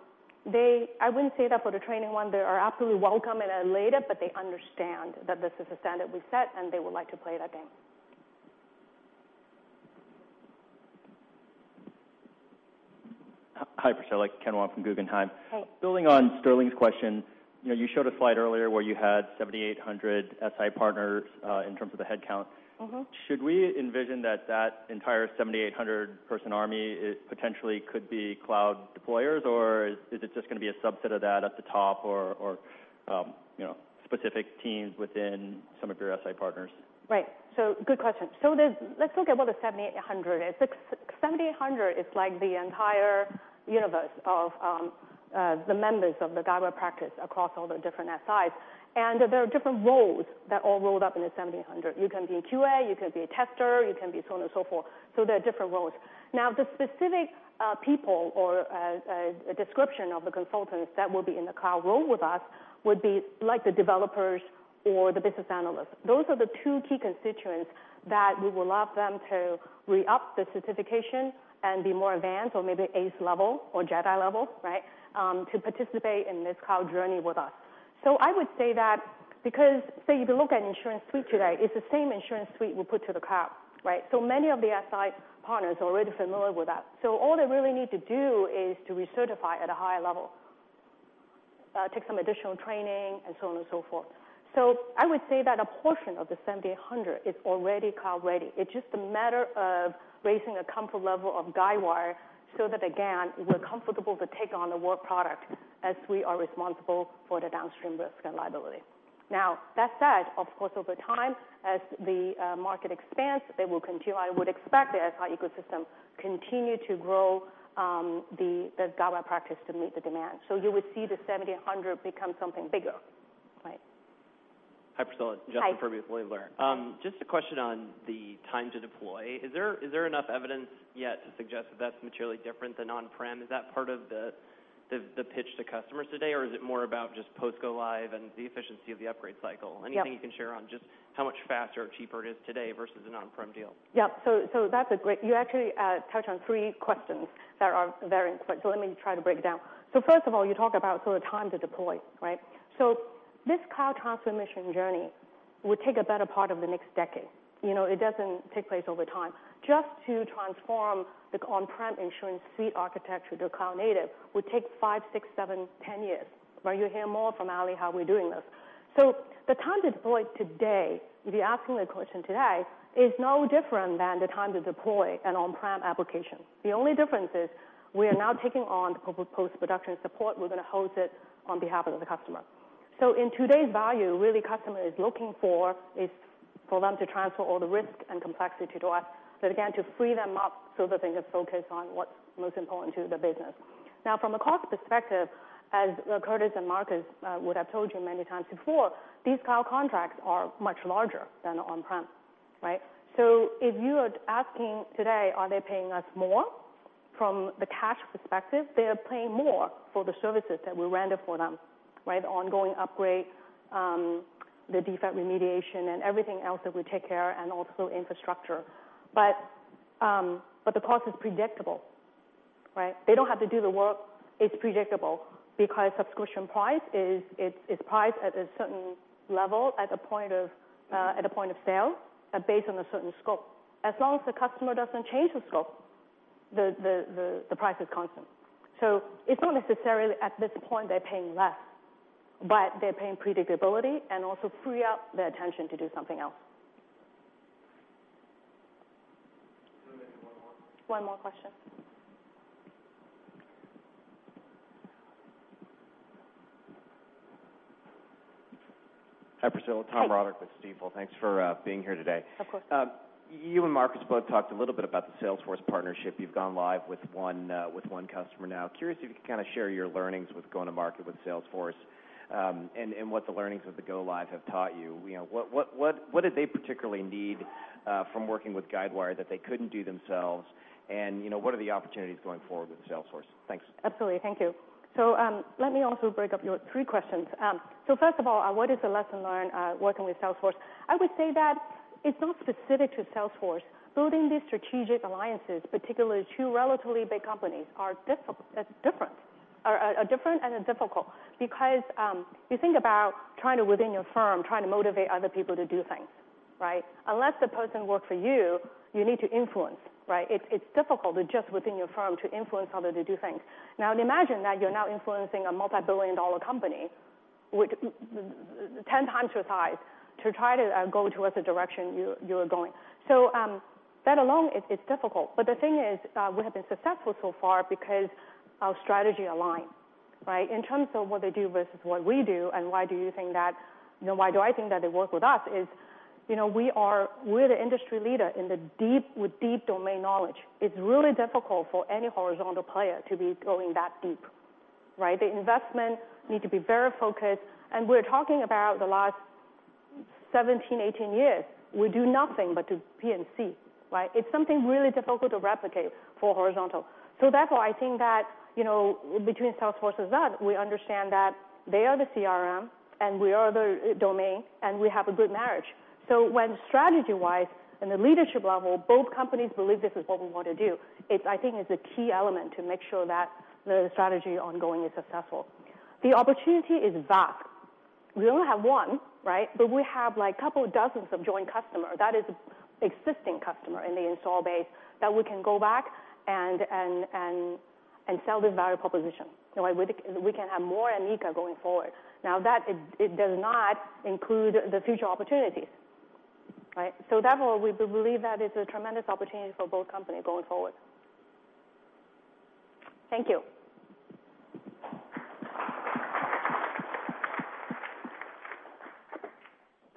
I wouldn't say that for the training one, they are absolutely welcome and are lined up, they understand that this is the standard we set, they would like to play that game. Hi, Priscilla. Ken Wong from Guggenheim. Hi. Building on Sterling's question, you showed a slide earlier where you had 7,800 SI partners in terms of the headcount. Should we envision that that entire 7,800-person army potentially could be cloud deployers, or is it just going to be a subset of that at the top or specific teams within some of your SI partners? Right. Good question. Let's look at what the 7,800 is. 7,800 is like the entire universe of the members of the Guidewire practice across all the different SIs. There are different roles that all rolled up in the 7,800. You can be a QA, you can be a tester, you can be so on and so forth. There are different roles. Now, the specific people or a description of the consultants that will be in the cloud role with us would be like the developers or the business analysts. Those are the two key constituents that we would love them to re-up the certification and be more advanced or maybe ace level or Jedi level, right, to participate in this cloud journey with us. I would say that because, if you look at InsuranceSuite today, it's the same InsuranceSuite we put to the cloud, right? Many of the SI partners are already familiar with that. All they really need to do is to recertify at a higher level, take some additional training, and so on and so forth. I would say that a portion of the 7,800 is already cloud-ready. It's just a matter of raising a comfort level of Guidewire so that, again, we're comfortable to take on the work product as we are responsible for the downstream risk and liability. That said, of course, over time, as the market expands, I would expect the SI ecosystem continue to grow the Guidewire practice to meet the demand. You would see the 7,800 become something bigger, right? Hi, Priscilla. Hi. Justin Furby with William Blair. A question on the time to deploy. Is there enough evidence yet to suggest that that's materially different than on-prem? Is that part of the pitch to customers today, or is it more about just post go-live and the efficiency of the upgrade cycle? Yep. Anything you can share on just how much faster or cheaper it is today versus a on-prem deal? Yep. You actually touched on three questions that are very important. Let me try to break it down. First of all, you talk about sort of time to deploy, right? This cloud transformation journey will take a better part of the next decade. It doesn't take place over time. Just to transform the on-prem InsuranceSuite architecture to cloud native would take five, six, seven, 10 years. You'll hear more from Ali how we're doing this. The time to deploy today, if you're asking the question today, is no different than the time to deploy an on-prem application. The only difference is we are now taking on the post-production support. We're going to host it on behalf of the customer. In today's value, really customer is looking for is for them to transfer all the risk and complexity to us. Again, to free them up so that they can focus on what's most important to the business. Now, from a cost perspective, as Curtis and Marcus would have told you many times before, these cloud contracts are much larger than on-prem, right? If you are asking today, are they paying us more? From the cash perspective, they are paying more for the services that we render for them. Ongoing upgrade, the defect remediation, and everything else that we take care of, and also infrastructure. The cost is predictable. They don't have to do the work. It's predictable because subscription price is priced at a certain level, at a point of sale, and based on a certain scope. As long as the customer doesn't change the scope, the price is constant. It's not necessarily at this point they're paying less, but they're paying predictability and also free up their attention to do something else. Maybe one more. One more question. Hi, Priscilla. Hi. Tom Roderick with Stifel. Thanks for being here today. Of course. You and Marcus both talked a little bit about the Salesforce partnership. You've gone live with one customer now. Curious if you could kind of share your learnings with going to market with Salesforce, and what the learnings of the go-live have taught you. What did they particularly need from working with Guidewire that they couldn't do themselves, and what are the opportunities going forward with Salesforce? Thanks. Absolutely. Thank you. Let me also break up your three questions. First of all, what is the lesson learned working with Salesforce? I would say that it's not specific to Salesforce. Building these strategic alliances, particularly two relatively big companies, are different and difficult. You think about within your firm, trying to motivate other people to do things. Unless the person works for you need to influence. It's difficult just within your firm to influence others to do things. Imagine that you're now influencing a multi-billion dollar company, 10 times your size, to try to go towards the direction you are going. That alone is difficult. The thing is, we have been successful so far because our strategy aligns. In terms of what they do versus what we do and why do I think that they work with us is, we're the industry leader with deep domain knowledge. It's really difficult for any horizontal player to be going that deep. The investment needs to be very focused, and we're talking about the last 17, 18 years, we do nothing but do P&C. It's something really difficult to replicate for horizontal. Therefore, I think that between Salesforce and us, we understand that they are the CRM and we are the domain, and we have a good marriage. When strategy-wise in the leadership level, both companies believe this is what we want to do, I think is a key element to make sure that the strategy ongoing is successful. The opportunity is vast. We only have one, but we have a couple of dozens of joint customer. That is existing customer in the install base that we can go back and sell this value proposition. We can have more Amica going forward. That, it does not include the future opportunities. Therefore, we believe that it's a tremendous opportunity for both companies going forward. Thank you.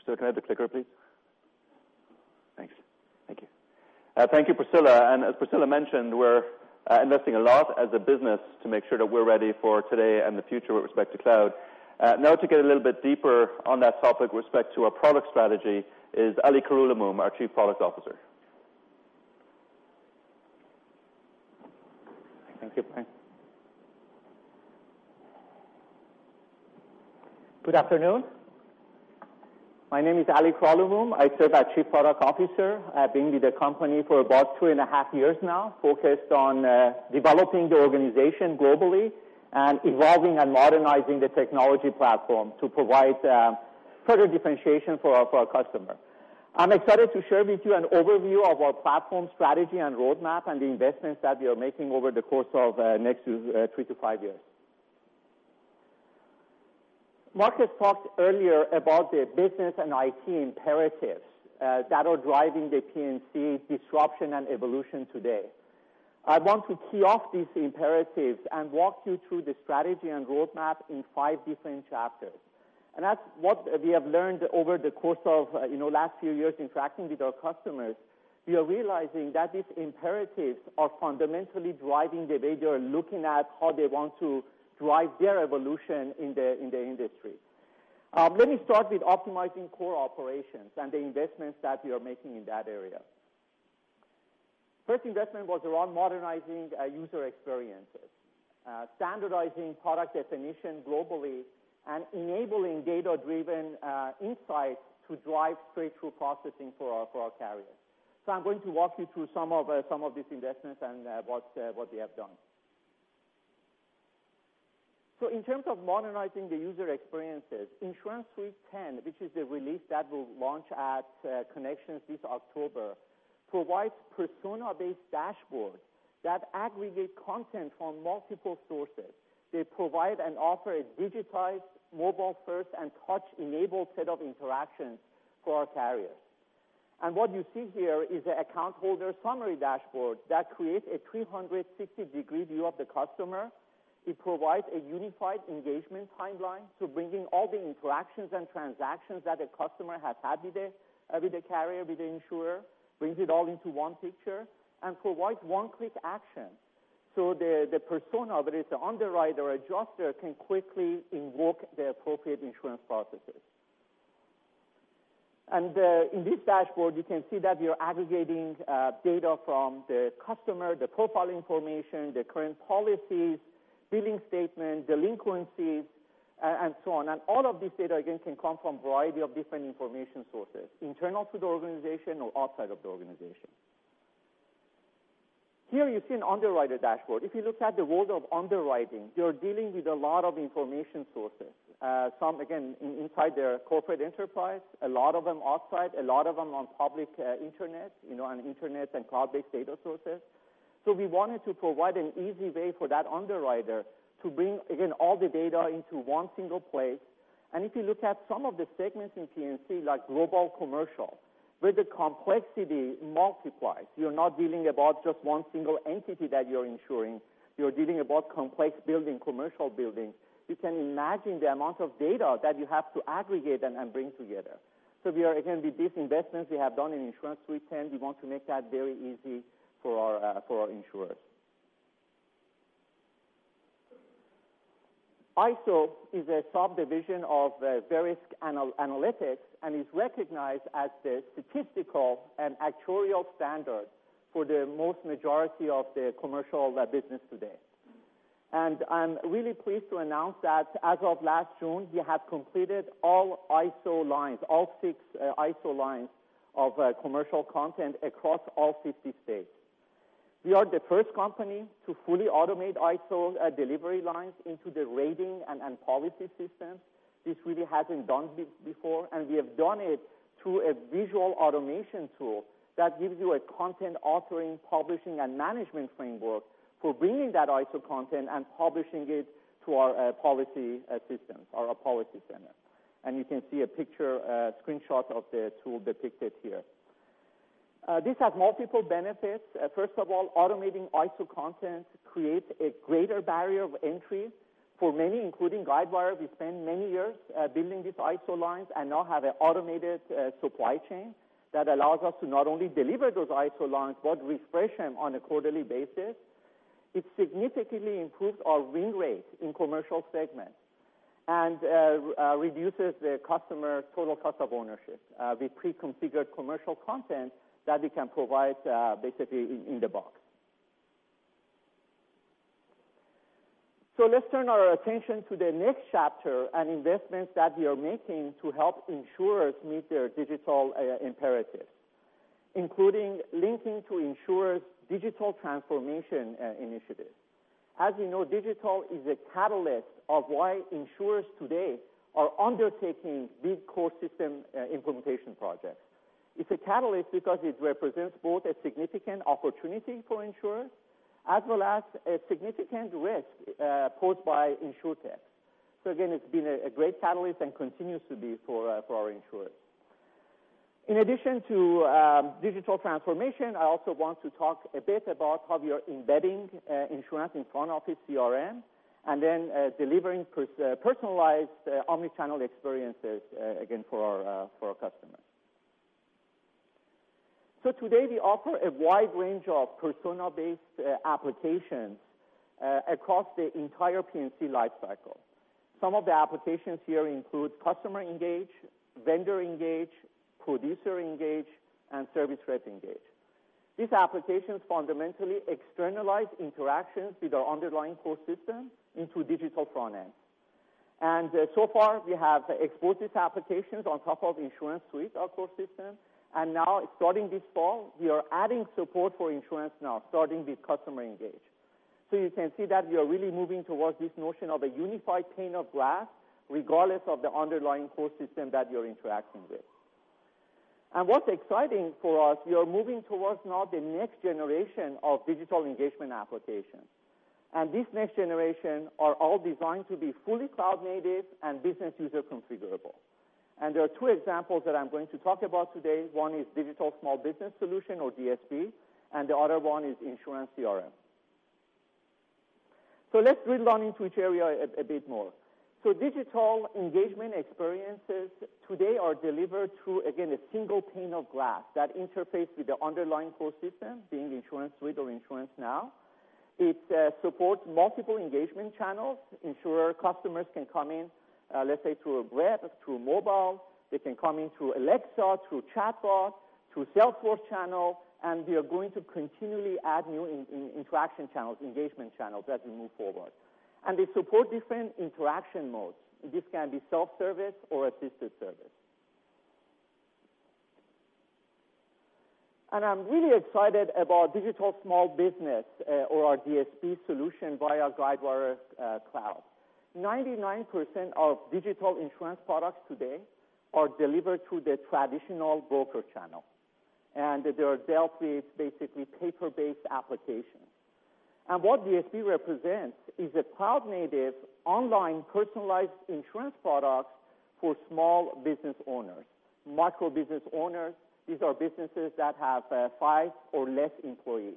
Can I have the clicker, please? Thanks. Thank you. Thank you, Priscilla. As Priscilla mentioned, we're investing a lot as a business to make sure that we're ready for today and the future with respect to cloud. Now to get a little bit deeper on that topic with respect to our product strategy is Ali Kheirolomoom, our Chief Product Officer. Thank you, Brian. Good afternoon. My name is Ali Kheirolomoom. I serve as Chief Product Officer. I've been with the company for about two and a half years now, focused on developing the organization globally and evolving and modernizing the technology platform to provide further differentiation for our customer. I'm excited to share with you an overview of our platform strategy and roadmap and the investments that we are making over the course of next 3-5 years. Marcus talked earlier about the business and IT imperatives that are driving the P&C disruption and evolution today. I want to key off these imperatives and walk you through the strategy and roadmap in five different chapters. As what we have learned over the course of last few years interacting with our customers, we are realizing that these imperatives are fundamentally driving the way they are looking at how they want to drive their evolution in the industry. Let me start with optimizing core operations and the investments that we are making in that area. First investment was around modernizing user experiences, standardizing product definition globally, and enabling data-driven insights to drive straight-through processing for our carriers. I'm going to walk you through some of these investments and what we have done. In terms of modernizing the user experiences, InsuranceSuite 10, which is the release that will launch at Connections this October, provides persona-based dashboards that aggregate content from multiple sources. They provide and offer a digitized mobile first and touch-enabled set of interactions for our carriers. What you see here is the account holder summary dashboard that creates a 360-degree view of the customer. It provides a unified engagement timeline to bring in all the interactions and transactions that a customer has had with the carrier, with the insurer, brings it all into one picture, and provides one-click action. The persona, whether it's the underwriter or adjuster, can quickly invoke the appropriate insurance processes. In this dashboard, you can see that we are aggregating data from the customer, the profile information, the current policies, billing statement, delinquencies, and so on. All of this data, again, can come from a variety of different information sources, internal to the organization or outside of the organization. Here you see an underwriter dashboard. If you look at the world of underwriting, you're dealing with a lot of information sources. Some, again, inside their corporate enterprise, a lot of them outside, a lot of them on public internet, on internet and cloud-based data sources. We wanted to provide an easy way for that underwriter to bring, again, all the data into one single place. If you look at some of the segments in P&C, like global commercial, where the complexity multiplies. You're not dealing about just one single entity that you're insuring. You're dealing about complex building, commercial building. You can imagine the amount of data that you have to aggregate and bring together. We are, again, with these investments we have done in InsuranceSuite 10, we want to make that very easy for our insurers. ISO is a subdivision of Verisk Analytics and is recognized as the statistical and actuarial standard for the most majority of the commercial business today. I'm really pleased to announce that as of last June, we have completed all ISO lines, all six ISO lines of commercial content across all 50 states. We are the first company to fully automate ISO delivery lines into the rating and policy systems. This really hasn't been done before, and we have done it through a visual automation tool that gives you a content authoring, publishing, and management framework for bringing that ISO content and publishing it to our policy systems, our PolicyCenter. You can see a picture, a screenshot of the tool depicted here. This has multiple benefits. First of all, automating ISO content creates a greater barrier of entry for many, including Guidewire. We spent many years building these ISO lines and now have an automated supply chain that allows us to not only deliver those ISO lines but refresh them on a quarterly basis. It significantly improves our win rate in commercial segments and reduces the customer's total cost of ownership. We pre-configure commercial content that we can provide basically in the box. Let's turn our attention to the next chapter and investments that we are making to help insurers meet their digital imperatives, including linking to insurers' digital transformation initiatives. As we know, digital is a catalyst of why insurers today are undertaking big core system implementation projects. It's a catalyst because it represents both a significant opportunity for insurers, as well as a significant risk posed by InsurTech. Again, it's been a great catalyst and continues to be for our insurers. In addition to digital transformation, I also want to talk a bit about how we are embedding insurance in front-office CRM and then delivering personalized omni-channel experiences again for our customers. Today we offer a wide range of persona-based applications across the entire P&C lifecycle. Some of the applications here include CustomerEngage, VendorEngage, ProducerEngage, and ServiceRepEngage. These applications fundamentally externalize interactions with our underlying core system into digital front end. So far, we have exposed these applications on top of InsuranceSuite, our core system. Now starting this fall, we are adding support for InsuranceNow starting with CustomerEngage. You can see that we are really moving towards this notion of a unified pane of glass, regardless of the underlying core system that you're interacting with. What's exciting for us, we are moving towards now the next generation of digital engagement applications. This next generation are all designed to be fully cloud-native and business user configurable. There are two examples that I am going to talk about today. One is Digital Small Business solution or DSB, and the other one is InsuranceCRM. Let's drill down into each area a bit more. Digital engagement experiences today are delivered through, again, a single pane of glass that interface with the underlying core system, being InsuranceSuite or InsuranceNow. It supports multiple engagement channels. Insurer customers can come in, let's say, through web, through mobile. They can come in through Alexa, through chatbot, through Salesforce channel, and we are going to continually add new interaction channels, engagement channels as we move forward. They support different interaction modes. This can be self-service or assisted service. I am really excited about Digital Small Business, or our DSB solution via Guidewire Cloud. 99% of digital insurance products today are delivered through the traditional broker channel, and they are dealt with basically paper-based applications. What DSB represents is a cloud-native, online, personalized insurance product for small business owners, micro-business owners. These are businesses that have five or less employees.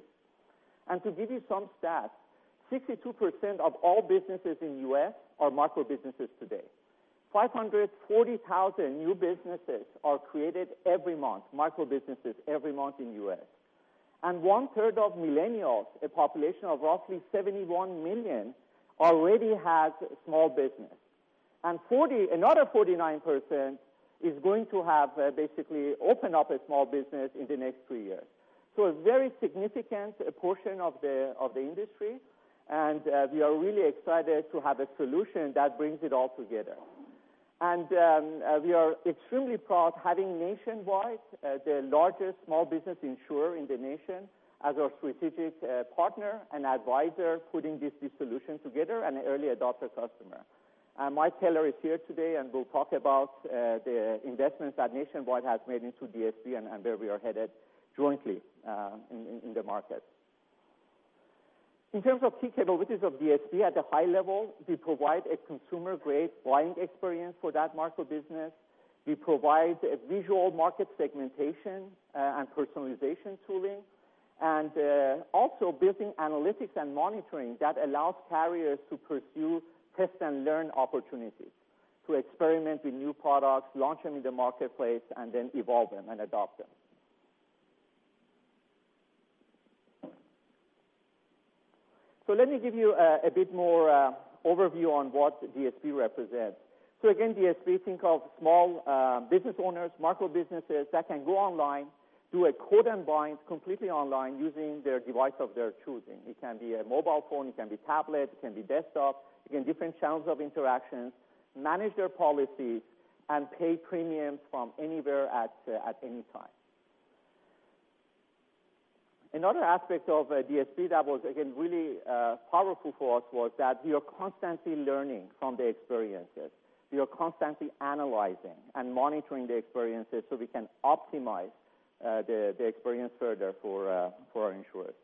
To give you some stats, 62% of all businesses in U.S. are micro-businesses today. 540,000 new businesses are created every month, micro-businesses every month in U.S. One third of millennials, a population of roughly 71 million, already have a small business. Another 49% is going to basically open up a small business in the next three years. A very significant portion of the industry, and we are really excited to have a solution that brings it all together. We are extremely proud having Nationwide, the largest small business insurer in the nation, as our strategic partner and advisor putting this solution together and an early adopter customer. Michael Keller is here today, and will talk about the investments that Nationwide has made into DSB and where we are headed jointly in the market. In terms of key capabilities of DSB at a high level, we provide a consumer-grade buying experience for that micro-business. We provide a visual market segmentation and personalization tooling, and also building analytics and monitoring that allows carriers to pursue test and learn opportunities to experiment with new products, launch them in the marketplace, and then evolve them and adopt them. Let me give you a bit more overview on what DSB represents. Again, DSB, think of small business owners, micro-businesses that can go online, do a quote and bind completely online using their device of their choosing. It can be a mobile phone, it can be tablet, it can be desktop. Again, different channels of interactions. Manage their policy and pay premiums from anywhere at any time. Another aspect of DSB that was, again, really powerful for us was that we are constantly learning from the experiences. We are constantly analyzing and monitoring the experiences so we can optimize the experience further for our insurers.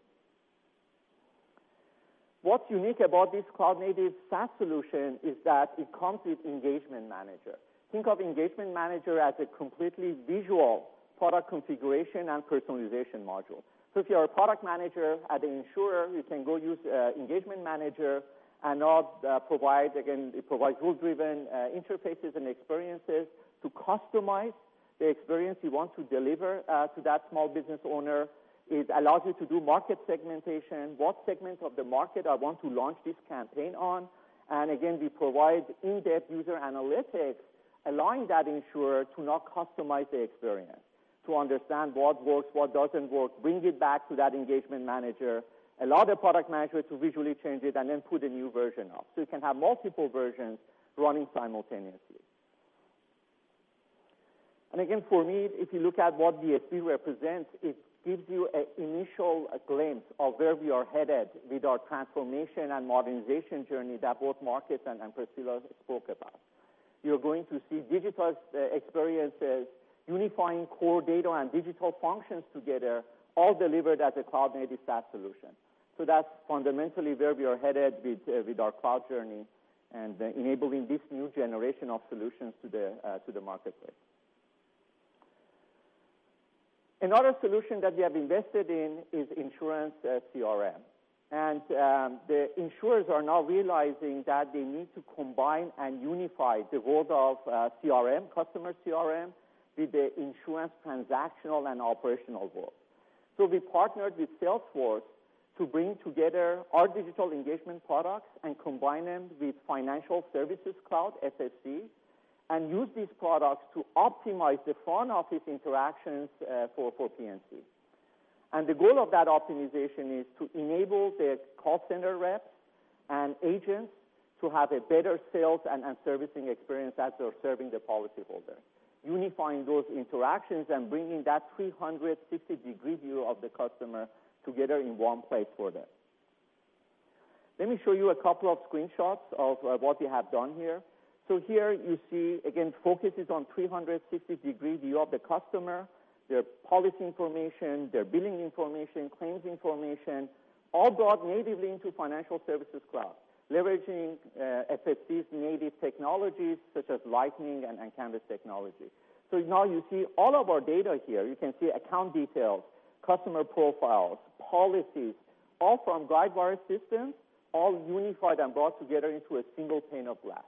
What is unique about this cloud-native SaaS solution is that it comes with Engagement Manager. Think of Engagement Manager as a completely visual product configuration and personalization module. So if you are a product manager at the insurer, you can go use Engagement Manager, and it provides rule-driven interfaces and experiences to customize the experience you want to deliver to that small business owner. It allows you to do market segmentation, what segment of the market I want to launch this campaign on. And again, we provide in-depth user analytics, allowing that insurer to now customize the experience to understand what works, what doesn't work, bring it back to that Engagement Manager, allow the product manager to visually change it, and then put a new version up. So you can have multiple versions running simultaneously. And again, for me, if you look at what DSB represents, it gives you an initial glimpse of where we are headed with our transformation and modernization journey that both Marcus and Priscilla spoke about. You're going to see digital experiences unifying core data and digital functions together, all delivered as a cloud-native SaaS solution. So that's fundamentally where we are headed with our cloud journey and enabling this new generation of solutions to the marketplace. Another solution that we have invested in is InsuranceCRM. And the insurers are now realizing that they need to combine and unify the world of customer CRM with the insurance transactional and operational world. So we partnered with Salesforce to bring together our digital engagement products and combine them with Financial Services Cloud, FSC, and use these products to optimize the front office interactions for P&C. And the goal of that optimization is to enable the call center reps and agents to have a better sales and servicing experience as they're serving the policyholder, unifying those interactions and bringing that 360-degree view of the customer together in one place for them. Let me show you a couple of screenshots of what we have done here. So here you see, again, focus is on 360-degree view of the customer, their policy information, their billing information, claims information, all brought natively into Financial Services Cloud, leveraging FSC's native technologies such as Lightning and Canvas technology. So now you see all of our data here. You can see account details, customer profiles, policies, all from Guidewire systems, all unified and brought together into a single pane of glass.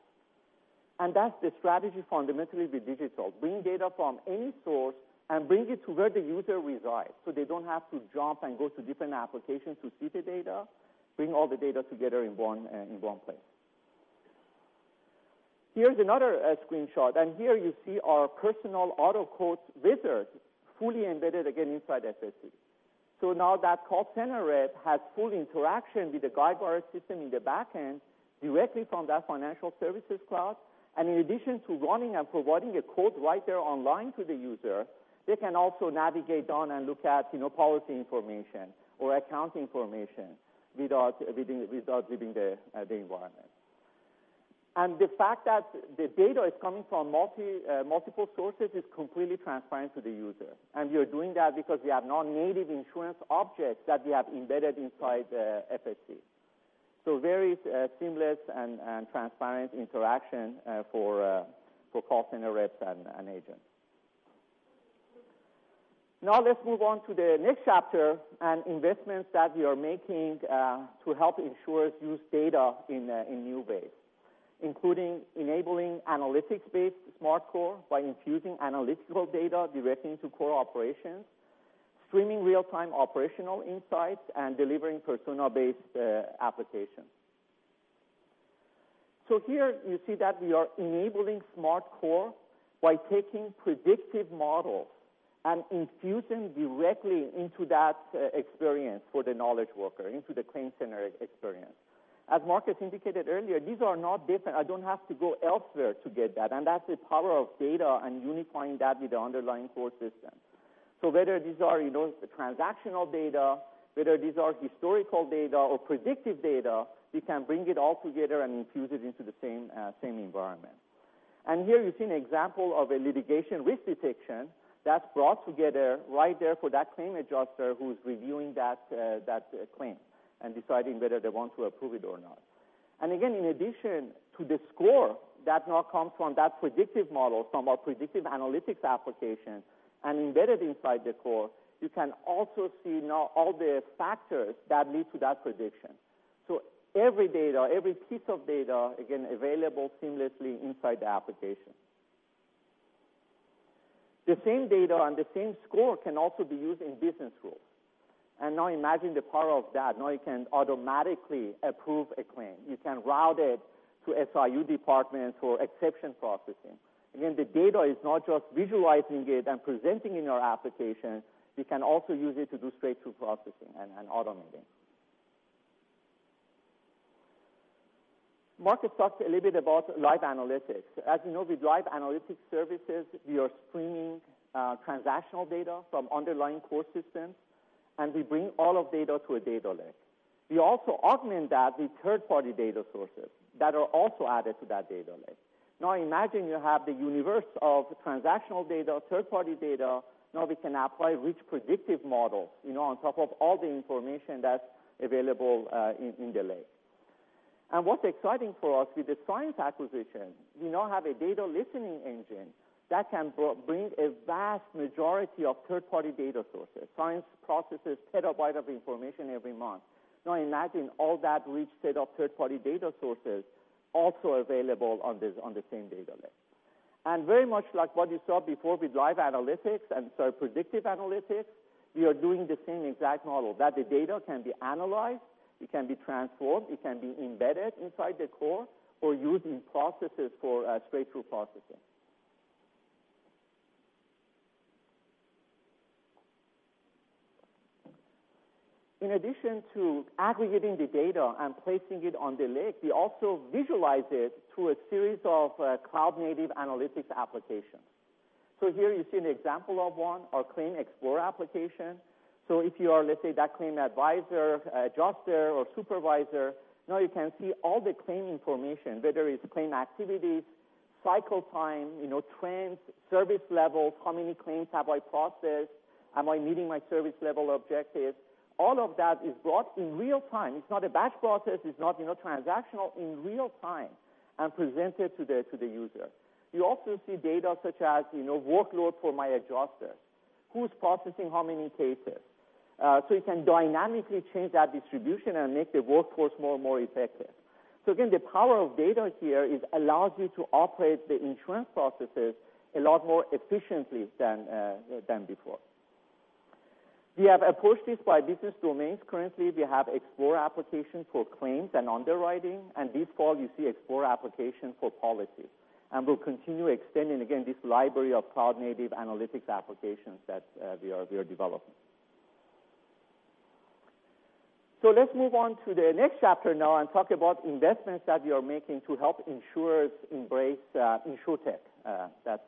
And that's the strategy fundamentally with digital, bring data from any source and bring it to where the user resides, so they don't have to jump and go to different applications to see the data. Bring all the data together in one place. Here's another screenshot, and here you see our personal auto quotes wizard fully embedded, again, inside FSC. So now that call center rep has full interaction with the Guidewire system in the back end directly from that Financial Services Cloud. And in addition to running and providing a quote right there online to the user, they can also navigate down and look at policy information or account information without leaving the environment. And the fact that the data is coming from multiple sources is completely transparent to the user. And we are doing that because we have now native insurance objects that we have embedded inside FSC. Very seamless and transparent interaction for call center reps and agents. Let's move on to the next chapter and investments that we are making to help insurers use data in new ways, including enabling analytics-based smart core by infusing analytical data directly into core operations, streaming real-time operational insights, and delivering persona-based application. Here you see that we are enabling smart core by taking predictive models and infusing directly into that experience for the knowledge worker, into the ClaimCenter experience. As Marcus indicated earlier, these are not different. I don't have to go elsewhere to get that, and that's the power of data and unifying that with the underlying core system. Whether these are transactional data, whether these are historical data or predictive data, we can bring it all together and infuse it into the same environment. Here you see an example of a litigation risk detection that's brought together right there for that claim adjuster who's reviewing that claim and deciding whether they want to approve it or not. Again, in addition to the score that now comes from that predictive model, from our predictive analytics application and embedded inside the core, you can also see now all the factors that lead to that prediction. Every data, every piece of data, again, available seamlessly inside the application. The same data and the same score can also be used in business rules. Now imagine the power of that. Now you can automatically approve a claim. You can route it to SIU department for exception processing. Again, the data is not just visualizing it and presenting in your application, you can also use it to do straight-through processing and automating. Marcus talked a little bit about Live Analytics. As you know, with Live Analytics services, we are streaming transactional data from underlying core systems, and we bring all of data to a data lake. We also augment that with third-party data sources that are also added to that data lake. Imagine you have the universe of transactional data, third-party data. We can apply rich predictive models on top of all the information that's available in the lake. What's exciting for us with the Cyence acquisition, we now have a data listening engine that can bring a vast majority of third-party data sources. Cyence processes terabyte of information every month. Imagine all that rich set of third-party data sources also available on the same data lake. Very much like what you saw before with Live Analytics and sorry, predictive analytics, we are doing the same exact model that the data can be analyzed, it can be transformed, it can be embedded inside the core, or used in processes for straight-through processing. In addition to aggregating the data and placing it on the lake, we also visualize it through a series of cloud-native analytics applications. Here you see an example of one, our Claim Explore application. If you are, let's say, that claim advisor, adjuster, or supervisor, now you can see all the claim information, whether it's claim activities, cycle time, trends, service levels, how many claims have I processed, am I meeting my service level objectives? All of that is brought in real-time. It's not a batch process. It's not transactional. In real-time and presented to the user. You also see data such as, workload for my adjusters, who's processing how many cases? You can dynamically change that distribution and make the workforce more and more effective. Again, the power of data here is allows you to operate the insurance processes a lot more efficiently than before. We have approached this by business domains. Currently, we have Explore applications for claims and underwriting, and this fall you see Explore application for policy. We'll continue extending, again, this library of cloud-native analytics applications that we are developing. Let's move on to the next chapter now and talk about investments that we are making to help insurers embrace InsurTech that's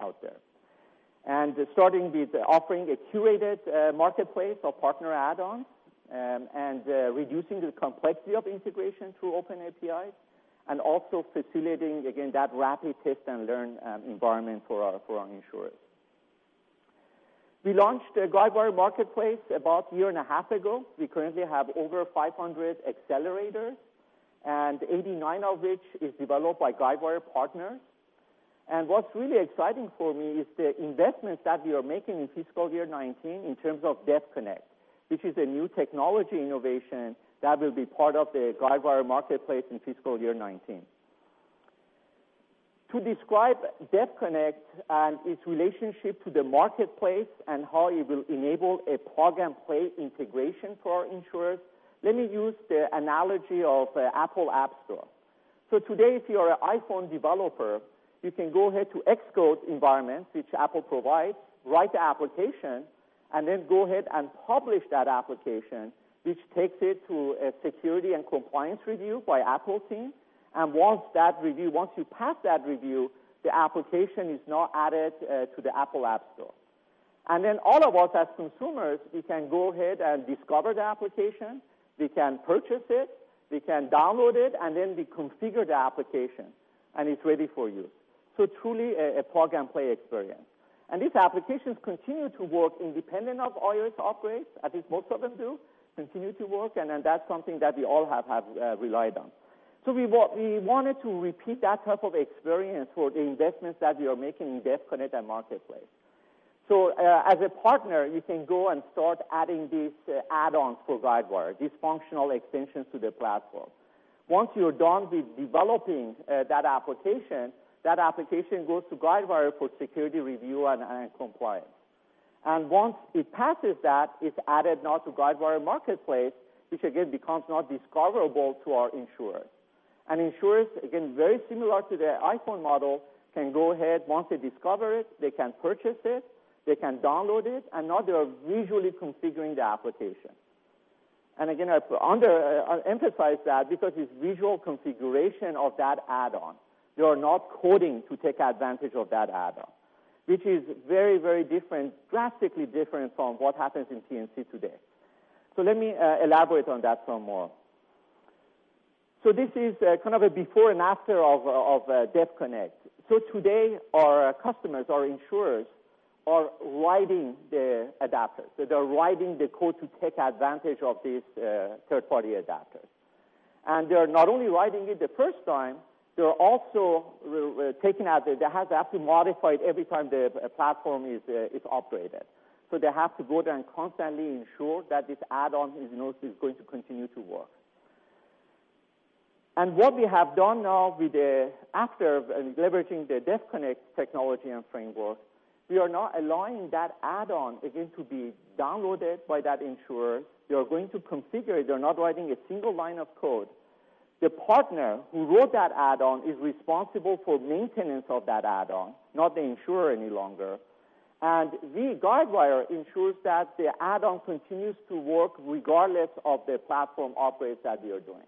out there. Starting with offering a curated marketplace of partner add-ons and reducing the complexity of integration through open APIs and also facilitating, again, that rapid test-and-learn environment for our insurers. We launched a Guidewire Marketplace about a year and a half ago. We currently have over 500 accelerators, and 89 of which is developed by Guidewire partners. What's really exciting for me is the investments that we are making in fiscal year 2019 in terms of DevConnect, which is a new technology innovation that will be part of the Guidewire Marketplace in fiscal year 2019. To describe DevConnect and its relationship to the Marketplace and how it will enable a plug-and-play integration for our insurers, let me use the analogy of the Apple App Store. Today, if you are an iPhone developer, you can go ahead to Xcode environment, which Apple provides, write the application, and then go ahead and publish that application, which takes it to a security and compliance review by Apple team. Once you pass that review, the application is now added to the Apple App Store. Then all of us as consumers, we can go ahead and discover the application, we can purchase it, we can download it, and then we configure the application, and it's ready for you. Truly a plug-and-play experience. These applications continue to work independent of iOS upgrades, at least most of them do continue to work, and then that's something that we all have relied on. We wanted to repeat that type of experience for the investments that we are making in DevConnect and Marketplace. As a partner, you can go and start adding these add-ons for Guidewire, these functional extensions to the platform. Once you're done with developing that application, that application goes to Guidewire for security review and compliance. Once it passes that, it's added now to Guidewire Marketplace, which again, becomes now discoverable to our insurers. Insurers, again, very similar to the iPhone model, can go ahead, once they discover it, they can purchase it, they can download it, and now they're visually configuring the application. Again, I emphasize that because it's visual configuration of that add-on. You're not coding to take advantage of that add-on, which is very different, drastically different from what happens in P&C today. Let me elaborate on that some more. This is kind of a before and after of DevConnect. Today our customers, our insurers, are writing the adapters. They're writing the code to take advantage of these third-party adapters. They're not only writing it the first time, they have to modify it every time the platform is upgraded. They have to go there and constantly ensure that this add-on is going to continue to work. What we have done now after leveraging the DevConnect technology and framework, we are now allowing that add-on, again, to be downloaded by that insurer. They are going to configure it. They're not writing a single line of code. The partner who wrote that add-on is responsible for maintenance of that add-on, not the insurer any longer. We, Guidewire, ensures that the add-on continues to work regardless of the platform upgrades that we are doing.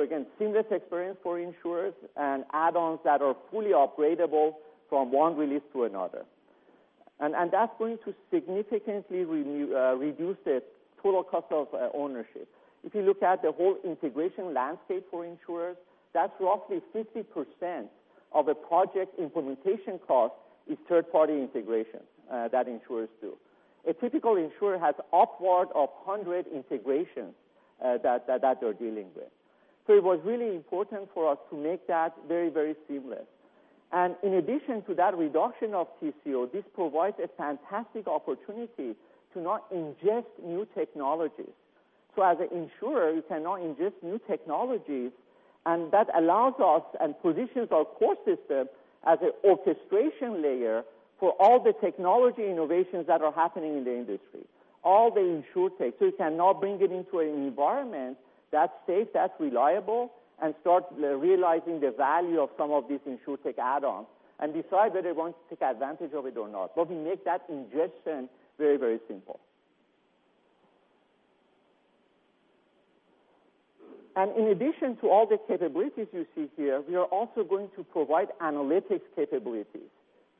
Again, seamless experience for insurers and add-ons that are fully upgradeable from one release to another. That's going to significantly reduce the total cost of ownership. If you look at the whole integration landscape for insurers, that's roughly 50% of the project implementation cost is third-party integration that insurers do. A typical insurer has upward of 100 integrations that they're dealing with. It was really important for us to make that very seamless. In addition to that reduction of TCO, this provides a fantastic opportunity to now ingest new technologies. As an insurer, we can now ingest new technologies, that allows us and positions our core system as an orchestration layer for all the technology innovations that are happening in the industry, all the InsurTech. We can now bring it into an environment that's safe, that's reliable, and start realizing the value of some of these InsurTech add-ons and decide whether they want to take advantage of it or not, we make that ingestion very simple. In addition to all the capabilities you see here, we are also going to provide analytics capabilities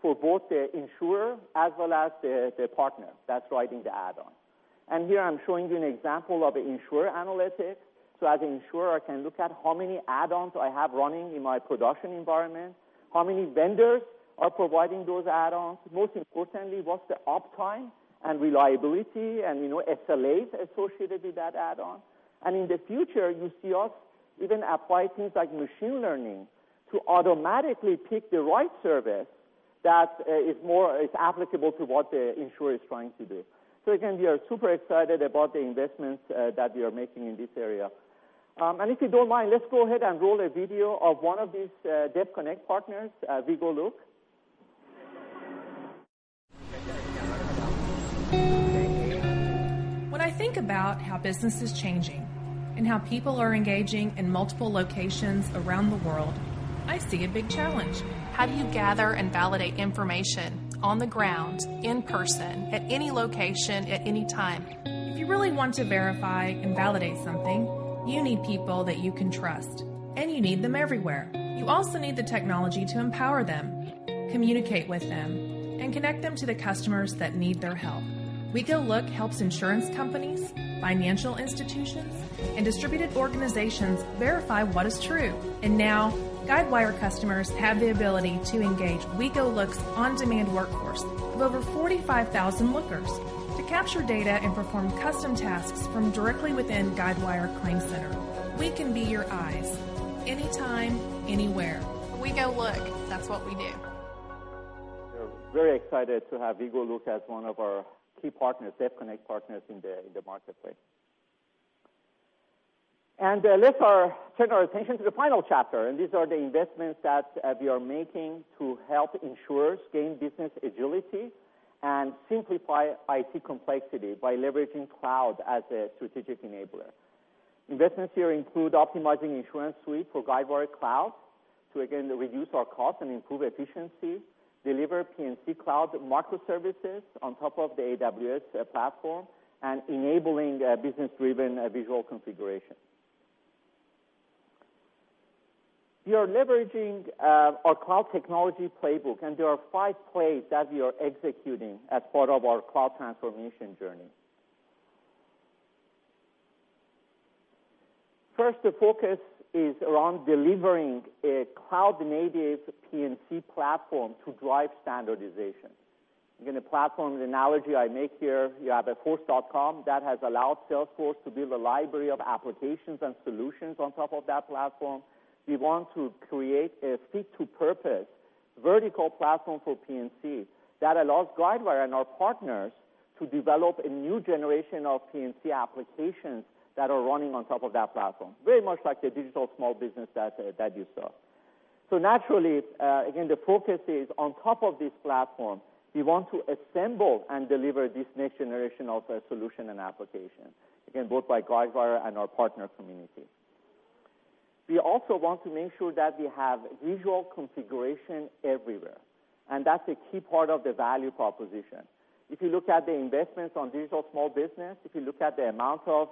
for both the insurer as well as the partner that's writing the add-on. Here I'm showing you an example of insurer analytics. As an insurer, I can look at how many add-ons I have running in my production environment, how many vendors are providing those add-ons. Most importantly, what's the uptime and reliability and SLAs associated with that add-on. In the future, you see us even apply things like machine learning to automatically pick the right service that is applicable to what the insurer is trying to do. Again, we are super excited about the investments that we are making in this area. If you don't mind, let's go ahead and roll a video of one of these DevConnect partners, WeGoLook. When I think about how business is changing and how people are engaging in multiple locations around the world, I see a big challenge. How do you gather and validate information on the ground, in person, at any location, at any time? If you really want to verify and validate something, you need people that you can trust, and you need them everywhere. You also need the technology to empower them, communicate with them, and connect them to the customers that need their help. WeGoLook helps insurance companies, financial institutions, and distributed organizations verify what is true. Now Guidewire customers have the ability to engage WeGoLook's on-demand workforce of over 45,000 Lookers to capture data and perform custom tasks from directly within Guidewire ClaimCenter. We can be your eyes anytime, anywhere. WeGoLook. That's what we do. We're very excited to have WeGoLook as one of our key partners, DevConnect partners in the Guidewire Marketplace. Let's turn our attention to the final chapter. These are the investments that we are making to help insurers gain business agility and simplify IT complexity by leveraging cloud as a strategic enabler. Investments here include optimizing InsuranceSuite for Guidewire Cloud to, again, reduce our cost and improve efficiency, deliver P&C Cloud microservices on top of the AWS platform, and enabling business-driven visual configuration. We are leveraging our cloud technology playbook. There are five plays that we are executing as part of our cloud transformation journey. First, the focus is around delivering a cloud-native P&C platform to drive standardization. Again, the platform analogy I make here, you have a Force.com that has allowed Salesforce to build a library of applications and solutions on top of that platform. We want to create a fit to purpose- Vertical platform for P&C that allows Guidewire and our partners to develop a new generation of P&C applications that are running on top of that platform, very much like the Digital Small Business that you saw. Naturally, again, the focus is on top of this platform, we want to assemble and deliver this next generation of solution and application, again, both by Guidewire and our partner community. We also want to make sure that we have visual configuration everywhere. That's a key part of the value proposition. If you look at the investments on Digital Small Business, if you look at the amount of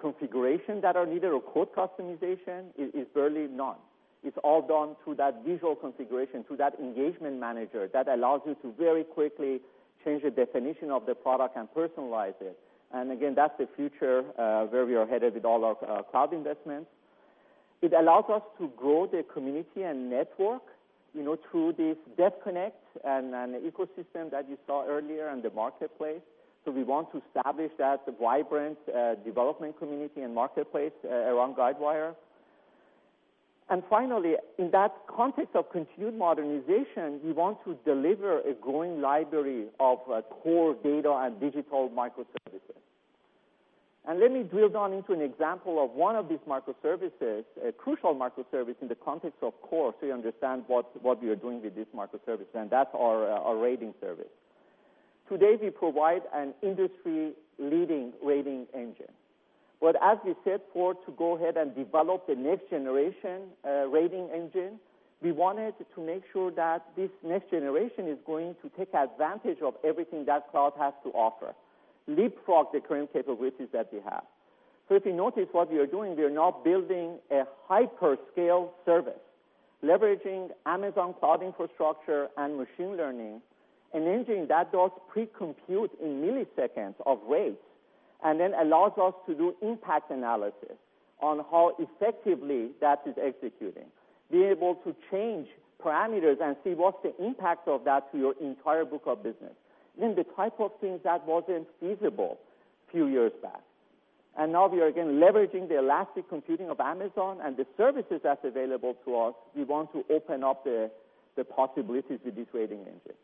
configuration that are needed or code customization, it's barely none. It's all done through that visual configuration, through that Engagement Manager that allows you to very quickly change the definition of the product and personalize it. Again, that's the future, where we are headed with all our cloud investments. It allows us to grow the community and network through this DevConnect and ecosystem that you saw earlier in the Guidewire Marketplace. We want to establish that vibrant development community and Guidewire Marketplace around Guidewire. Finally, in that context of continued modernization, we want to deliver a growing library of core data and digital microservices. Let me drill down into an example of one of these microservices, a crucial microservice in the context of core, so you understand what we are doing with this microservice. That's our rating service. Today, we provide an industry-leading rating engine. As we set forth to go ahead and develop the next generation rating engine, we wanted to make sure that this next generation is going to take advantage of everything that cloud has to offer, leapfrog the current capabilities that we have. If you notice what we are doing, we are now building a hyperscale service leveraging Amazon cloud infrastructure and machine learning, an engine that does pre-compute in milliseconds of rates, and then allows us to do impact analysis on how effectively that is executing. Being able to change parameters and see what's the impact of that to your entire book of business, again, the type of things that wasn't feasible few years back. Now we are again leveraging the elastic computing of Amazon and the services that's available to us. We want to open up the possibilities with this rating engine.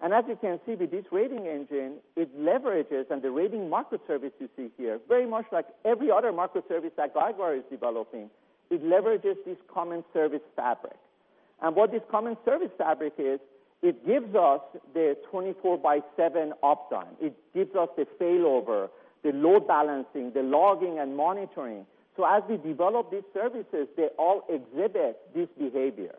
As you can see with this rating engine, it leverages, and the rating microservice you see here, very much like every other microservice that Guidewire is developing, it leverages this common service fabric. What this common service fabric is, it gives us the 24 by seven uptime. It gives us the failover, the load balancing, the logging and monitoring. As we develop these services, they all exhibit these behaviors.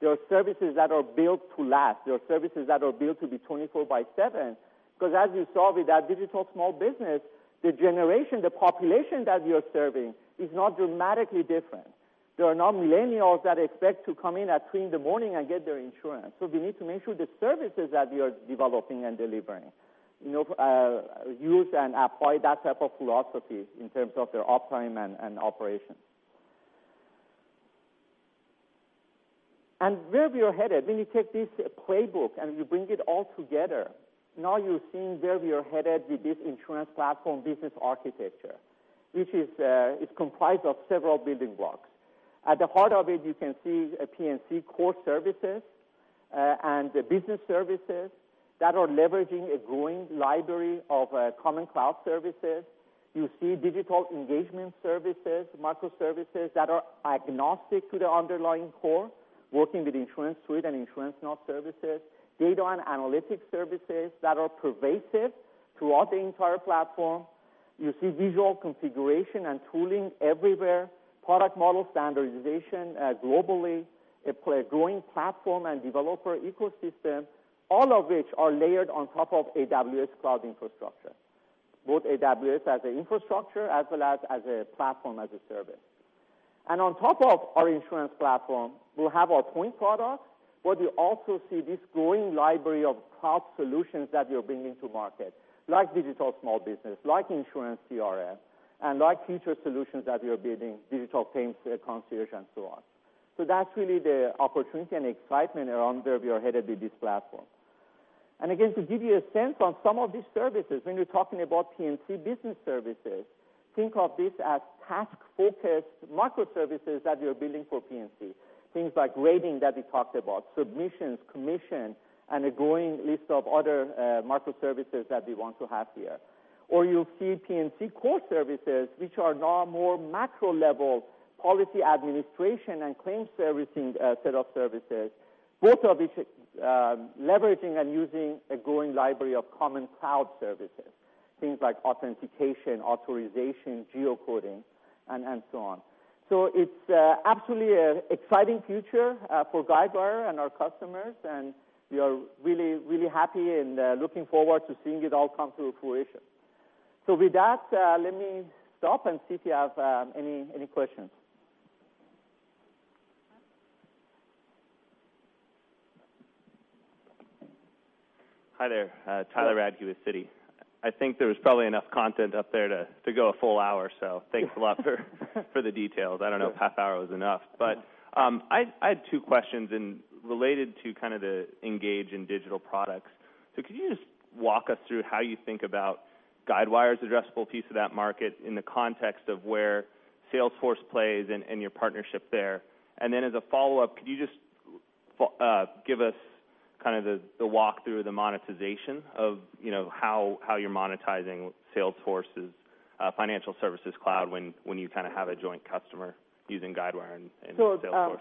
They are services that are built to last. They are services that are built to be 24 by seven because as you saw with that Digital Small Business, the generation, the population that we are serving is not dramatically different. They are now millennials that expect to come in at 3:00 A.M. and get their insurance. We need to make sure the services that we are developing and delivering use and apply that type of philosophy in terms of their uptime and operation. Where we are headed, when you take this playbook and you bring it all together, now you're seeing where we are headed with this InsurancePlatform business architecture. Which is comprised of several building blocks. At the heart of it, you can see P&C core services, and the business services that are leveraging a growing library of common cloud services. You see digital engagement services, microservices that are agnostic to the underlying core, working with InsuranceSuite and InsuranceNow services, data and analytics services that are pervasive throughout the entire platform. You see visual configuration and tooling everywhere, product model standardization globally, a growing platform and developer ecosystem, all of which are layered on top of AWS cloud infrastructure, both AWS as an infrastructure as well as a platform as a service. On top of our InsurancePlatform, we'll have our point products, but you also see this growing library of cloud solutions that we are bringing to market, like Digital Small Business, like InsuranceCRM, and like future solutions that we are building, digital claims consideration and so on. That's really the opportunity and excitement around where we are headed with this platform. Again, to give you a sense on some of these services, when you're talking about P&C business services, think of this as task-focused microservices that we are building for P&C. Things like rating that we talked about, submissions, commission, and a growing list of other microservices that we want to have here. Or you'll see P&C core services, which are now more macro-level policy administration and claim servicing set of services, both of which are leveraging and using a growing library of common cloud services, things like authentication, authorization, geocoding and so on. It's absolutely an exciting future for Guidewire and our customers, and we are really, really happy and looking forward to seeing it all come to fruition. With that, let me stop and see if you have any questions. Hi there. Yeah. Tyler Radke with Citi. I think there was probably enough content up there to go a full hour, so thanks for the details. I don't know if half hour was enough. I had two questions and related to kind of the Engage in digital products. Could you just walk us through how you think about Guidewire's addressable piece of that market in the context of where Salesforce plays and your partnership there? And then as a follow-up, could you just give us kind of the walk-through of the monetization of how you're monetizing Salesforce's Financial Services Cloud when you kind of have a joint customer using Guidewire and Salesforce.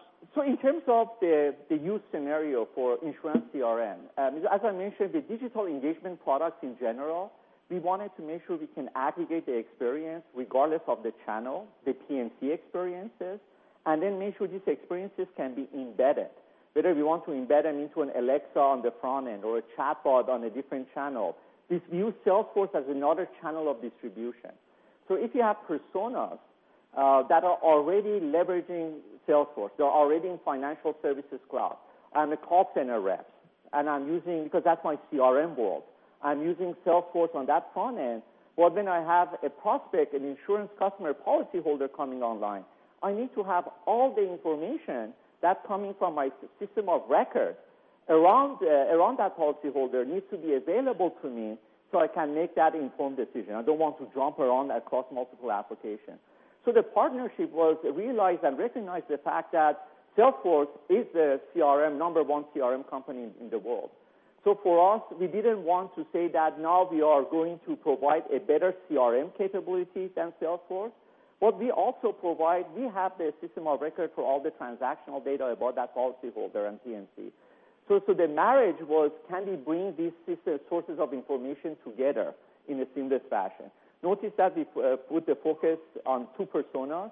In terms of the use scenario for InsuranceCRM, as I mentioned, the digital engagement products in general, we wanted to make sure we can aggregate the experience regardless of the channel, the P&C experiences, and then make sure these experiences can be embedded. Whether we want to embed them into an Alexa on the front end or a chatbot on a different channel, we view Salesforce as another channel of distribution. If you have personas that are already leveraging Salesforce, they're already in Financial Services Cloud. I'm a call center rep, because that's my CRM world. I'm using Salesforce on that front end, but when I have a prospect, an insurance customer policyholder coming online, I need to have all the information that's coming from my system of record around that policyholder needs to be available to me so I can make that informed decision. I don't want to jump around across multiple applications. The partnership was realized and recognized the fact that Salesforce is the number one CRM company in the world. For us, we didn't want to say that now we are going to provide a better CRM capability than Salesforce. What we also provide, we have the system of record for all the transactional data about that policyholder and P&C. The marriage was, can we bring these sources of information together in a seamless fashion? Notice that we put the focus on two personas,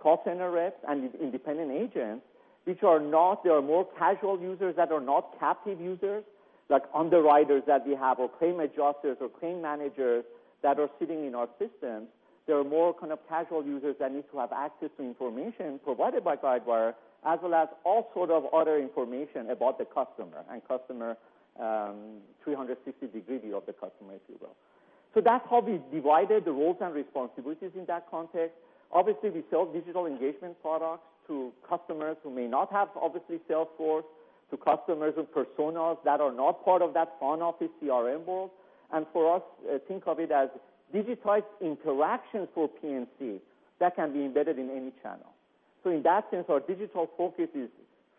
call center reps and independent agents, which are more casual users that are not captive users, like underwriters that we have, or claim adjusters or claim managers that are sitting in our systems. They are more kind of casual users that need to have access to information provided by Guidewire, as well as all sort of other information about the customer and 360-degree view of the customer, if you will. That's how we divided the roles and responsibilities in that context. Obviously, we sell digital engagement products to customers who may not have obviously Salesforce, to customers and personas that are not part of that front office CRM world. For us, think of it as digitized interactions for P&C that can be embedded in any channel. In that sense, our digital focus is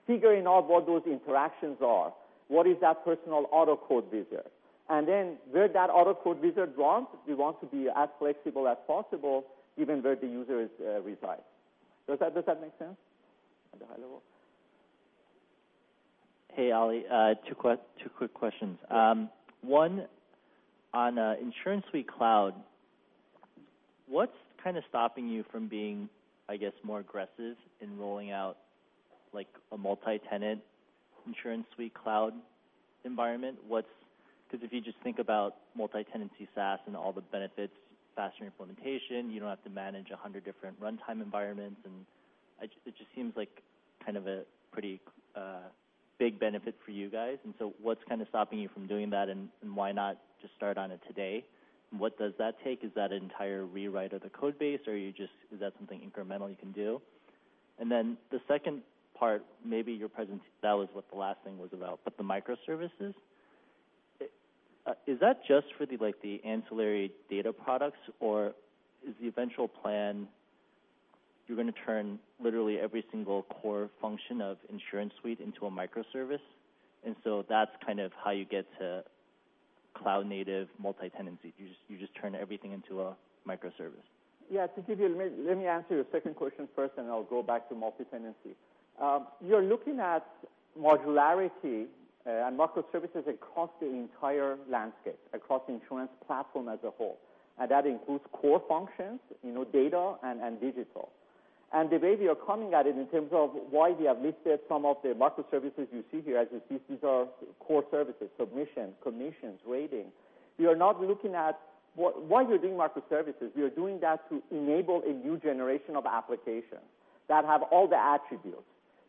figuring out what those interactions are. What is that personal auto quote visit? Then where that auto quote visit runs, we want to be as flexible as possible, given where the user resides. Does that make sense at a high level? Hey, Ali, two quick questions. Sure. One, on InsuranceSuite Cloud, what's kind of stopping you from being, I guess, more aggressive in rolling out a multi-tenant InsuranceSuite Cloud environment? Because if you just think about multi-tenancy SaaS and all the benefits, faster implementation, you don't have to manage 100 different runtime environments, and it just seems like kind of a pretty big benefit for you guys. What's kind of stopping you from doing that, and why not just start on it today? What does that take? Is that an entire rewrite of the code base, or is that something incremental you can do? The second part, maybe you presented that was what the last thing was about, but the microservices. Is that just for the ancillary data products, or is the eventual plan you're going to turn literally every single core function of InsuranceSuite into a microservice, that's kind of how you get to cloud-native multi-tenancy? You just turn everything into a microservice. Yeah. Let me answer your second question first, then I'll go back to multi-tenancy. You're looking at modularity and microservices across the entire landscape, across insurance platform as a whole, and that includes core functions, data and digital. The way we are coming at it in terms of why we have listed some of the microservices you see here, as you see, these are core services, submission, commissions, rating. Why we are doing microservices, we are doing that to enable a new generation of applications that have all the attributes.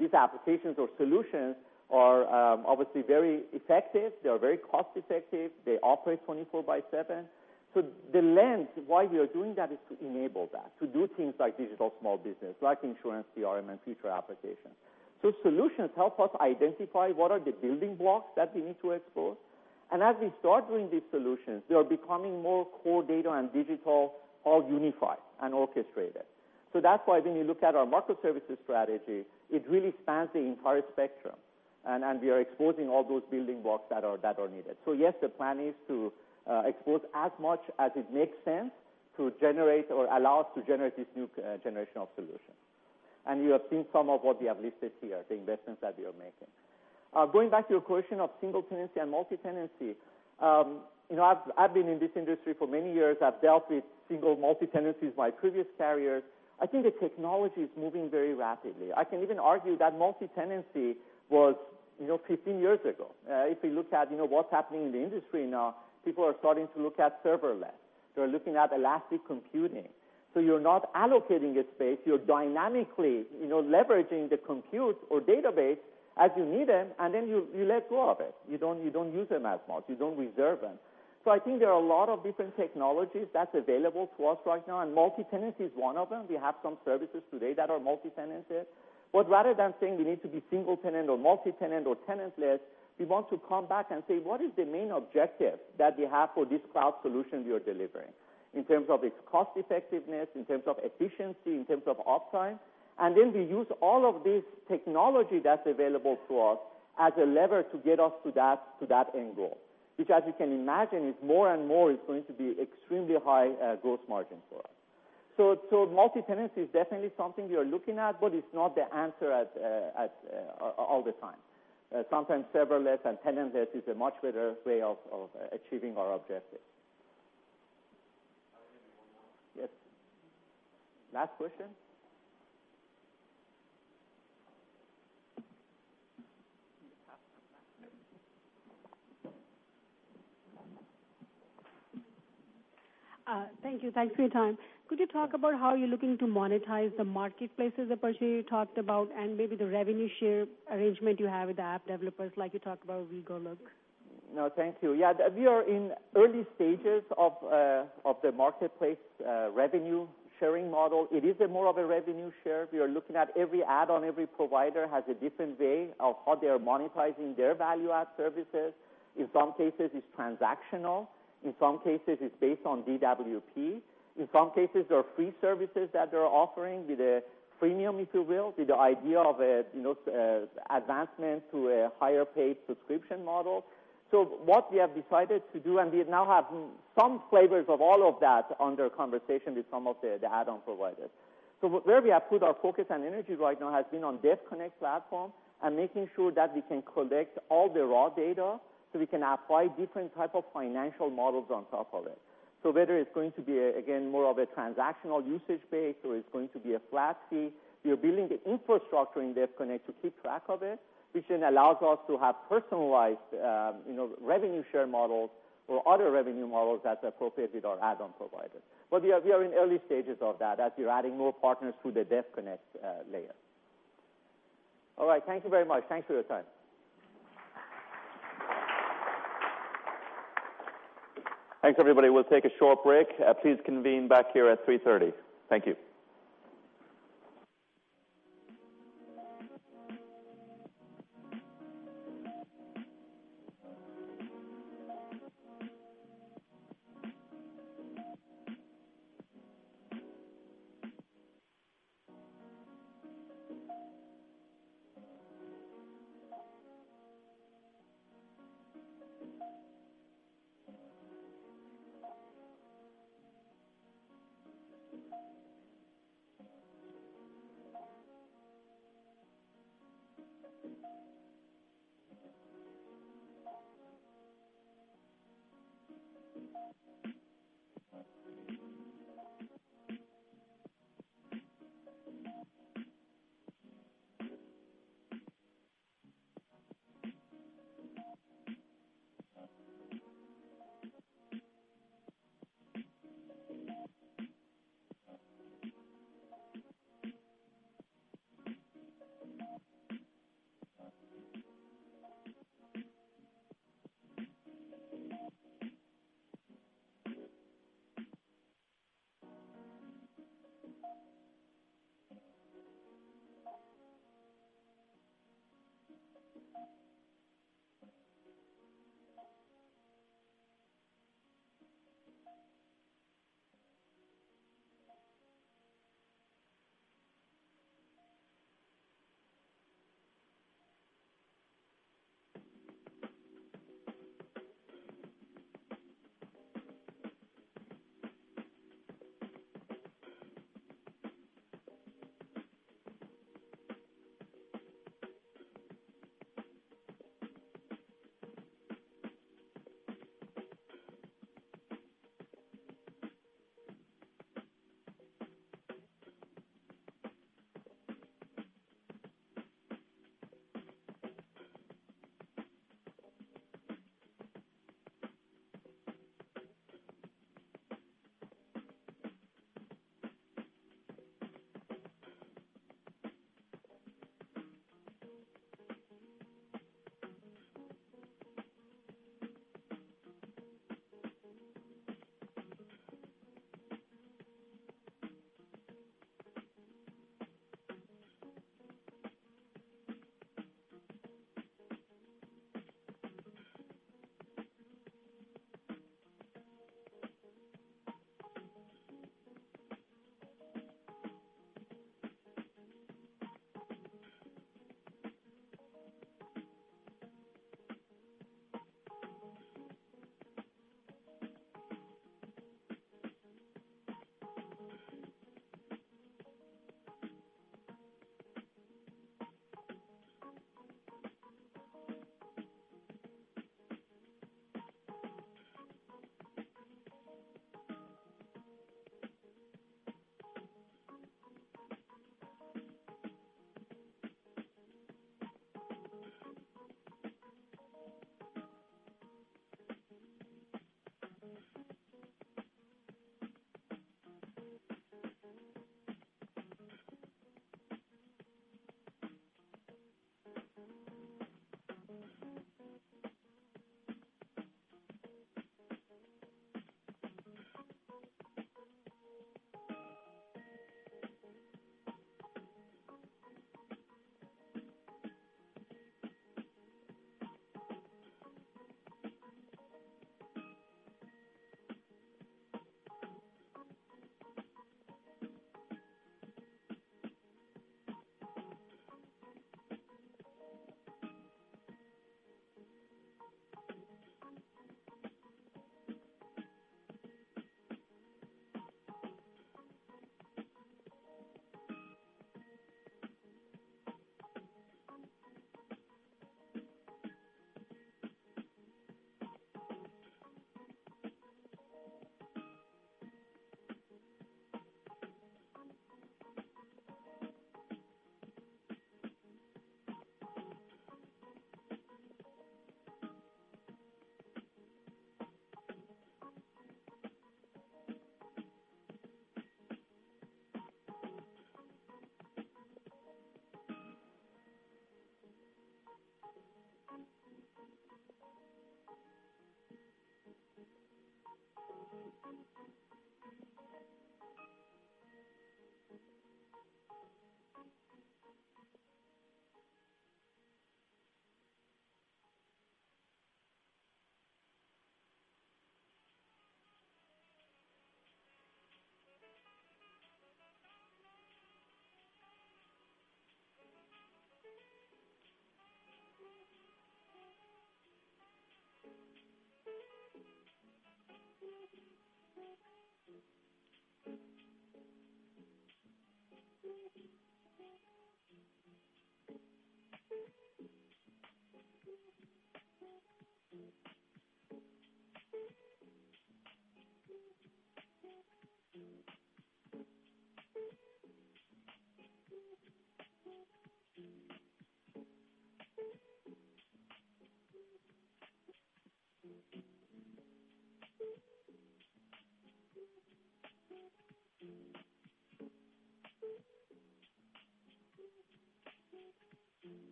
These applications or solutions are obviously very effective. They are very cost-effective. They operate 24 by seven. The lens why we are doing that is to enable that, to do things like Digital Small Business, like InsuranceCRM, and future applications. Solutions help us identify what are the building blocks that we need to explore. As we start doing these solutions, they are becoming more core data and digital, all unified and orchestrated. That's why when you look at our microservices strategy, it really spans the entire spectrum, and we are exposing all those building blocks that are needed. Yes, the plan is to expose as much as it makes sense to generate or allow us to generate this new generation of solutions. You have seen some of what we have listed here, the investments that we are making. Going back to your question of single tenancy and multi-tenancy. I've been in this industry for many years. I've dealt with single multi-tenancies in my previous careers. I think the technology is moving very rapidly. I can even argue that multi-tenancy was 15 years ago. If you look at what's happening in the industry now, people are starting to look at serverless. They're looking at elastic computing. You're not allocating a space. You're dynamically leveraging the compute or database as you need them, then you let go of it. You don't use them as much. You don't reserve them. I think there are a lot of different technologies that's available to us right now, and multi-tenancy is one of them. We have some services today that are multi-tenanted. Rather than saying we need to be single-tenant or multi-tenant or tenantless, we want to come back and say, what is the main objective that we have for this cloud solution we are delivering in terms of its cost-effectiveness, in terms of efficiency, in terms of uptime? We use all of this technology that's available to us as a lever to get us to that end goal, which as you can imagine is more and more is going to be extremely high gross margin for us. Multi-tenancy is definitely something we are looking at, but it's not the answer all the time. Sometimes serverless and tenantless is a much better way of achieving our objectives. I think one more. Yes. Last question. Thank you. Thanks for your time. Could you talk about how you're looking to monetize the marketplaces approach you talked about, and maybe the revenue share arrangement you have with the app developers like you talked about with WeGoLook? No, thank you. Yeah, we are in early stages of the marketplace revenue sharing model. It is more of a revenue share. We are looking at every add-on, every provider has a different way of how they are monetizing their value-add services. In some cases, it's transactional. In some cases, it's based on DWP. In some cases, there are free services that they're offering with a premium, if you will, with the idea of advancement to a higher-paid subscription model. What we have decided to do, and we now have some flavors of all of that under conversation with some of the add-on providers. Where we have put our focus and energy right now has been on DevConnect platform and making sure that we can collect all the raw data so we can apply different type of financial models on top of it. Whether it's going to be, again, more of a transactional usage base or it's going to be a flat fee, we are building the infrastructure in DevConnect to keep track of it, which then allows us to have personalized revenue share models or other revenue models as appropriate with our add-on providers. We are in early stages of that as we're adding more partners to the DevConnect layer. All right. Thank you very much. Thanks for your time. Thanks, everybody. We'll take a short break. Please convene back here at 3:30 P.M.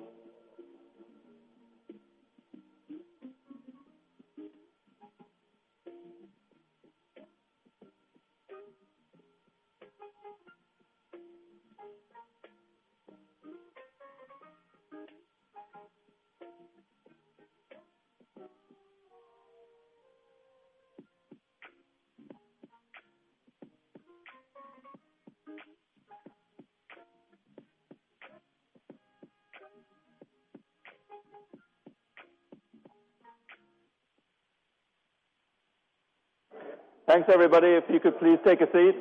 Thank you. Thanks, everybody. If you could please take a seat.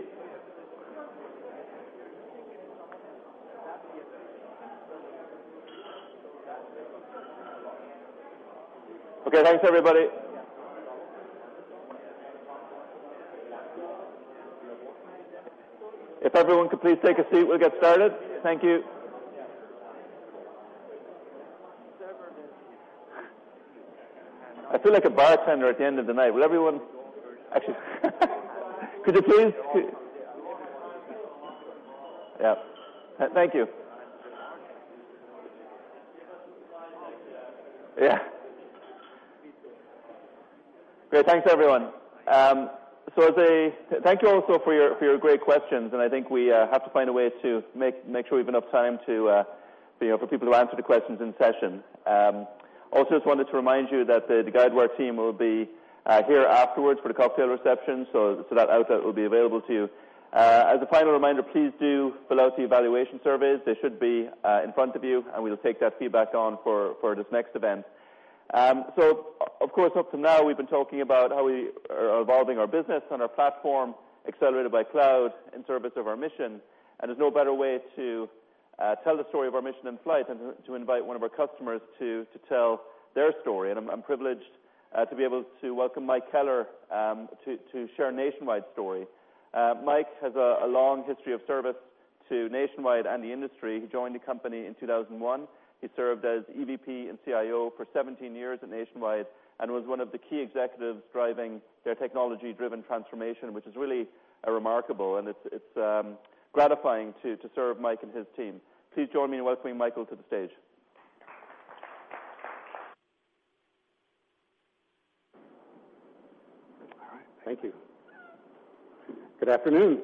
Okay, thanks, everybody. If everyone could please take a seat, we'll get started. Thank you. I feel like a bartender at the end of the night. Could you please? Yeah. Thank you. Yeah. Great. Thanks, everyone. Thank you also for your great questions, and I think we have to find a way to make sure we have enough time for people to answer the questions in session. Just wanted to remind you that the Guidewire team will be here afterwards for the cocktail reception, so that outlet will be available to you. A final reminder, please do fill out the evaluation surveys. They should be in front of you, and we'll take that feedback on for this next event. Of course, up to now, we've been talking about how we are evolving our business and our platform, accelerated by cloud in service of our mission. There's no better way to tell the story of our mission in flight than to invite one of our customers to tell their story. I'm privileged to be able to welcome Mike Keller to share Nationwide's story. Mike has a long history of service to Nationwide and the industry. He joined the company in 2001. He served as EVP and CIO for 17 years at Nationwide and was one of the key executives driving their technology-driven transformation, which is really remarkable, and it's gratifying to serve Mike and his team. Please join me in welcoming Michael to the stage. All right. Thank you. Good afternoon.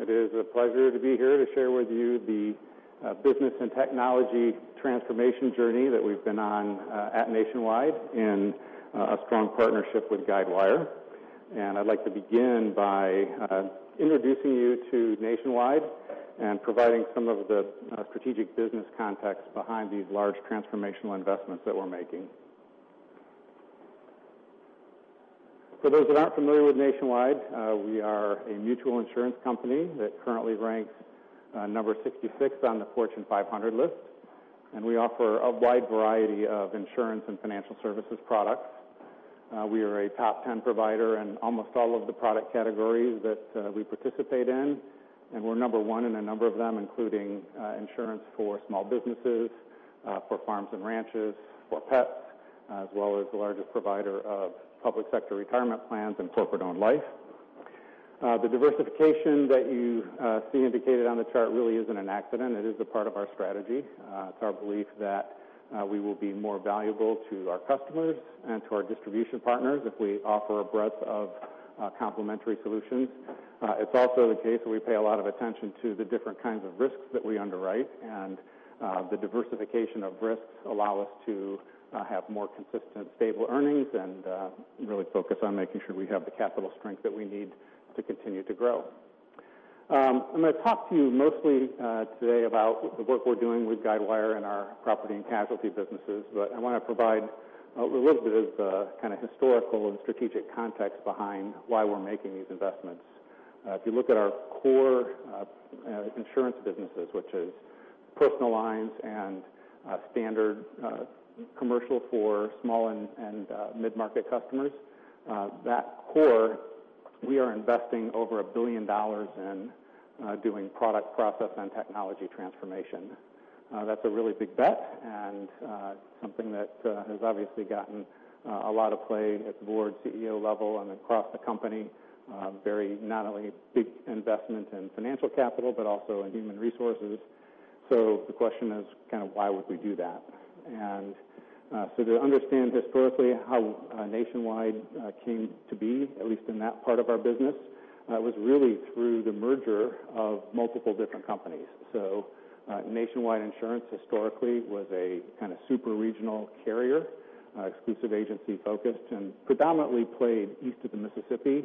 It is a pleasure to be here to share with you the business and technology transformation journey that we've been on at Nationwide in a strong partnership with Guidewire. I'd like to begin by introducing you to Nationwide and providing some of the strategic business context behind these large transformational investments that we're making. Those that aren't familiar with Nationwide, we are a mutual insurance company that currently ranks number 66 on the Fortune 500 list, and we offer a wide variety of insurance and financial services products. We are a top 10 provider in almost all of the product categories that we participate in, and we're number one in a number of them, including insurance for small businesses, for farms and ranches, for pets, as well as the largest provider of public sector retirement plans and corporate-owned life. The diversification that you see indicated on the chart really isn't an accident. It is a part of our strategy. It's our belief that we will be more valuable to our customers and to our distribution partners if we offer a breadth of complementary solutions. It's also the case that we pay a lot of attention to the different kinds of risks that we underwrite, and the diversification of risks allow us to have more consistent, stable earnings and really focus on making sure we have the capital strength that we need to continue to grow. I'm going to talk to you mostly today about the work we're doing with Guidewire in our property and casualty businesses, but I want to provide a little bit of kind of historical and strategic context behind why we're making these investments. If you look at our core insurance businesses, which is personal lines and standard commercial for small and mid-market customers, that core we are investing over $1 billion in doing product, process, and technology transformation. That's a really big bet and something that has obviously gotten a lot of play at the board, CEO level, and across the company. Very not only big investment in financial capital, but also in human resources. The question is kind of why would we do that? To understand historically how Nationwide came to be, at least in that part of our business, was really through the merger of multiple different companies. Nationwide Insurance historically was a kind of super-regional carrier, exclusive agency-focused, and predominantly played east of the Mississippi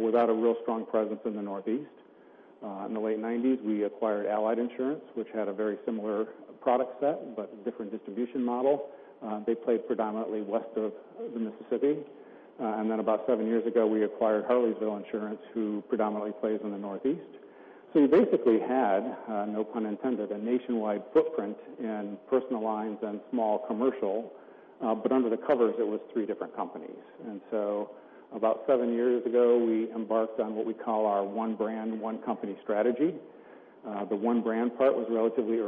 without a real strong presence in the Northeast. In the late 1990s, we acquired Allied Insurance, which had a very similar product set, but different distribution model. They played predominantly west of the Mississippi. About 7 years ago, we acquired Harleysville Insurance, who predominantly plays in the Northeast. We basically had, no pun intended, a nationwide footprint in personal lines and small commercial. Under the covers, it was 3 different companies. About 7 years ago, we embarked on what we call our One Brand, One Company Strategy. The one brand part was relatively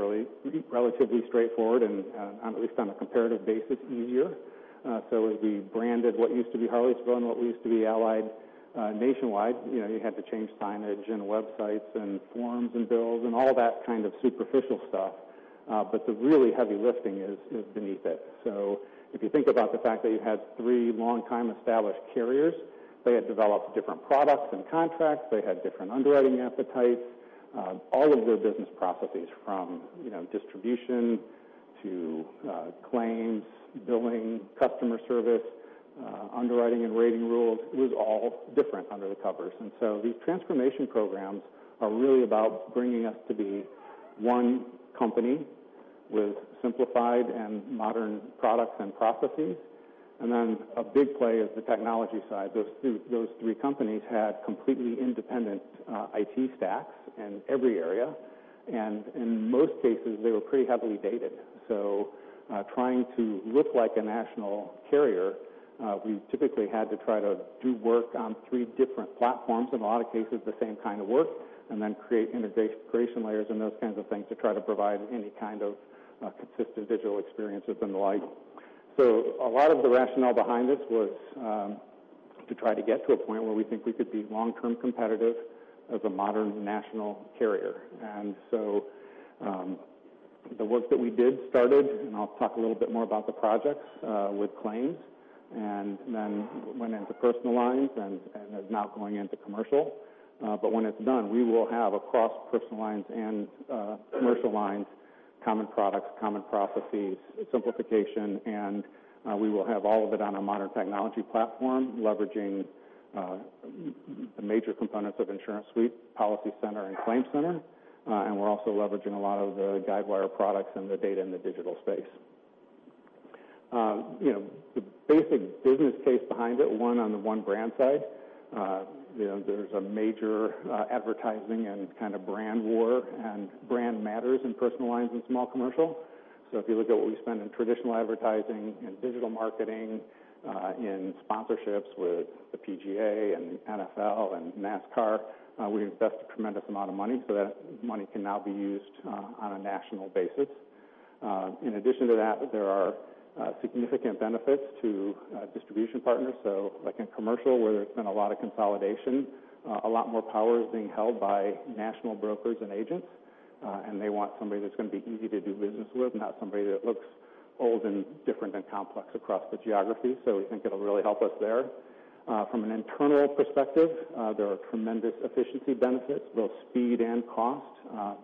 straightforward and, at least on a comparative basis, easier. As we branded what used to be Harleysville and what used to be Allied, Nationwide, you had to change signage and websites and forms and bills and all that kind of superficial stuff. The really heavy lifting is beneath it. If you think about the fact that you had 3 longtime established carriers, they had developed different products and contracts, they had different underwriting appetites. All of their business processes from distribution to claims, billing, customer service, underwriting and rating rules, it was all different under the covers. These transformation programs are really about bringing us to be 1 company with simplified and modern products and processes. A big play is the technology side. Those 3 companies had completely independent IT stacks in every area, and in most cases, they were pretty heavily dated. Trying to look like a national carrier, we typically had to try to do work on 3 different platforms, in a lot of cases, the same kind of work, and then create integration layers and those kinds of things to try to provide any kind of consistent digital experiences and the like. A lot of the rationale behind this was to try to get to a point where we think we could be long-term competitive as a modern national carrier. The work that we did started, and I'll talk a little bit more about the projects with claims, and then went into personal lines and is now going into commercial. When it's done, we will have, across personal lines and commercial lines, common products, common processes, simplification, and we will have all of it on a modern technology platform leveraging the major components of InsuranceSuite, PolicyCenter, and ClaimCenter. We're also leveraging a lot of the Guidewire products and the data in the digital space. The basic business case behind it, one on the one brand side there's a major advertising and kind of brand war, and brand matters in personal lines and small commercial. If you look at what we spend in traditional advertising, in digital marketing, in sponsorships with the PGA and the NFL and NASCAR, we invest a tremendous amount of money. That money can now be used on a national basis. In addition to that, there are significant benefits to distribution partners. Like in commercial, where there's been a lot of consolidation, a lot more power is being held by national brokers and agents, and they want somebody that's going to be easy to do business with, not somebody that looks old and different and complex across the geography. We think it'll really help us there. From an internal perspective, there are tremendous efficiency benefits, both speed and cost,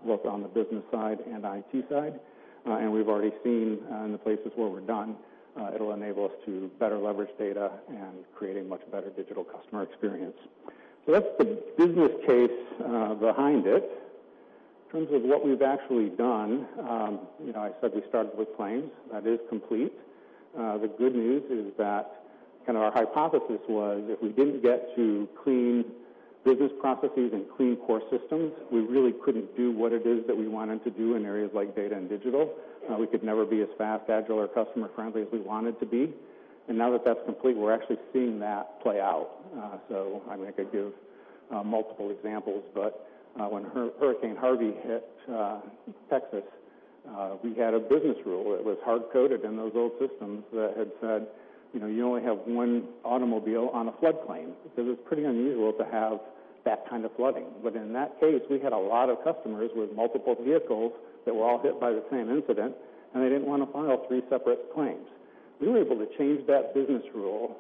both on the business side and IT side. We've already seen in the places where we're done, it'll enable us to better leverage data and create a much better digital customer experience. That's the business case behind it. In terms of what we've actually done, I said we started with claims. That is complete. The good news is that kind of our hypothesis was if we didn't get to clean business processes and clean core systems, we really couldn't do what it is that we wanted to do in areas like data and digital. We could never be as fast, agile, or customer-friendly as we wanted to be. Now that that's complete, we're actually seeing that play out. I could give multiple examples, but when Hurricane Harvey hit Texas, we had a business rule. It was hard-coded in those old systems that had said, "You only have one automobile on a flood plain." Because it's pretty unusual to have that kind of flooding. But in that case, we had a lot of customers with multiple vehicles that were all hit by the same incident, and they didn't want to file 3 separate claims. We were able to change that business rule,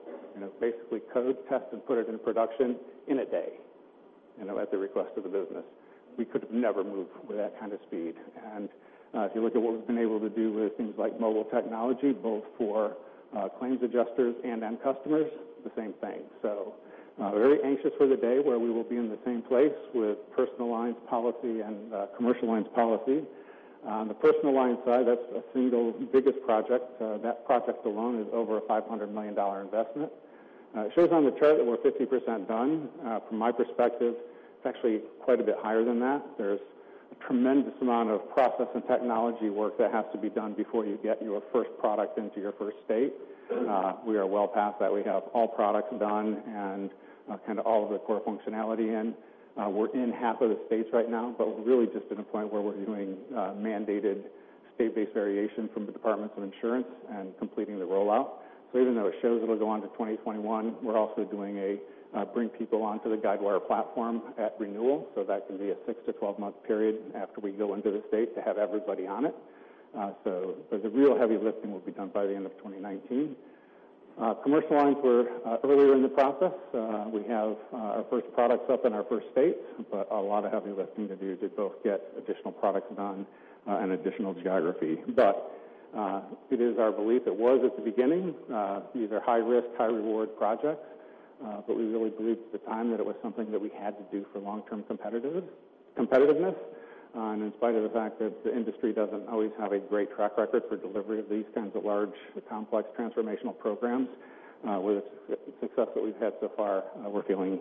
basically code, test, and put it in production in a day at the request of the business. We could have never moved with that kind of speed. If you look at what we've been able to do with things like mobile technology, both for claims adjusters and end customers, the same thing. Very anxious for the day where we will be in the same place with personal lines policy and commercial lines policy. On the personal lines side, that's a single biggest project. That project alone is over a $500 million investment. It shows on the chart that we're 50% done. From my perspective, it's actually quite a bit higher than that. There's a tremendous amount of process and technology work that has to be done before you get your first product into your first state. We are well past that. We have all products done and kind of all of the core functionality in. We're in half of the states right now, but really just at a point where we're doing mandated state-based variation from the departments of insurance and completing the rollout. Even though it shows it'll go on to 2021, we're also doing a bring people onto the Guidewire platform at renewal. That can be a six-to-12-month period after we go into the state to have everybody on it. There's a real heavy lifting will be done by the end of 2019. Commercial lines we're earlier in the process. We have our first products up in our first state, but a lot of heavy lifting to do to both get additional products done and additional geography. It is our belief, it was at the beginning, these are high-risk, high-reward projects. We really believed at the time that it was something that we had to do for long-term competitiveness. In spite of the fact that the industry doesn't always have a great track record for delivery of these kinds of large, complex transformational programs, with the success that we've had so far, we're feeling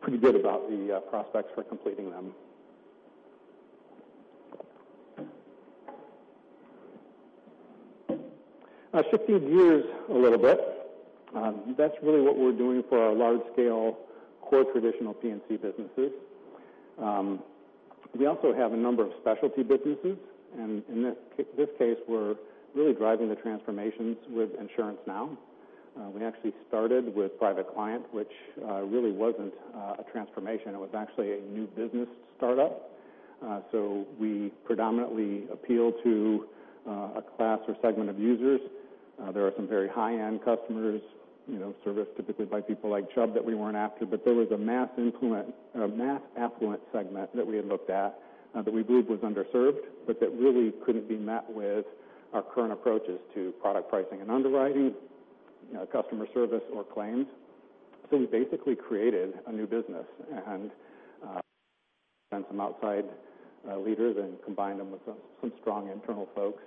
pretty good about the prospects for completing them. I shifted gears a little bit. That's really what we're doing for our large-scale, core traditional P&C businesses. We also have a number of specialty businesses, and in this case, we're really driving the transformations with InsuranceNow. We actually started with private client, which really wasn't a transformation. It was actually a new business startup. We predominantly appeal to a class or segment of users. There are some very high-end customers serviced typically by people like Chubb that we weren't after, there was a mass affluent segment that we had looked at that we believed was underserved, that really couldn't be met with our current approaches to product pricing and underwriting, customer service, or claims. We basically created a new business and sent some outside leaders and combined them with some strong internal folks.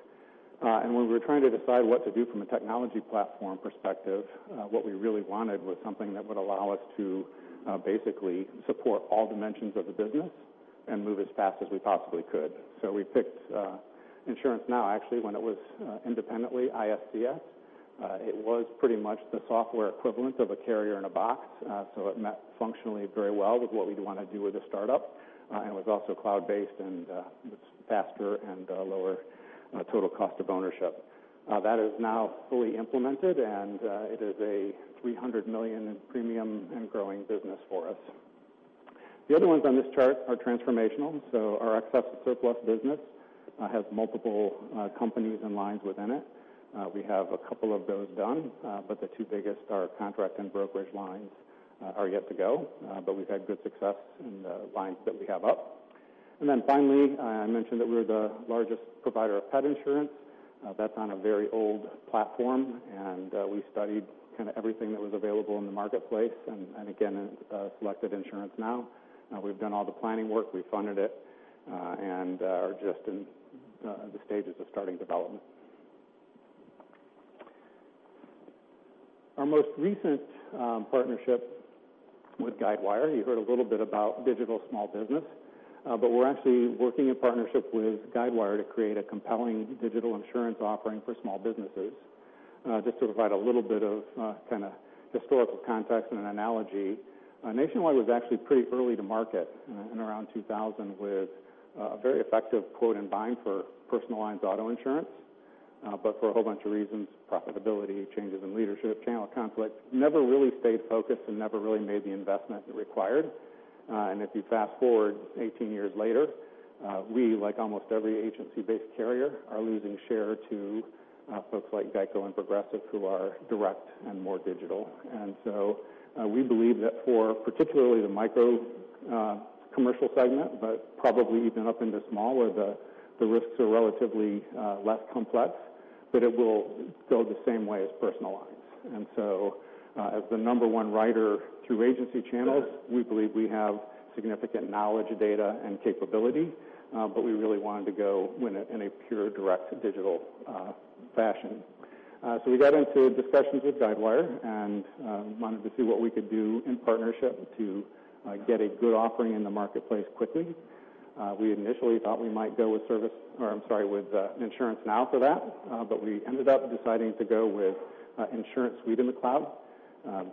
When we were trying to decide what to do from a technology platform perspective, what we really wanted was something that would allow us to basically support all dimensions of the business and move as fast as we possibly could. We picked InsuranceNow, actually, when it was independently ISCS. It was pretty much the software equivalent of a carrier in a box. It met functionally very well with what we'd want to do with a startup. It was also cloud-based, and it's faster and lower total cost of ownership. That is now fully implemented, and it is a $300 million in premium and growing business for us. The other ones on this chart are transformational. Our excess surplus business has multiple companies and lines within it. We have a couple of those done, but the two biggest are contract and brokerage lines are yet to go. We've had good success in the lines that we have up. Finally, I mentioned that we're the largest provider of pet insurance. That's on a very old platform, and we studied kind of everything that was available in the marketplace and, again, selected InsuranceNow. We've done all the planning work. We funded it and are just in the stages of starting development. Our most recent partnership with Guidewire, you heard a little bit about Digital Small Business, but we're actually working in partnership with Guidewire to create a compelling digital insurance offering for small businesses. Just to provide a little bit of kind of historical context and an analogy, Nationwide was actually pretty early to market in around 2000 with a very effective quote and bind for personal lines auto insurance. For a whole bunch of reasons, profitability, changes in leadership, channel conflict, never really stayed focused and never really made the investment it required. If you fast-forward 18 years later, we, like almost every agency-based carrier, are losing share to folks like GEICO and Progressive who are direct and more digital. We believe that for particularly the micro commercial segment, but probably even up into small, where the risks are relatively less complex, that it will go the same way as personal lines. As the number one writer through agency channels, we believe we have significant knowledge, data, and capability. We really wanted to go in a pure direct digital fashion. We got into discussions with Guidewire and wanted to see what we could do in partnership to get a good offering in the marketplace quickly. We initially thought we might go with InsuranceNow for that, but we ended up deciding to go with InsuranceSuite in the cloud.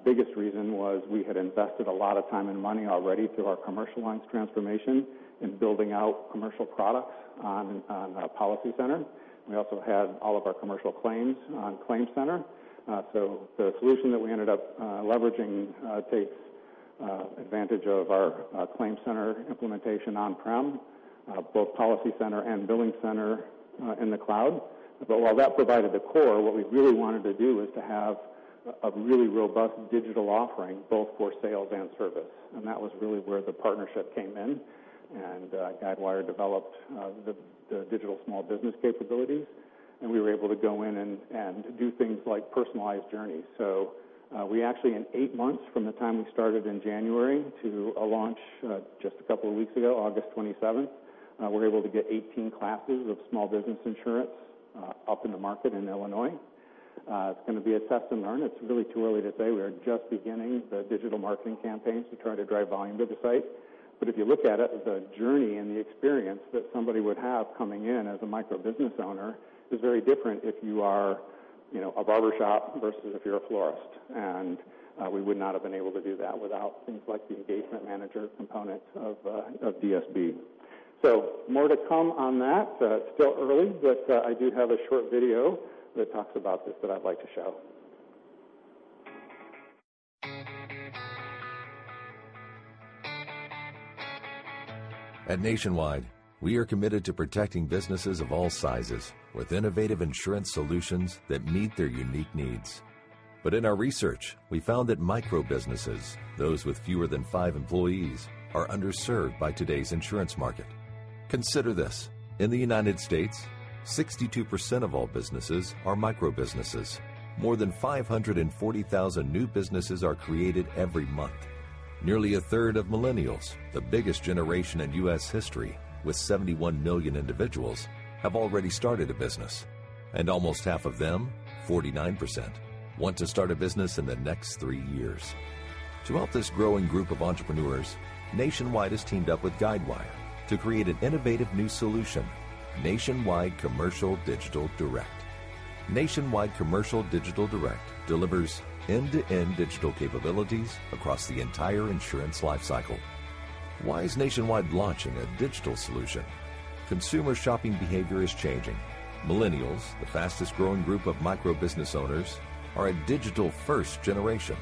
Biggest reason was we had invested a lot of time and money already through our commercial lines transformation in building out commercial products on PolicyCenter. We also had all of our commercial claims on ClaimCenter. The solution that we ended up leveraging takes advantage of our ClaimCenter implementation on-prem, both PolicyCenter and BillingCenter in the cloud. While that provided the core, what we really wanted to do was to have a really robust digital offering both for sales and service. That was really where the partnership came in, and Guidewire developed the Digital Small Business capabilities, and we were able to go in and do things like personalize journeys. We actually, in eight months from the time we started in January to a launch just a couple of weeks ago, August 27th, were able to get 18 classes of small business insurance up in the market in Illinois. It's going to be a test and learn. It's really too early to say. We are just beginning the digital marketing campaigns to try to drive volume to the site. If you look at it, the journey and the experience that somebody would have coming in as a micro business owner is very different if you are a barbershop versus if you are a florist. We would not have been able to do that without things like the Engagement Manager component of DSB. More to come on that. It is still early, but I do have a short video that talks about this that I would like to show. At Nationwide, we are committed to protecting businesses of all sizes with innovative insurance solutions that meet their unique needs. In our research, we found that micro businesses, those with fewer than five employees, are underserved by today's insurance market. Consider this. In the U.S., 62% of all businesses are micro businesses. More than 540,000 new businesses are created every month. Nearly a third of millennials, the biggest generation in U.S. history, with 71 million individuals, have already started a business, and almost half of them, 49%, want to start a business in the next three years. To help this growing group of entrepreneurs, Nationwide has teamed up with Guidewire to create an innovative new solution, Nationwide Commercial Digital Direct. Nationwide Commercial Digital Direct delivers end-to-end digital capabilities across the entire insurance life cycle. Why is Nationwide launching a digital solution? Consumer shopping behavior is changing. Millennials, the fastest-growing group of micro business owners, are a digital-first generation,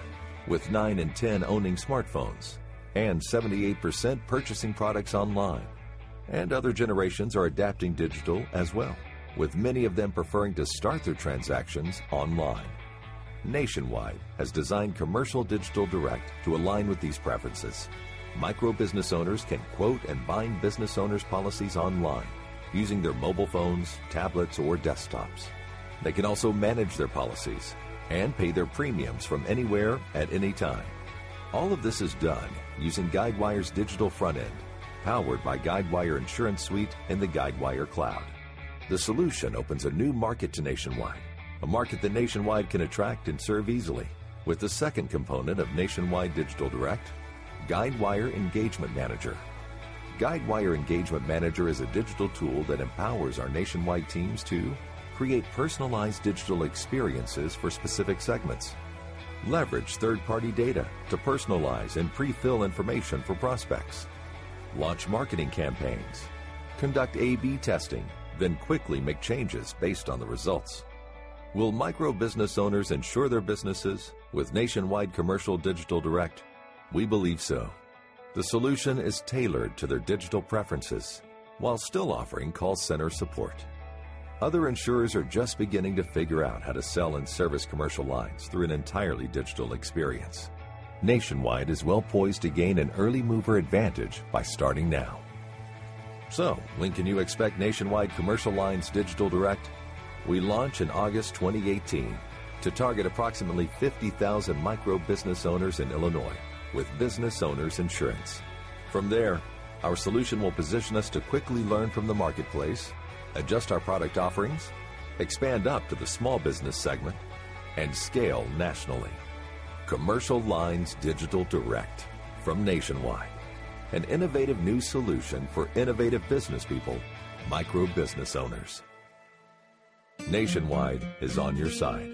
with 9 in 10 owning smartphones and 78% purchasing products online. Other generations are adapting digital as well, with many of them preferring to start their transactions online. Nationwide has designed Commercial Digital Direct to align with these preferences. Micro business owners can quote and bind business owners' policies online using their mobile phones, tablets, or desktops. They can also manage their policies and pay their premiums from anywhere at any time. All of this is done using Guidewire's digital front end, powered by Guidewire InsuranceSuite and the Guidewire Cloud. The solution opens a new market to Nationwide, a market that Nationwide can attract and serve easily with the second component of Nationwide Digital Direct, Guidewire Engagement Manager. Guidewire Engagement Manager is a digital tool that empowers our Nationwide teams to create personalized digital experiences for specific segments, leverage third-party data to personalize and pre-fill information for prospects, launch marketing campaigns, conduct A/B testing, quickly make changes based on the results. Will micro business owners insure their businesses with Nationwide Commercial Digital Direct? We believe so. The solution is tailored to their digital preferences while still offering call center support. Other insurers are just beginning to figure out how to sell and service commercial lines through an entirely digital experience. Nationwide is well-poised to gain an early-mover advantage by starting now. When can you expect Nationwide Commercial Lines Digital Direct? We launch in August 2018 to target approximately 50,000 micro business owners in Illinois with business owners insurance. From there, our solution will position us to quickly learn from the marketplace, adjust our product offerings, expand up to the small business segment, and scale nationally. Commercial Lines Digital Direct from Nationwide, an innovative new solution for innovative business people, micro business owners. Nationwide is on your side.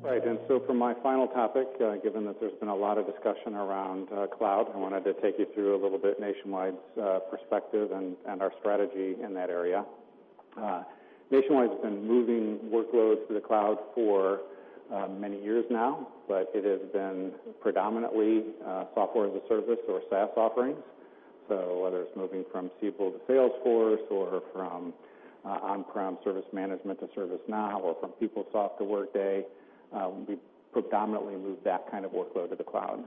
Right. For my final topic, given that there's been a lot of discussion around cloud, I wanted to take you through a little bit Nationwide's perspective and our strategy in that area. Nationwide's been moving workloads to the cloud for many years now, but it has been predominantly software as a service or SaaS offerings. Whether it's moving from Siebel to Salesforce or from on-prem service management to ServiceNow or from PeopleSoft to Workday, we predominantly moved that kind of workload to the cloud.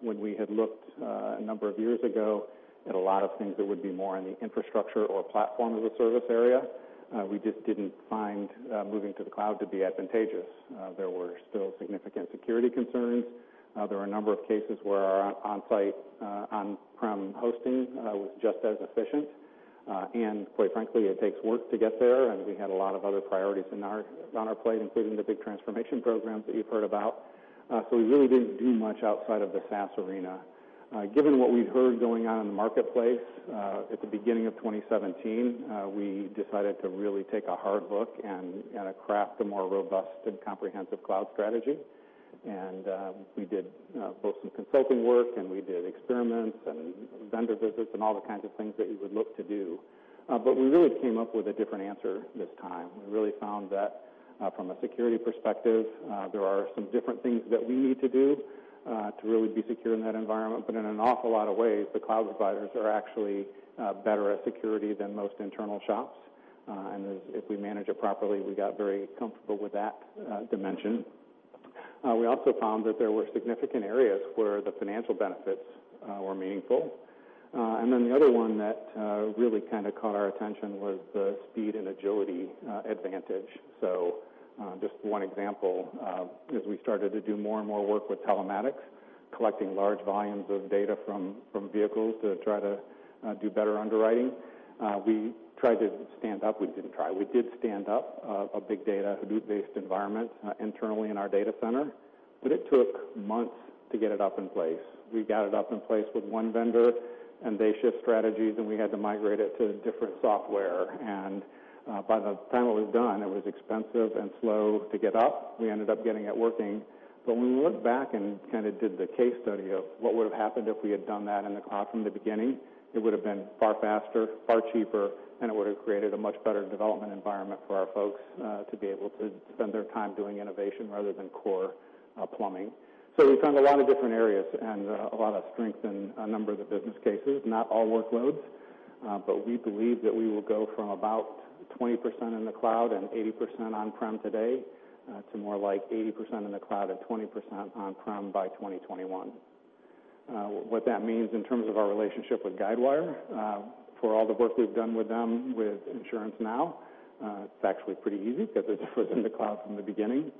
When we had looked a number of years ago at a lot of things that would be more in the infrastructure or platform as a service area, we just didn't find moving to the cloud to be advantageous. There were still significant security concerns. There are a number of cases where our on-site, on-prem hosting was just as efficient. Quite frankly, it takes work to get there, and we had a lot of other priorities on our plate, including the big transformation programs that you've heard about. We really didn't do much outside of the SaaS arena. Given what we heard going on in the marketplace at the beginning of 2017, we decided to really take a hard look and craft a more robust and comprehensive cloud strategy. We did both some consulting work, and we did experiments and vendor visits and all the kinds of things that you would look to do. We really came up with a different answer this time. We really found that from a security perspective, there are some different things that we need to do to really be secure in that environment. In an awful lot of ways, the cloud providers are actually better at security than most internal shops. If we manage it properly, we got very comfortable with that dimension. We also found that there were significant areas where the financial benefits were meaningful. The other one that really kind of caught our attention was the speed and agility advantage. Just one example is we started to do more and more work with telematics, collecting large volumes of data from vehicles to try to do better underwriting. We didn't try. We did stand up a big data Hadoop-based environment internally in our data center, but it took months to get it up in place. We got it up in place with one vendor, and they shift strategies, and we had to migrate it to different software. By the time it was done, it was expensive and slow to get up. We ended up getting it working. When we looked back and kind of did the case study of what would have happened if we had done that in the cloud from the beginning, it would have been far faster, far cheaper, and it would have created a much better development environment for our folks to be able to spend their time doing innovation rather than core plumbing. We found a lot of different areas and a lot of strength in a number of the business cases, not all workloads. We believe that we will go from about 20% in the cloud and 80% on-prem today to more like 80% in the cloud and 20% on-prem by 2021. What that means in terms of our relationship with Guidewire, for all the work we've done with them with InsuranceNow, it's actually pretty easy because it was in the cloud from the beginning.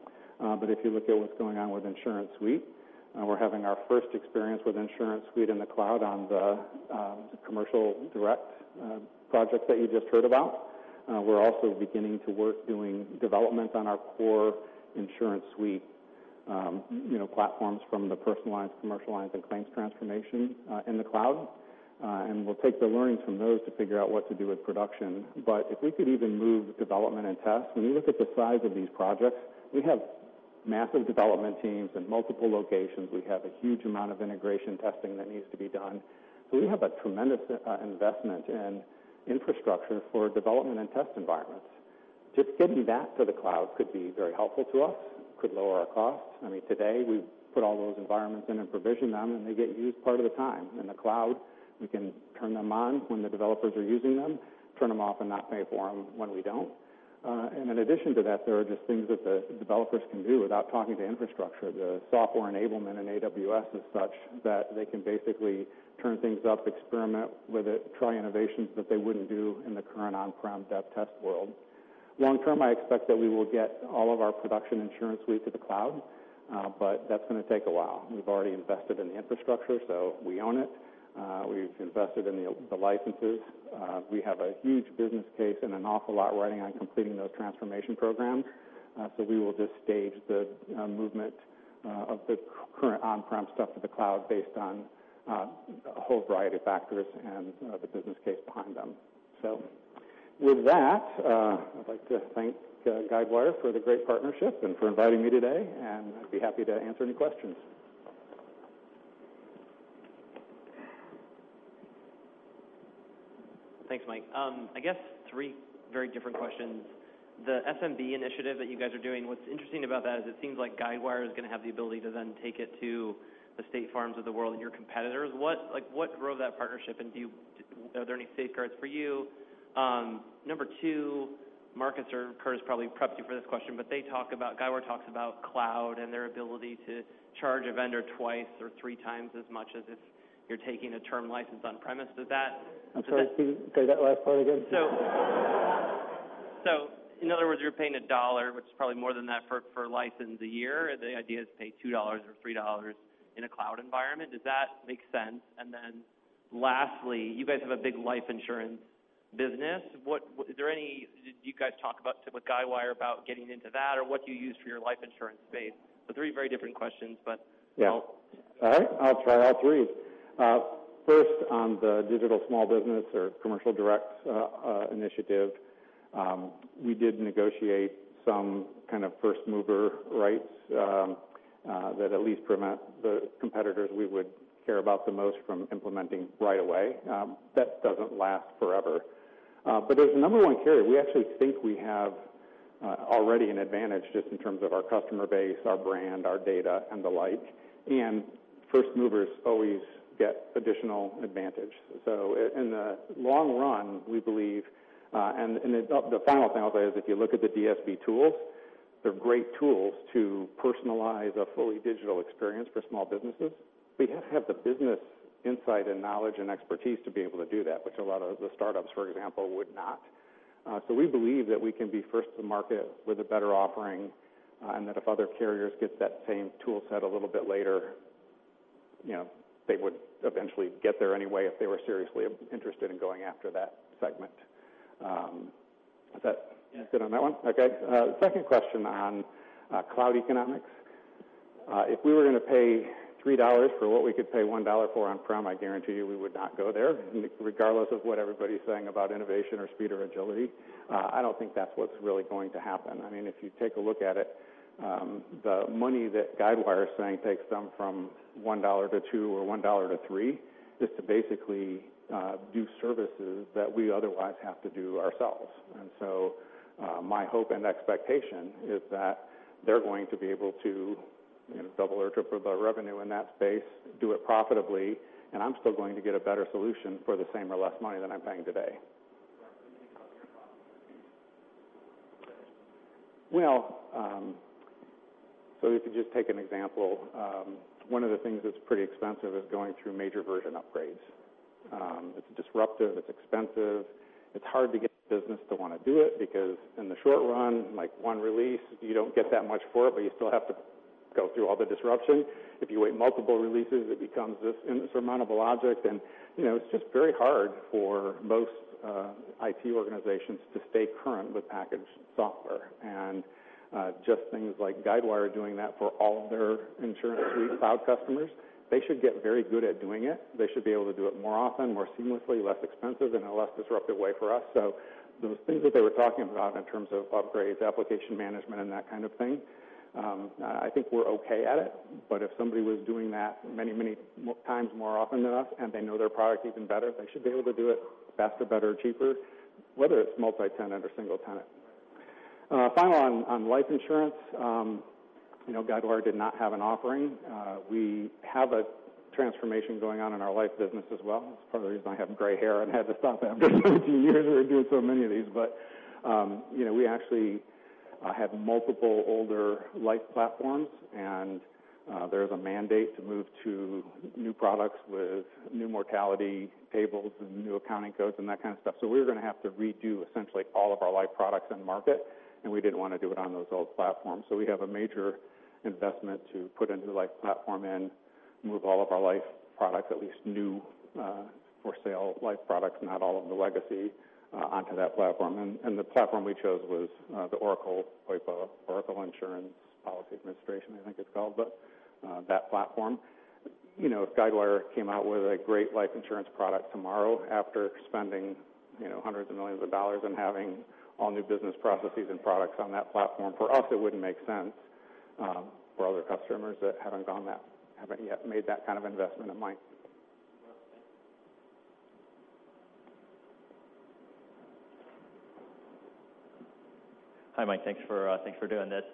If you look at what's going on with InsuranceSuite, we're having our first experience with InsuranceSuite in the cloud on the Commercial Direct project that you just heard about. We're also beginning to work doing development on our core InsuranceSuite platforms from the personal lines, commercial lines, and claims transformation in the cloud. We'll take the learnings from those to figure out what to do with production. If we could even move development and tests, when you look at the size of these projects, we have massive development teams in multiple locations. We have a huge amount of integration testing that needs to be done. We have a tremendous investment in infrastructure for development and test environments. Just getting that to the cloud could be very helpful to us, could lower our costs. Today, we put all those environments in and provision them, and they get used part of the time. In the cloud, we can turn them on when the developers are using them, turn them off and not pay for them when we don't. In addition to that, there are just things that the developers can do without talking to infrastructure. The software enablement in AWS is such that they can basically turn things up, experiment with it, try innovations that they wouldn't do in the current on-prem dev test world. Long-term, I expect that we will get all of our production InsuranceSuite to the cloud, but that's going to take a while. We've already invested in the infrastructure, so we own it. We've invested in the licenses. We have a huge business case and an awful lot riding on completing those transformation programs. We will just stage the movement of the current on-prem stuff to the cloud based on a whole variety of factors and the business case behind them. With that, I'd like to thank Guidewire for the great partnership and for inviting me today, and I'd be happy to answer any questions. Thanks, Mike. I guess three very different questions. The SMB initiative that you guys are doing, what's interesting about that is it seems like Guidewire is going to have the ability to then take it to the State Farm of the world and your competitors. What drove that partnership, and are there any safeguards for you? Number two, Marcus or Curtis probably prepped you for this question, Guidewire talks about cloud and their ability to charge a vendor two or three times as much as if you're taking a term license on-premise. Does that- I'm sorry, could you say that last part again? In other words, you're paying $1, which is probably more than that for a license a year. The idea is to pay $2 or $3 in a cloud environment. Does that make sense? Lastly, you guys have a big life insurance business. Do you guys talk about, with Guidewire, about getting into that, or what do you use for your life insurance space? Three very different questions, but- Yeah. All right, I'll try all three. First, on the Digital Small Business or commercial direct initiative, we did negotiate some kind of first-mover rights that at least prevent the competitors we would care about the most from implementing right away. That doesn't last forever. As the number one carrier, we actually think we have already an advantage just in terms of our customer base, our brand, our data, and the like. First movers always get additional advantage. In the long run, we believe. The final thing I'll say is if you look at the DSB tools, they're great tools to personalize a fully digital experience for small businesses. We have the business insight and knowledge and expertise to be able to do that, which a lot of the startups, for example, would not. We believe that we can be first to market with a better offering, and that if other carriers get that same toolset a little bit later, they would eventually get there anyway if they were seriously interested in going after that segment. Is that good on that one? Yeah. Okay. Second question on cloud economics. If we were going to pay $3 for what we could pay $1 for on-prem, I guarantee you we would not go there, regardless of what everybody's saying about innovation or speed or agility. I don't think that's what's really going to happen. If you take a look at it, the money that Guidewire is saying takes them from $1 to $2 or $1 to $3 just to basically do services that we otherwise have to do ourselves. My hope and expectation is that they're going to be able to double or triple the revenue in that space, do it profitably, and I'm still going to get a better solution for the same or less money than I'm paying today. Right. Can you talk through your thought process on that distinction? If you just take an example, one of the things that's pretty expensive is going through major version upgrades. It's disruptive, it's expensive. It's hard to get the business to want to do it because in the short run, like one release, you don't get that much for it, but you still have to go through all the disruption. If you wait multiple releases, it becomes this insurmountable object, and it's just very hard for most IT organizations to stay current with packaged software. Things like Guidewire doing that for all of their InsuranceSuite cloud customers, they should get very good at doing it. They should be able to do it more often, more seamlessly, less expensive, in a less disruptive way for us. Those things that they were talking about in terms of upgrades, application management, and that kind of thing, I think we're okay at it, but if somebody was doing that many, many times more often than us, and they know their product even better, they should be able to do it faster, better, cheaper, whether it's multi-tenant or single tenant. Right. Final on life insurance. Guidewire did not have an offering. We have a transformation going on in our life business as well. It's part of the reason I have gray hair and had to stop after 15 years of doing so many of these. We actually have multiple older life platforms, and there's a mandate to move to new products with new mortality tables and new accounting codes and that kind of stuff. We were going to have to redo essentially all of our life products and market, and we didn't want to do it on those old platforms. We have a major investment to put a new life platform in, move all of our life products, at least new for sale life products, not all of the legacy, onto that platform. The platform we chose was the Oracle OIPA, Oracle Insurance Policy Administration, I think it's called, but that platform. If Guidewire came out with a great life insurance product tomorrow after spending $hundreds of millions and having all new business processes and products on that platform, for us, it wouldn't make sense for other customers that haven't yet made that kind of investment in mind. Hi, Mike. Thanks for doing this.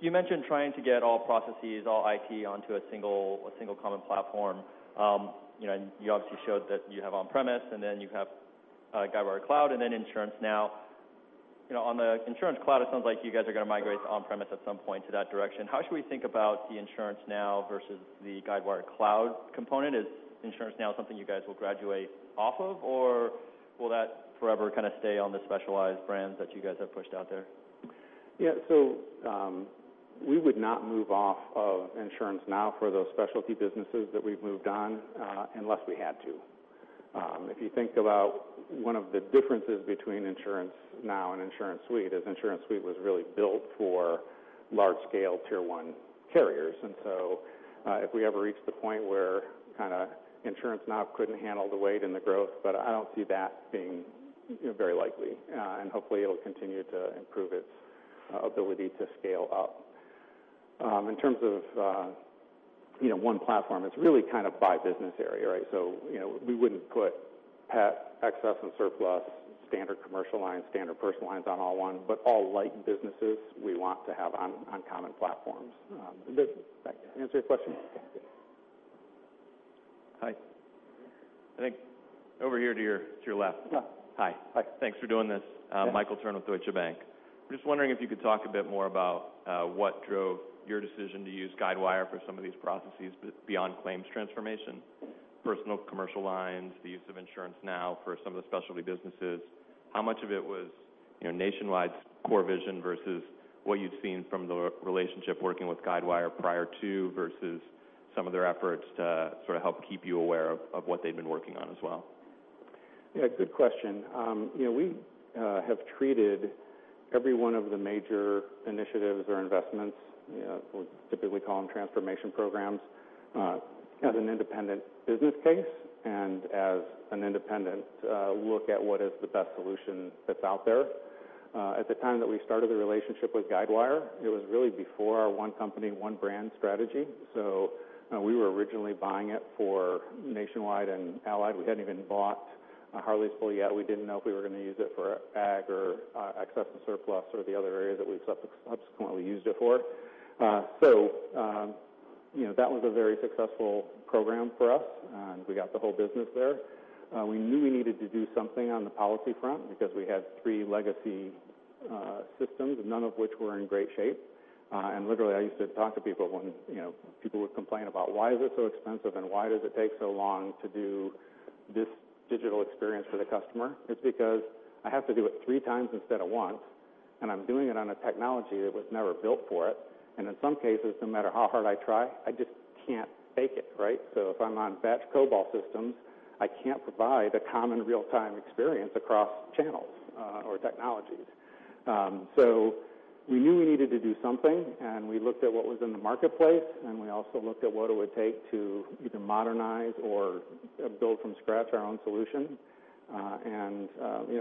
You mentioned trying to get all processes, all IT onto a single common platform. You obviously showed that you have on-premise, and then you have Guidewire Cloud and then InsuranceNow. On the InsuranceCloud, it sounds like you guys are going to migrate to on-premise at some point to that direction. How should we think about the InsuranceNow versus the Guidewire Cloud component? Is InsuranceNow something you guys will graduate off of, or will that forever kind of stay on the specialized brands that you guys have pushed out there? Yeah. We would not move off of InsuranceNow for those specialty businesses that we've moved on, unless we had to. If you think about one of the differences between InsuranceNow and InsuranceSuite, is InsuranceSuite was really built for large-scale tier 1 carriers. If we ever reached the point where kind of InsuranceNow couldn't handle the weight and the growth, but I don't see that being very likely. Hopefully it'll continue to improve its ability to scale up. In terms of one platform, it's really kind of by business area, right? We wouldn't put excess and surplus standard commercial lines, standard personal lines on all one, but all like businesses, we want to have on common platforms. Does that answer your question? Yeah. Hi. I think over here to your left. Yeah. Hi. Hi. Thanks for doing this. Yeah. Michael Turrin with Deutsche Bank. I'm just wondering if you could talk a bit more about what drove your decision to use Guidewire for some of these processes beyond claims transformation, personal commercial lines, the use of InsuranceNow for some of the specialty businesses. How much of it was Nationwide's core vision versus what you'd seen from the relationship working with Guidewire prior to, versus some of their efforts to sort of help keep you aware of what they'd been working on as well? Yeah, good question. We have treated every one of the major initiatives or investments, we typically call them transformation programs, as an independent business case and as an independent look at what is the best solution that's out there. At the time that we started the relationship with Guidewire, it was really before our One Company, One Brand Strategy. We were originally buying it for Nationwide and Allied. We hadn't even bought Harleysville fully yet. We didn't know if we were going to use it for ag or excess and surplus or the other areas that we've subsequently used it for. That was a very successful program for us, and we got the whole business there. We knew we needed to do something on the policy front because we had three legacy systems, none of which were in great shape. Literally, I used to talk to people when people would complain about, "Why is it so expensive, and why does it take so long to do this digital experience for the customer?" It's because I have to do it three times instead of once, and I'm doing it on a technology that was never built for it. In some cases, no matter how hard I try, I just can't fake it, right? If I'm on batch COBOL systems, I can't provide a common real-time experience across channels or technologies. We knew we needed to do something, and we looked at what was in the marketplace, and we also looked at what it would take to either modernize or build from scratch our own solution.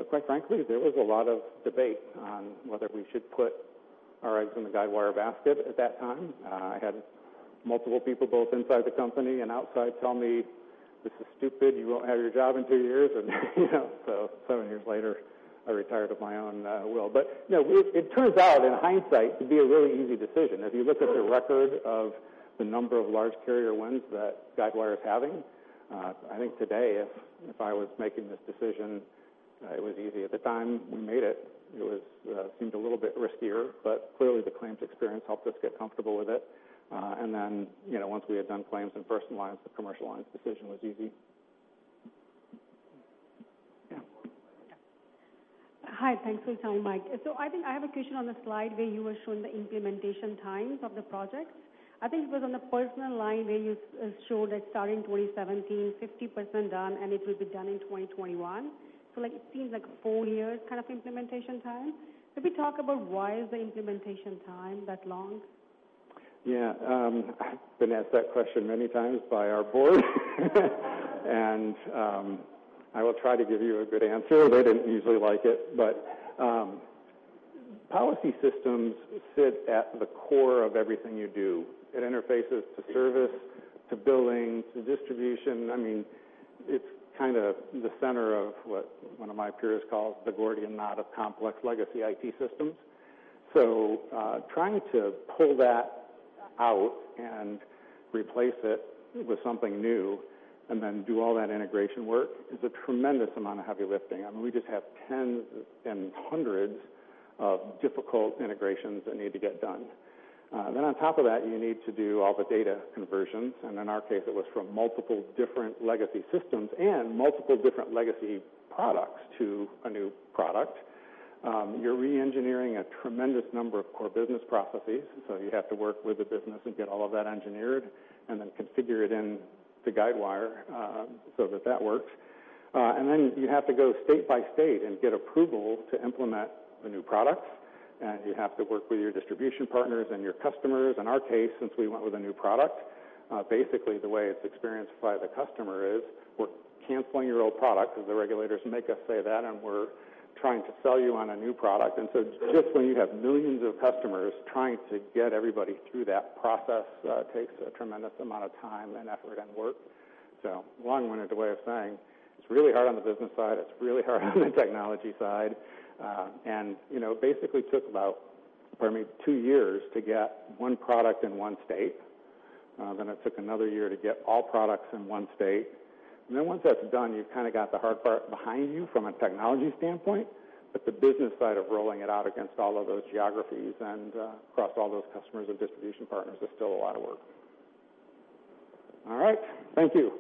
Quite frankly, there was a lot of debate on whether we should put our eggs in the Guidewire basket at that time. I had multiple people, both inside the company and outside, tell me, "This is stupid. You won't have your job in two years." Seven years later, I retired of my own will. It turns out, in hindsight, to be a really easy decision. If you look at the record of the number of large carrier wins that Guidewire is having, I think today, if I was making this decision, it was easy. At the time we made it seemed a little bit riskier, but clearly the claims experience helped us get comfortable with it. Then, once we had done claims and personal lines, the commercial lines decision was easy. Yeah. Hi. Thanks for your time, Mike. I think I have a question on the slide where you were showing the implementation times of the projects. I think it was on the personal line where you showed that starting 2017, 50% done, and it will be done in 2021. It seems like four years kind of implementation time. Could we talk about why is the implementation time that long? Yeah. I've been asked that question many times by our board. I will try to give you a good answer. They didn't usually like it, policy systems sit at the core of everything you do. It interfaces to service, to billing, to distribution. It's kind of the center of what one of my peers calls the Gordian knot of complex legacy IT systems. Trying to pull that out and replace it with something new and then do all that integration work is a tremendous amount of heavy lifting. We just have tens and hundreds of difficult integrations that need to get done. On top of that, you need to do all the data conversions, and in our case, it was from multiple different legacy systems and multiple different legacy products to a new product. You're re-engineering a tremendous number of core business processes, you have to work with the business and get all of that engineered and then configure it into Guidewire so that that works. You have to go state by state and get approval to implement the new products. You have to work with your distribution partners and your customers. In our case, since we went with a new product, basically the way it's experienced by the customer is we're canceling your old product because the regulators make us say that, and we're trying to sell you on a new product. Just when you have millions of customers, trying to get everybody through that process takes a tremendous amount of time and effort and work. Long-winded way of saying it's really hard on the business side, it's really hard on the technology side. It basically took about two years to get one product in one state. It took another year to get all products in one state. Once that's done, you've kind of got the hard part behind you from a technology standpoint, but the business side of rolling it out against all of those geographies and across all those customers and distribution partners is still a lot of work. All right. Thank you.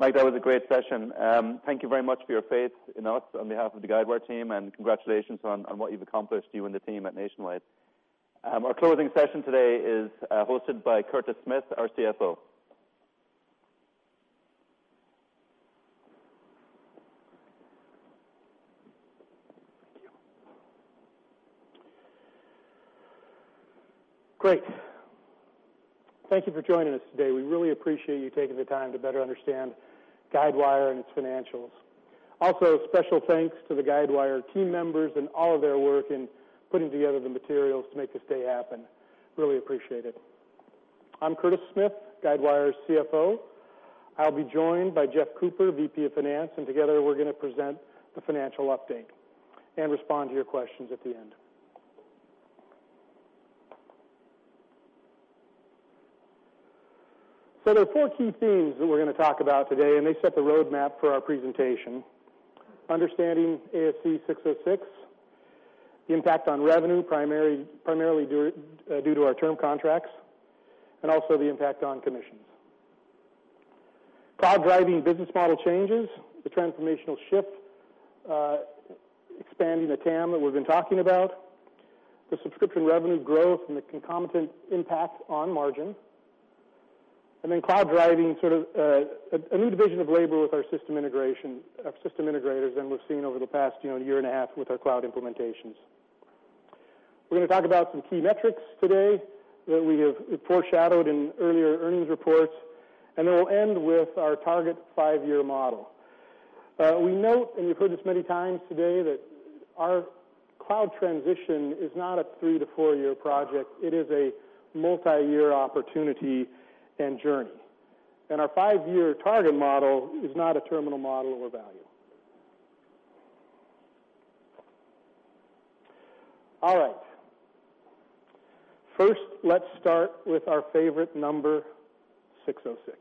Mike, that was a great session. Thank you very much for your faith in us on behalf of the Guidewire team, and congratulations on what you've accomplished, you and the team at Nationwide. Our closing session today is hosted by Curtis Smith, our CFO. Thank you. Great. Thank you for joining us today. We really appreciate you taking the time to better understand Guidewire and its financials. Also, a special thanks to the Guidewire team members and all of their work in putting together the materials to make this day happen. Really appreciate it. I'm Curtis Smith, Guidewire's CFO. I'll be joined by Jeff Cooper, VP of Finance, and together we're going to present the financial update and respond to your questions at the end. There are four key themes that we're going to talk about today, and they set the roadmap for our presentation. Understanding ASC 606, the impact on revenue, primarily due to our term contracts, and also the impact on commissions. Cloud driving business model changes, the transformational shift, expanding the TAM that we've been talking about. The subscription revenue growth and the concomitant impact on margin. Cloud driving sort of a new division of labor with our system integrators than we've seen over the past year and a half with our cloud implementations. We're going to talk about some key metrics today that we have foreshadowed in earlier earnings reports, then we'll end with our target five-year model. We note, and you've heard this many times today, that our cloud transition is not a three to four-year project. It is a multi-year opportunity and journey. Our five-year target model is not a terminal model or value. All right. First, let's start with our favorite number, 606.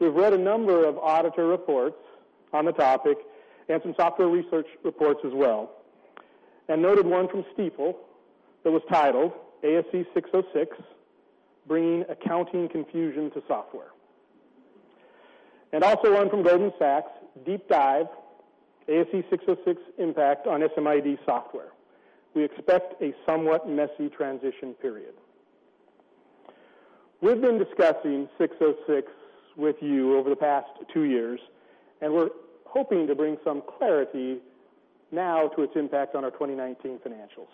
We've read a number of auditor reports on the topic and some software research reports as well, and noted one from Stifel that was titled "ASC 606: Bringing Accounting Confusion to Software." Also one from Goldman Sachs, "Deep Dive: ASC 606 Impact on SMID Software. We Expect a Somewhat Messy Transition Period. We've been discussing 606 with you over the past two years, and we're hoping to bring some clarity now to its impact on our 2019 financials.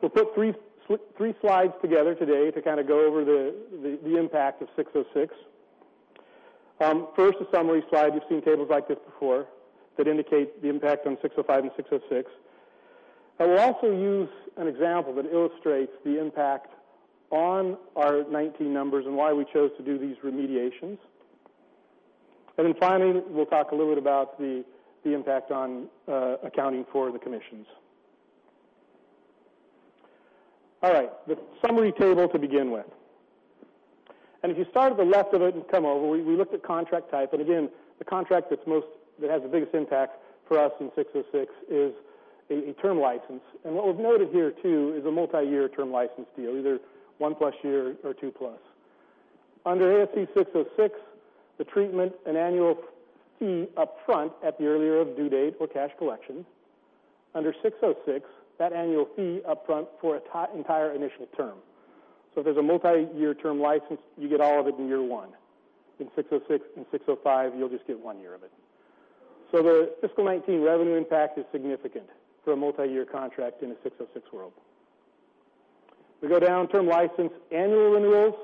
We'll put three slides together today to kind of go over the impact of 606. First, a summary slide. You've seen tables like this before that indicate the impact on 605 and 606. I will also use an example that illustrates the impact on our 2019 numbers and why we chose to do these remediations. Finally, we'll talk a little bit about the impact on accounting for the commissions. All right, the summary table to begin with. If you start at the left of it and come over, we looked at contract type. Again, the contract that has the biggest impact for us in 606 is a term license. What we've noted here, too, is a multi-year term license deal, either one-plus year or two-plus. Under ASC 606, the treatment, an annual fee up front at the earlier of due date or cash collection. Under 606, that annual fee up front for an entire initial term. If there's a multi-year term license, you get all of it in year one. In 605, you'll just get one year of it. The fiscal 2019 revenue impact is significant for a multi-year contract in a 606 world. We go down, term license annual renewals.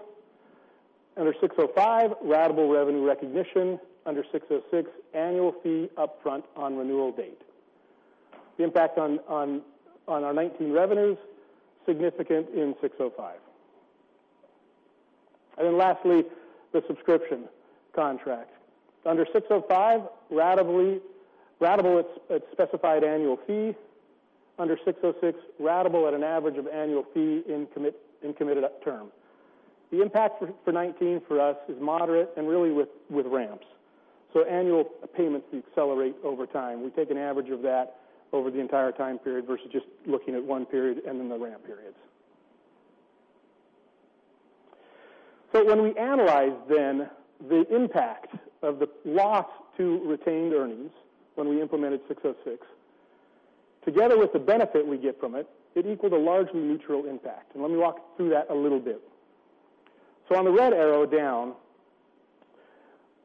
Under 605, ratable revenue recognition. Under 606, annual fee up front on renewal date. The impact on our 2019 revenues, significant in 605. Lastly, the subscription contracts. Under 605, ratable at specified annual fee. Under 606, ratable at an average of annual fee in committed term. The impact for 2019 for us is moderate and really with ramps. Annual payments, we accelerate over time. We take an average of that over the entire time period versus just looking at one period and then the ramp periods. When we analyze then the impact of the loss to retained earnings when we implemented 606. Together with the benefit we get from it equaled a largely neutral impact. Let me walk through that a little bit. On the red arrow down,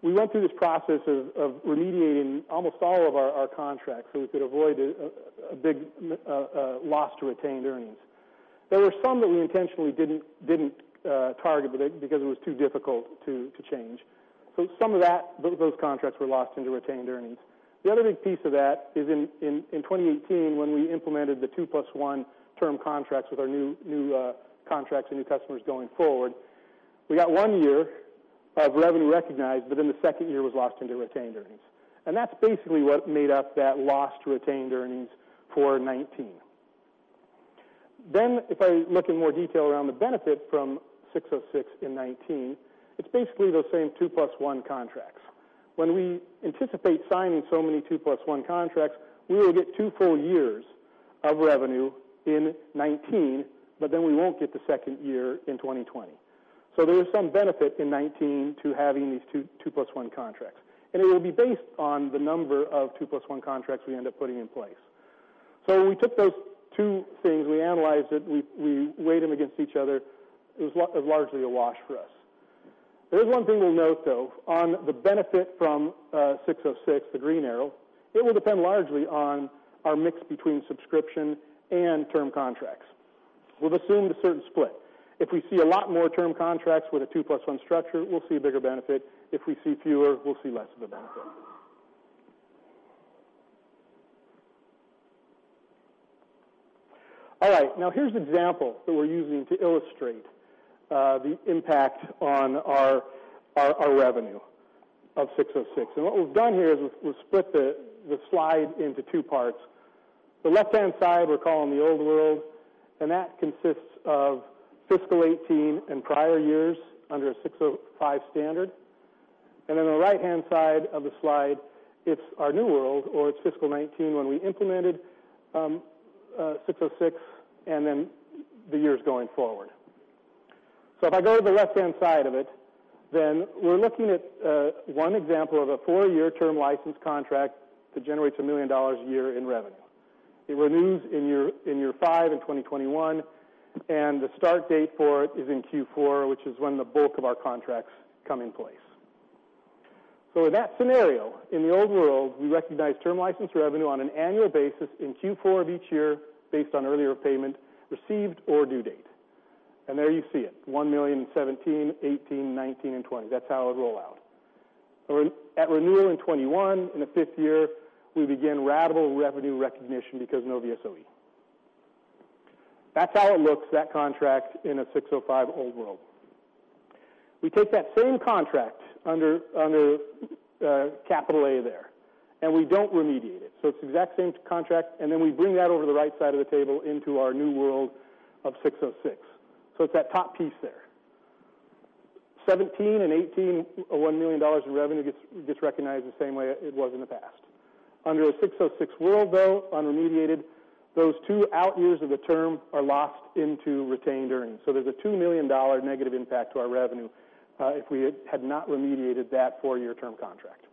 we went through this process of remediating almost all of our contracts so we could avoid a big loss to retained earnings. There were some that we intentionally didn't target because it was too difficult to change. Some of those contracts were lost into retained earnings. The other big piece of that is in 2018, when we implemented the two plus one term contracts with our new contracts and new customers going forward, we got one year of revenue recognized, but the second year was lost into retained earnings. That's basically what made up that loss to retained earnings for 2019. If I look in more detail around the benefit from 606 in 2019, it's basically those same two plus one contracts. When we anticipate signing so many two plus one contracts, we will get two full years of revenue in 2019, but we won't get the second year in 2020. There is some benefit in 2019 to having these two plus one contracts, and it will be based on the number of two plus one contracts we end up putting in place. We took those two things, we analyzed it, we weighed them against each other. It was largely a wash for us. There is one thing we will note, though, on the benefit from 606, the green arrow, it will depend largely on our mix between subscription and term contracts. We have assumed a certain split. If we see a lot more term contracts with a 2+1 structure, we will see a bigger benefit. If we see fewer, we will see less of a benefit. All right. Here is an example that we are using to illustrate the impact on our revenue of 606. What we have done here is we have split the slide into two parts. The left-hand side we are calling the old world, and that consists of fiscal 2018 and prior years under a 605 standard. The right-hand side of the slide, it is our new world, or it is fiscal 2019 when we implemented 606 and then the years going forward. If I go to the left-hand side of it, we are looking at one example of a 4-year term license contract that generates $1 million a year in revenue. It renews in year 5, in 2021, and the start date for it is in Q4, which is when the bulk of our contracts come in place. In that scenario, in the old world, we recognized term license revenue on an annual basis in Q4 of each year based on earlier payment received or due date. There you see it, $1 million in 2017, 2018, 2019, and 2020. That is how it would roll out. At renewal in 2021, in the fifth year, we begin ratable revenue recognition because no VSOE. That is how it looks, that contract in a 605 old world. We take that same contract under capital A there, and we do not remediate it. It is the exact same contract, we bring that over to the right side of the table into our new world of 606. It is that top piece there. 2017 and 2018, $1 million in revenue gets recognized the same way it was in the past. Under a 606 world, though, unremediated, those 2 out years of the term are lost into retained earnings. There is a $2 million negative impact to our revenue if we had not remediated that 4-year term contract.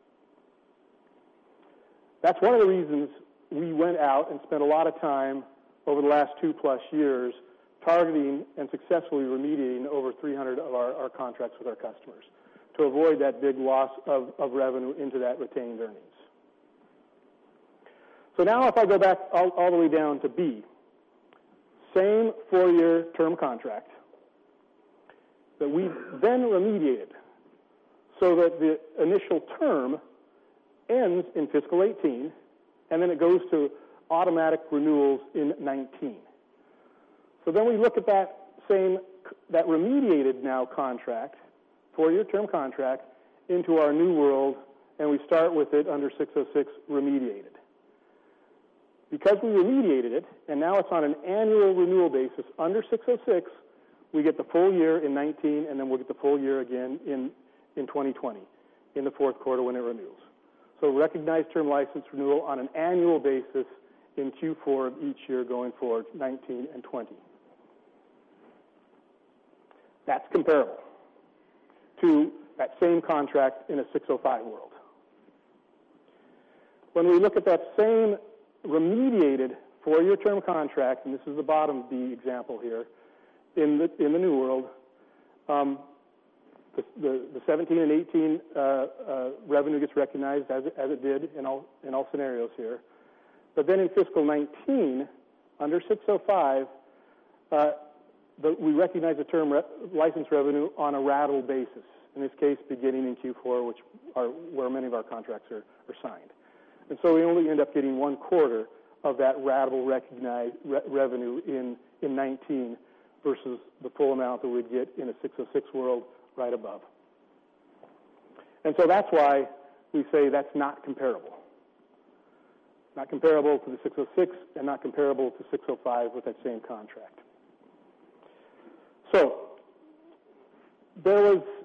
That is one of the reasons we went out and spent a lot of time over the last 2+ years targeting and successfully remediating over 300 of our contracts with our customers to avoid that big loss of revenue into that retained earnings. If I go back all the way down to B, same 4-year term contract that we then remediated so that the initial term ends in fiscal 2018, and then it goes to automatic renewals in 2019. We look at that remediated now contract, 4-year term contract, into our new world, and we start with it under 606 remediated. Because we remediated it and now it is on an annual renewal basis, under 606, we get the full year in 2019, and then we will get the full year again in 2020, in the fourth quarter when it renews. So recognized term license renewal on an annual basis in Q4 of each year going forward to 2019 and 2020. That's comparable to that same contract in a 605 world. When we look at that same remediated four-year term contract, and this is the bottom B example here in the new world, the 2017 and 2018 revenue gets recognized as it did in all scenarios here. Then in fiscal 2019, under 605, we recognize the term license revenue on a ratable basis, in this case, beginning in Q4, which are where many of our contracts are signed. So we only end up getting one quarter of that ratable recognized revenue in 2019 versus the full amount that we'd get in a 606 world right above. So that's why we say that's not comparable. Not comparable to the 606 and not comparable to 605 with that same contract. There is a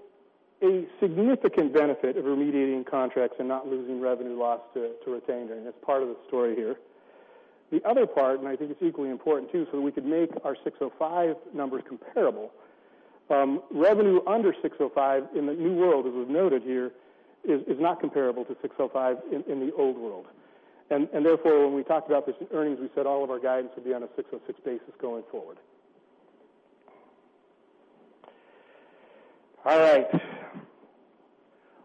significant benefit of remediating contracts and not losing revenue loss to retained earnings. That's part of the story here. The other part, and I think it's equally important too, so that we could make our 605 numbers comparable. Revenue under 605 in the new world, as we've noted here, is not comparable to 605 in the old world. Therefore, when we talked about this in earnings, we said all of our guidance would be on a 606 basis going forward. All right.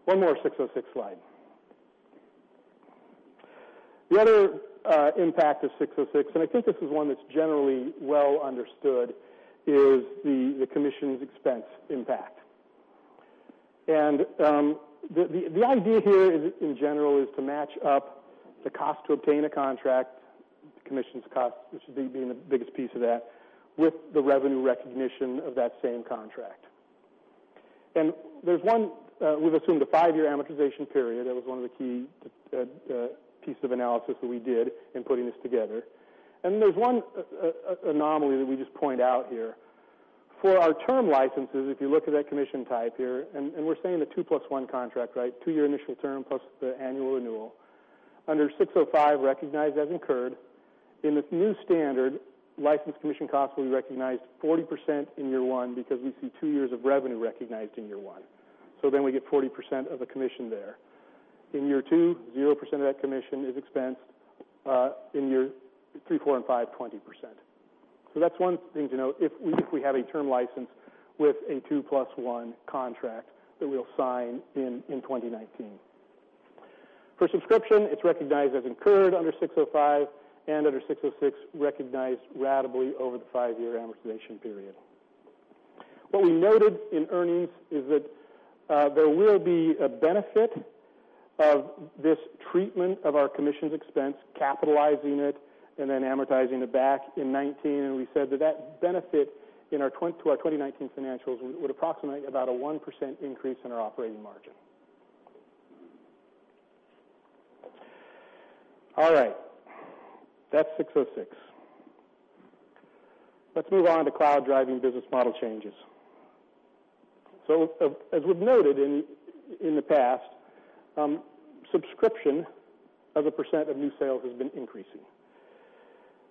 One more 606 slide. The other impact of 606, and I think this is one that's generally well understood, is the commission's expense impact. The idea here, in general, is to match up the cost to obtain a contract, the commission's cost, which would be the biggest piece of that, with the revenue recognition of that same contract. We've assumed a 5-year amortization period. That was one of the key pieces of analysis that we did in putting this together. There's one anomaly that we just point out here. For our term licenses, if you look at that commission type here, and we're saying the 2 plus 1 contract. 2-year initial term plus the annual renewal. Under 605, recognized as incurred. In this new standard, license commission cost will be recognized 40% in year 1 because we see 2 years of revenue recognized in year 1. Then we get 40% of a commission there. In year 2, 0% of that commission is expensed. In year 3, 4, and 5, 20%. That's 1 thing to note if we have a term license with a 2 plus 1 contract that we'll sign in 2019. For subscription, it's recognized as incurred under 605, and under 606, recognized ratably over the 5-year amortization period. What we noted in earnings is that there will be a benefit of this treatment of our commission's expense, capitalizing it and then amortizing it back in 2019, and we said that benefit to our 2019 financials would approximate about a 1% increase in our operating margin. All right. That's 606. Let's move on to cloud-driving business model changes. As we've noted in the past, subscription as a percent of new sales has been increasing.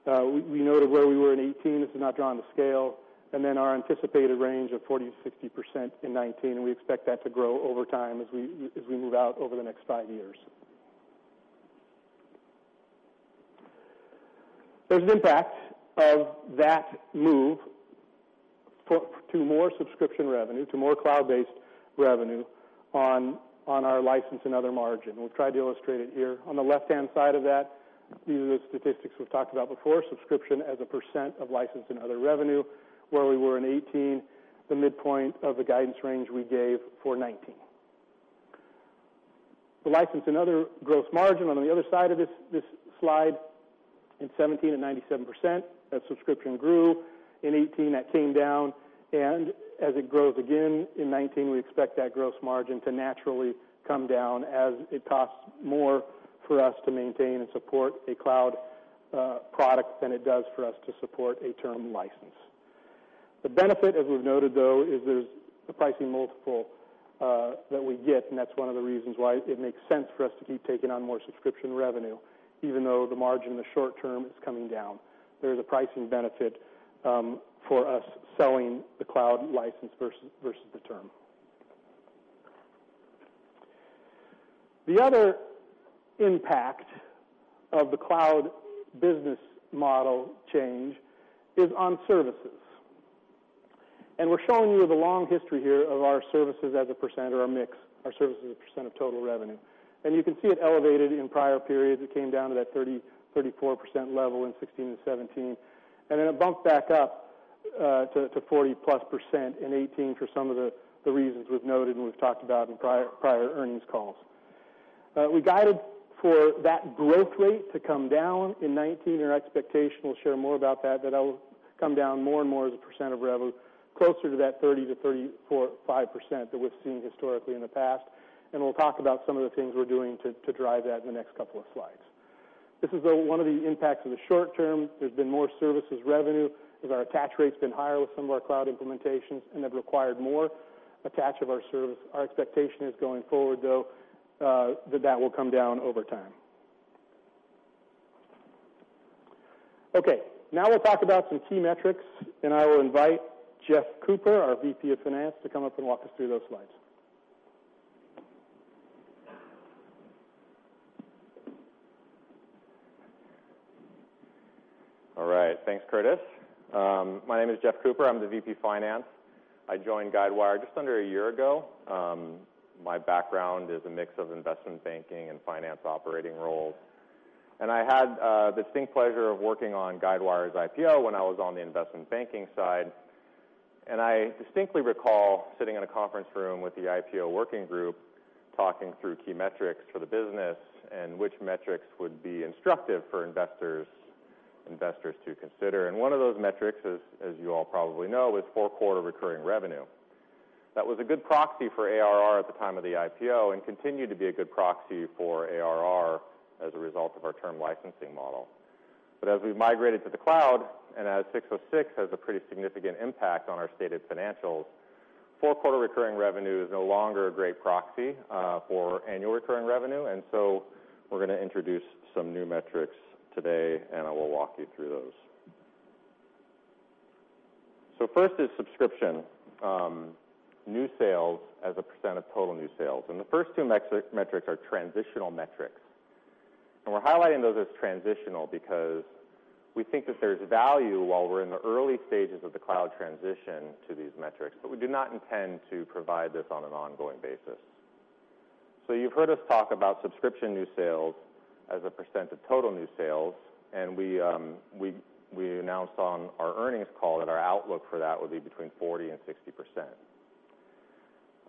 We noted where we were in 2018, this is not drawn to scale, and then our anticipated range of 40%-60% in 2019, and we expect that to grow over time as we move out over the next 5 years. There's an impact of that move to more subscription revenue, to more cloud-based revenue on our license and other margin. We'll try to illustrate it here. On the left-hand side of that, these are the statistics we've talked about before, subscription as a % of license and other revenue, where we were in 2018, the midpoint of the guidance range we gave for 2019. The license and other gross margin on the other side of this slide in 2017 at 97%, as subscription grew. In 2018, that came down, as it grows again in 2019, we expect that gross margin to naturally come down as it costs more for us to maintain and support a cloud product than it does for us to support a term license. The benefit, as we've noted though, is there's a pricing multiple that we get, that's one of the reasons why it makes sense for us to keep taking on more subscription revenue, even though the margin in the short term is coming down. There's a pricing benefit for us selling the cloud license versus the term. The other impact of the cloud business model change is on services. We're showing you the long history here of our services as a % of our mix, our services as a % of total revenue. You can see it elevated in prior periods. It came down to that 30%-34% level in 2016 and 2017, then it bumped back up to 40+% in 2018 for some of the reasons we've noted and we've talked about in prior earnings calls. We guided for that growth rate to come down in 2019. Our expectation, we'll share more about that will come down more and more as a % of revenue, closer to that 30%-35% that we've seen historically in the past, we'll talk about some of the things we're doing to drive that in the next couple of slides. This is one of the impacts of the short term. There's been more services revenue as our attach rate's been higher with some of our cloud implementations and have required more attach of our service. Our expectation is going forward, though, that that will come down over time. Okay. Now we'll talk about some key metrics, I will invite Jeff Cooper, our VP of Finance, to come up and walk us through those slides. All right. Thanks, Curtis. My name is Jeff Cooper. I'm the VP of Finance. I joined Guidewire just under a year ago. My background is a mix of investment banking and finance operating roles. I had the distinct pleasure of working on Guidewire's IPO when I was on the investment banking side. I distinctly recall sitting in a conference room with the IPO working group talking through key metrics for the business and which metrics would be instructive for investors to consider. One of those metrics, as you all probably know, is 4-quarter recurring revenue. That was a good proxy for ARR at the time of the IPO and continued to be a good proxy for ARR as a result of our term licensing model. As we've migrated to the Cloud and as ASC 606 has a pretty significant impact on our stated financials, four-quarter recurring revenue is no longer a great proxy for annual recurring revenue. We're going to introduce some new metrics today, and I will walk you through those. First is subscription new sales as a percent of total new sales. The first two metrics are transitional metrics. We're highlighting those as transitional because we think that there's value while we're in the early stages of the Cloud transition to these metrics, but we do not intend to provide this on an ongoing basis. You've heard us talk about subscription new sales as a percent of total new sales, and we announced on our earnings call that our outlook for that would be between 40%-60%.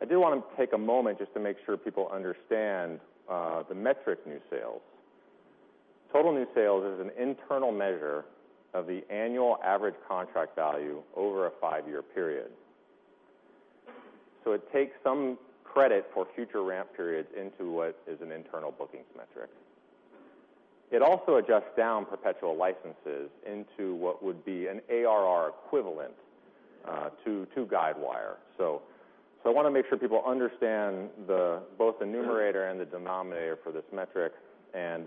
I do want to take a moment just to make sure people understand the metric new sales. Total new sales is an internal measure of the annual average contract value over a five-year period. It takes some credit for future ramp periods into what is an internal bookings metric. It also adjusts down perpetual licenses into what would be an ARR equivalent to Guidewire. I want to make sure people understand both the numerator and the denominator for this metric, and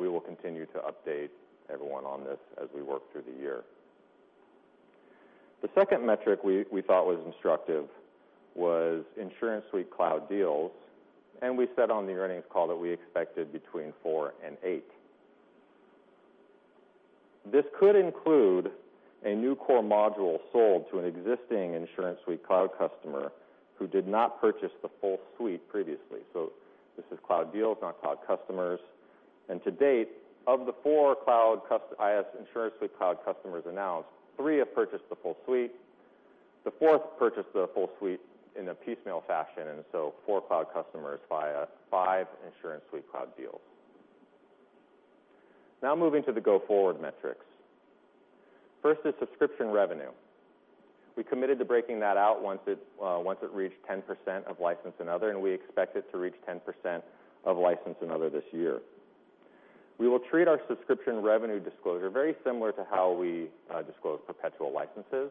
we will continue to update everyone on this as we work through the year. The second metric we thought was instructive was InsuranceSuite Cloud deals, and we said on the earnings call that we expected between four and eight. This could include a new core module sold to an existing InsuranceSuite Cloud customer who did not purchase the full suite previously. This is Cloud deals, not Cloud customers. To date, of the four IS InsuranceSuite Cloud customers announced, three have purchased the full suite. The fourth purchased the full suite in a piecemeal fashion, and so four Cloud customers via five InsuranceSuite Cloud deals. Moving to the go-forward metrics. First is subscription revenue. We committed to breaking that out once it reached 10% of license and other, and we expect it to reach 10% of license and other this year. We will treat our subscription revenue disclosure very similar to how we disclose perpetual licenses.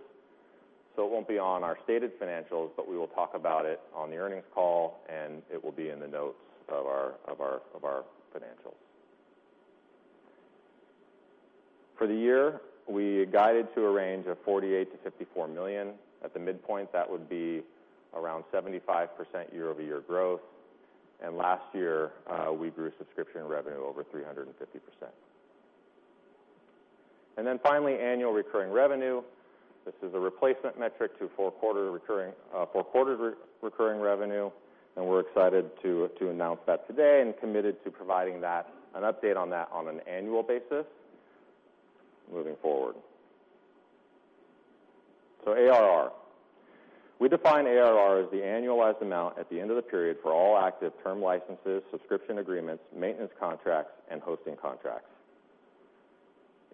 It won't be on our stated financials, but we will talk about it on the earnings call, and it will be in the notes of our financials. For the year, we guided to a range of $48 million-$54 million. At the midpoint, that would be around 75% year-over-year growth. Last year, we grew subscription revenue over 350%. Finally, annual recurring revenue. This is a replacement metric to four-quarter recurring revenue, and we're excited to announce that today and committed to providing an update on that on an annual basis moving forward. ARR. We define ARR as the annualized amount at the end of the period for all active term licenses, subscription agreements, maintenance contracts, and hosting contracts.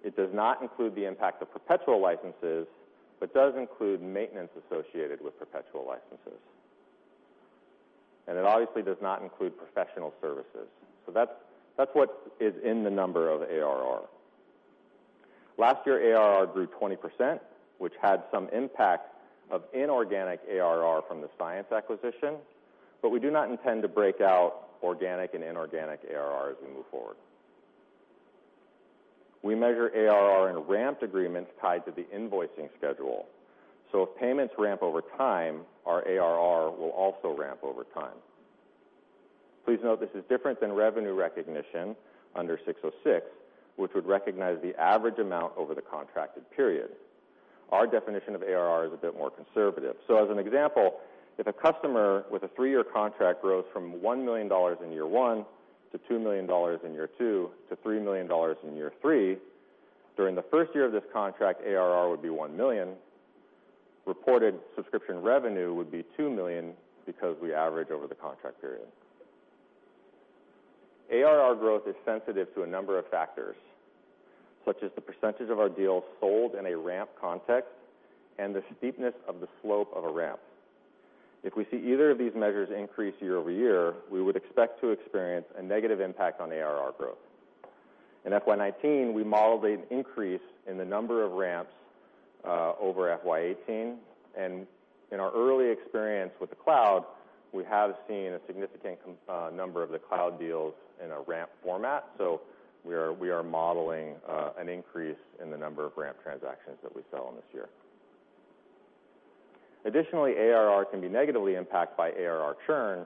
It does not include the impact of perpetual licenses but does include maintenance associated with perpetual licenses. It obviously does not include professional services. That's what is in the number of ARR. Last year, ARR grew 20%, which had some impact of inorganic ARR from the Cyence acquisition, but we do not intend to break out organic and inorganic ARR as we move forward. We measure ARR in ramped agreements tied to the invoicing schedule. If payments ramp over time, our ARR will also ramp over time. Please note this is different than revenue recognition under 606, which would recognize the average amount over the contracted period. Our definition of ARR is a bit more conservative. As an example, if a customer with a 3-year contract grows from $1 million in year one to $2 million in year two to $3 million in year three, during the first year of this contract, ARR would be $1 million. Reported subscription revenue would be $2 million because we average over the contract period. ARR growth is sensitive to a number of factors, such as the % of our deals sold in a ramped context and the steepness of the slope of a ramp. If we see either of these measures increase year-over-year, we would expect to experience a negative impact on ARR growth. In FY 2019, we modeled an increase in the number of ramps over FY 2018, and in our early experience with the cloud, we have seen a significant number of the cloud deals in a ramp format. We are modeling an increase in the number of ramp transactions that we sell in this year. Additionally, ARR can be negatively impacted by ARR churn,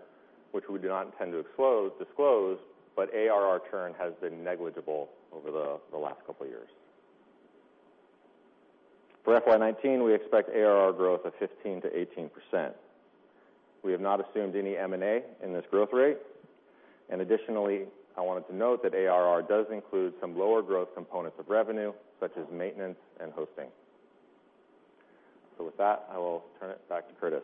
which we do not intend to disclose, but ARR churn has been negligible over the last couple of years. For FY 2019, we expect ARR growth of 15%-18%. We have not assumed any M&A in this growth rate. Additionally, I wanted to note that ARR does include some lower growth components of revenue, such as maintenance and hosting. With that, I will turn it back to Curtis.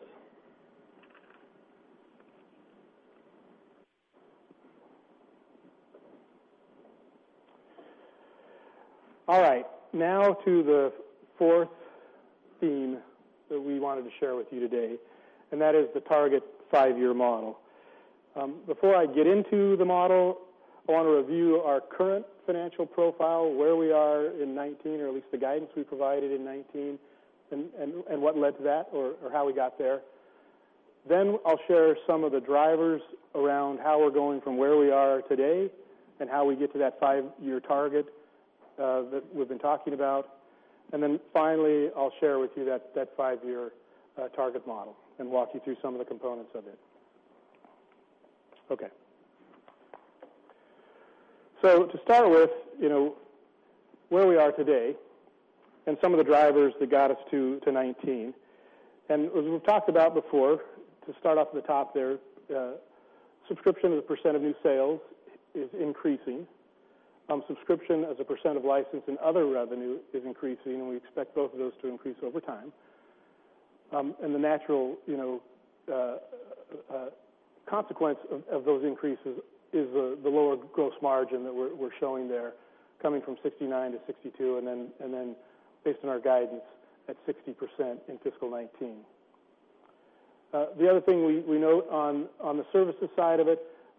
All right. Now to the fourth theme that we wanted to share with you today, and that is the target 5-year model. Before I get into the model, I want to review our current financial profile, where we are in 2019, or at least the guidance we provided in 2019, and what led to that or how we got there. I'll share some of the drivers around how we're going from where we are today and how we get to that 5-year target that we've been talking about. Finally, I'll share with you that 5-year target model and walk you through some of the components of it. Okay. To start with, where we are today and some of the drivers that got us to 2019. As we've talked about before, to start off at the top there, subscription as a % of new sales is increasing. Subscription as a % of license and other revenue is increasing, and we expect both of those to increase over time. The natural consequence of those increases is the lower gross margin that we're showing there, coming from 69%-62%, and then based on our guidance, at 60% in fiscal 2019. The other thing we note on the services side of it,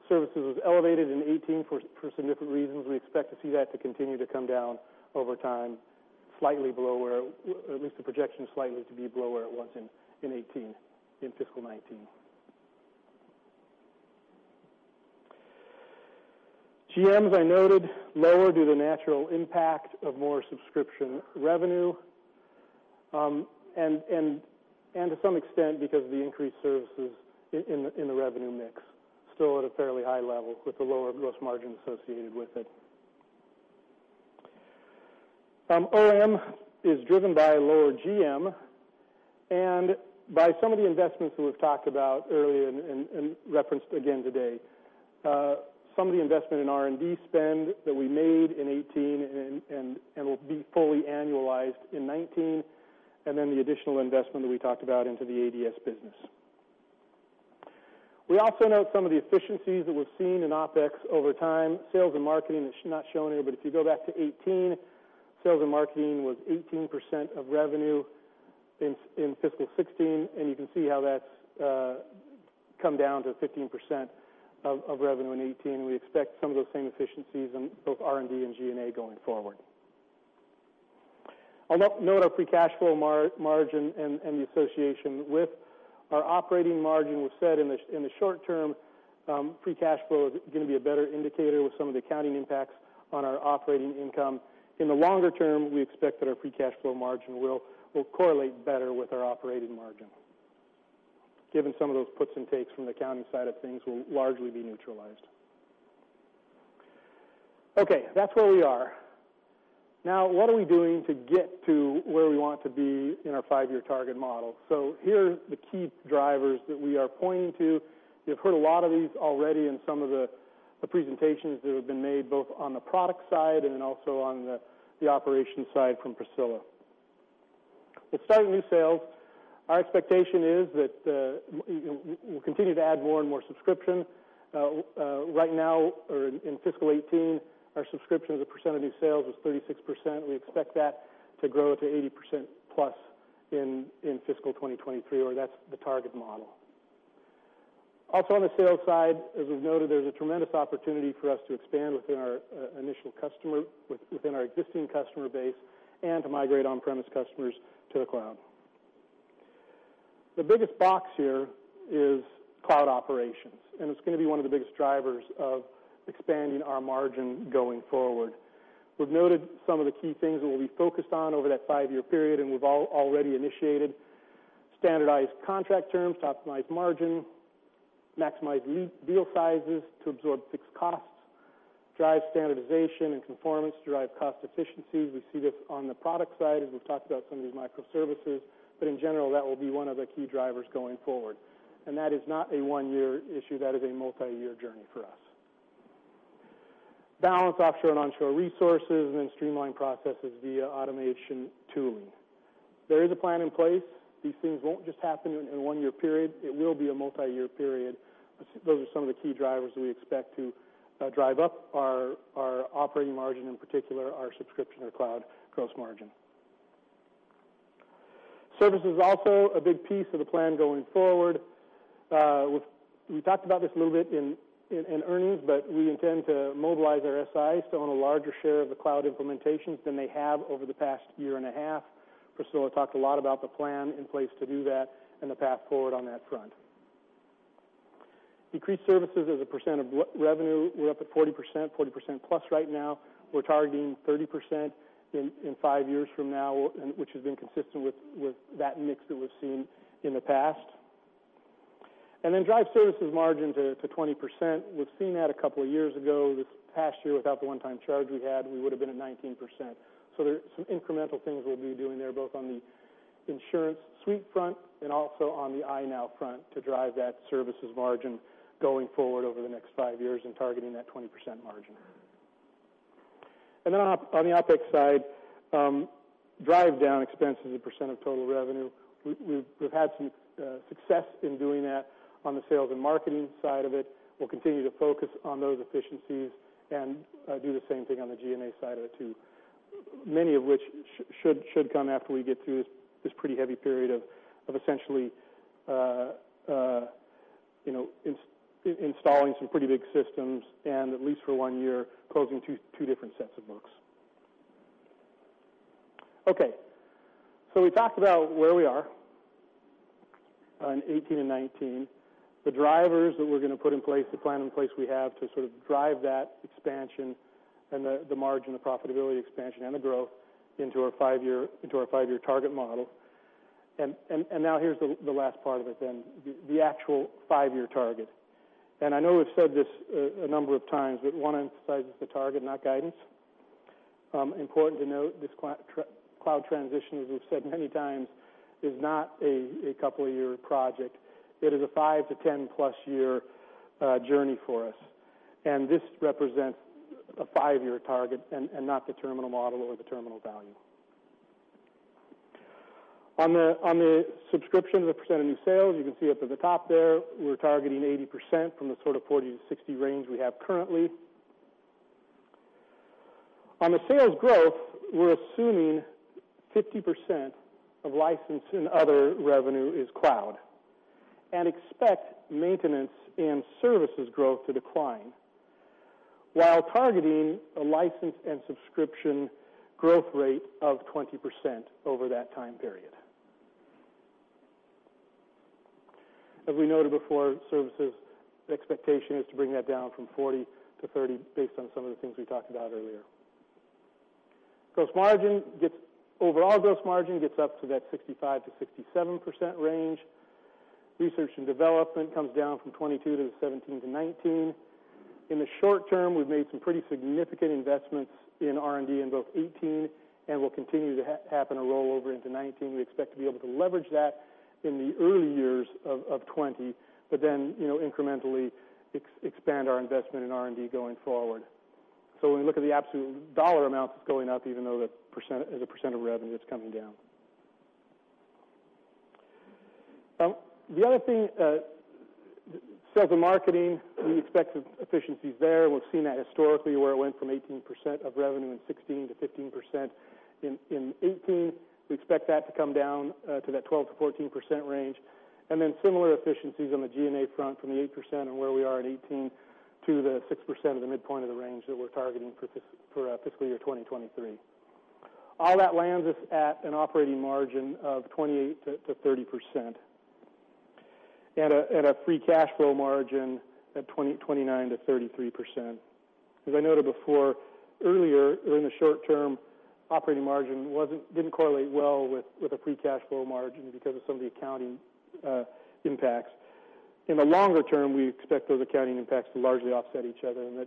services was elevated in 2018 for significant reasons. We expect to see that to continue to come down over time, at least the projection is slightly to be below where it was in 2018, in fiscal 2019. GM, as I noted, lower due to natural impact of more subscription revenue. To some extent, because of the increased services in the revenue mix, still at a fairly high level with the lower gross margin associated with it. OM is driven by lower GM and by some of the investments that we've talked about earlier and referenced again today. The investment in R&D spend that we made in 2018 and will be fully annualized in 2019, then the additional investment that we talked about into the ADS business. We also note some of the efficiencies that we've seen in OpEx over time. Sales and marketing is not shown here, but if you go back to 2018, sales and marketing was 18% of revenue in fiscal 2016, and you can see how that's come down to 15% of revenue in 2018. We expect some of those same efficiencies in both R&D and G&A going forward. I'll note our free cash flow margin and the association with our operating margin. We've said in the short term, free cash flow is going to be a better indicator with some of the accounting impacts on our operating income. In the longer term, we expect that our free cash flow margin will correlate better with our operating margin, given some of those puts and takes from the accounting side of things will largely be neutralized. Okay, that's where we are. What are we doing to get to where we want to be in our five-year target model? Here are the key drivers that we are pointing to. You've heard a lot of these already in some of the presentations that have been made, both on the product side and then also on the operations side from Priscilla. Let's start with new sales. Our expectation is that we'll continue to add more and more subscription. Right now, or in fiscal 2018, our subscription as a percent of new sales was 36%. We expect that to grow to 80% plus in fiscal 2023, or that's the target model. Also on the sales side, as we've noted, there's a tremendous opportunity for us to expand within our existing customer base and to migrate on-premise customers to the cloud. The biggest box here is cloud operations, and it's going to be one of the biggest drivers of expanding our margin going forward. We've noted some of the key things that we'll be focused on over that five-year period, and we've already initiated standardized contract terms to optimize margin, maximize deal sizes to absorb fixed costs, drive standardization and conformance, drive cost efficiencies. We see this on the product side as we've talked about some of these microservices, but in general, that will be one of the key drivers going forward. That is not a one-year issue, that is a multi-year journey for us. Balance offshore and onshore resources and then streamline processes via automation tooling. There is a plan in place. These things won't just happen in a one-year period. It will be a multi-year period. Those are some of the key drivers that we expect to drive up our operating margin, in particular, our subscription or cloud gross margin. Service is also a big piece of the plan going forward. We talked about this a little bit in earnings, but we intend to mobilize our SIs to own a larger share of the cloud implementations than they have over the past year and a half. Priscilla talked a lot about the plan in place to do that and the path forward on that front. Decrease services as a percent of revenue. We're up at 40%, 40%+ right now. We're targeting 30% in 5 years from now, which has been consistent with that mix that we've seen in the past. Drive services margin to 20%. We've seen that a couple of years ago. This past year, without the one-time charge we had, we would have been at 19%. There's some incremental things we'll be doing there, both on the InsuranceSuite front and also on the InsuranceNow front to drive that services margin going forward over the next 5 years and targeting that 20% margin. On the OpEx side, drive down expenses as a percent of total revenue. We've had some success in doing that on the sales and marketing side of it. We'll continue to focus on those efficiencies and do the same thing on the G&A side of it, too. Many of which should come after we get through this pretty heavy period of essentially installing some pretty big systems and at least for one year closing two different sets of books. Okay. We talked about where we are in 2018 and 2019, the drivers that we're going to put in place, the plan in place we have to sort of drive that expansion and the margin, the profitability expansion, and the growth into our 5-year target model. Here's the last part of it then, the actual 5-year target. I know we've said this a number of times, but we want to emphasize it's a target, not guidance. Important to note, this cloud transition, as we've said many times, is not a couple-year project. It is a 5 to 10+ year journey for us, and this represents a 5-year target and not the terminal model or the terminal value. On the subscription, the percent of new sales, you can see up at the top there, we're targeting 80% from the sort of 40%-60% range we have currently. On the sales growth, we're assuming 50% of license and other revenue is cloud and expect maintenance and services growth to decline while targeting a license and subscription growth rate of 20% over that time period. As we noted before, services expectation is to bring that down from 40%-30% based on some of the things we talked about earlier. Overall gross margin gets up to that 65%-67% range. Research and development comes down from 22%-17%-19%. In the short term, we've made some pretty significant investments in R&D in both 2018, and will continue to happen a rollover into 2019. We expect to be able to leverage that in the early years of 2020, but then incrementally expand our investment in R&D going forward. When we look at the absolute dollar amounts, it's going up even though as a percent of revenue, it's coming down. The other thing, sales and marketing, we expect efficiencies there. We've seen that historically where it went from 18% of revenue in 2016 to 15% in 2018. We expect that to come down to that 12%-14% range. Similar efficiencies on the G&A front from the 8% and where we are in 2018 to the 6% of the midpoint of the range that we're targeting for fiscal year 2023. All that lands us at an operating margin of 28%-30% and at a free cash flow margin at 29%-33%. As I noted before, earlier in the short term, operating margin didn't correlate well with a free cash flow margin because of some of the accounting impacts. In the longer term, we expect those accounting impacts to largely offset each other and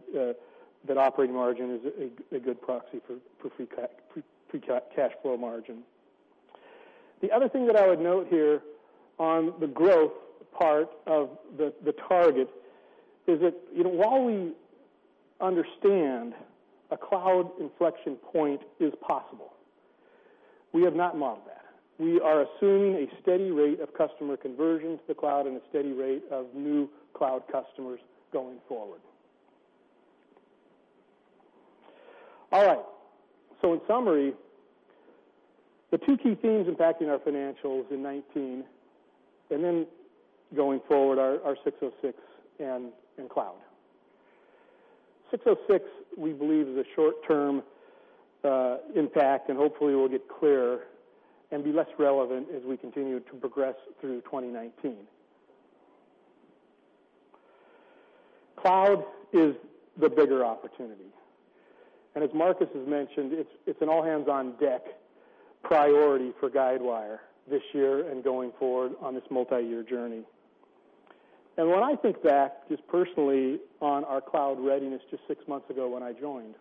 that operating margin is a good proxy for free cash flow margin. The other thing that I would note here on the growth part of the target is that while we understand a cloud inflection point is possible, we have not modeled that. We are assuming a steady rate of customer conversion to the cloud and a steady rate of new cloud customers going forward. In summary, the two key themes impacting our financials in 2019, and then going forward, are 606 and cloud. 606 we believe is a short-term impact and hopefully will get clearer and be less relevant as we continue to progress through 2019. Cloud is the bigger opportunity. As Marcus has mentioned, it's an all hands on deck priority for Guidewire this year and going forward on this multi-year journey. When I think back just personally on our cloud readiness just six months ago when I joined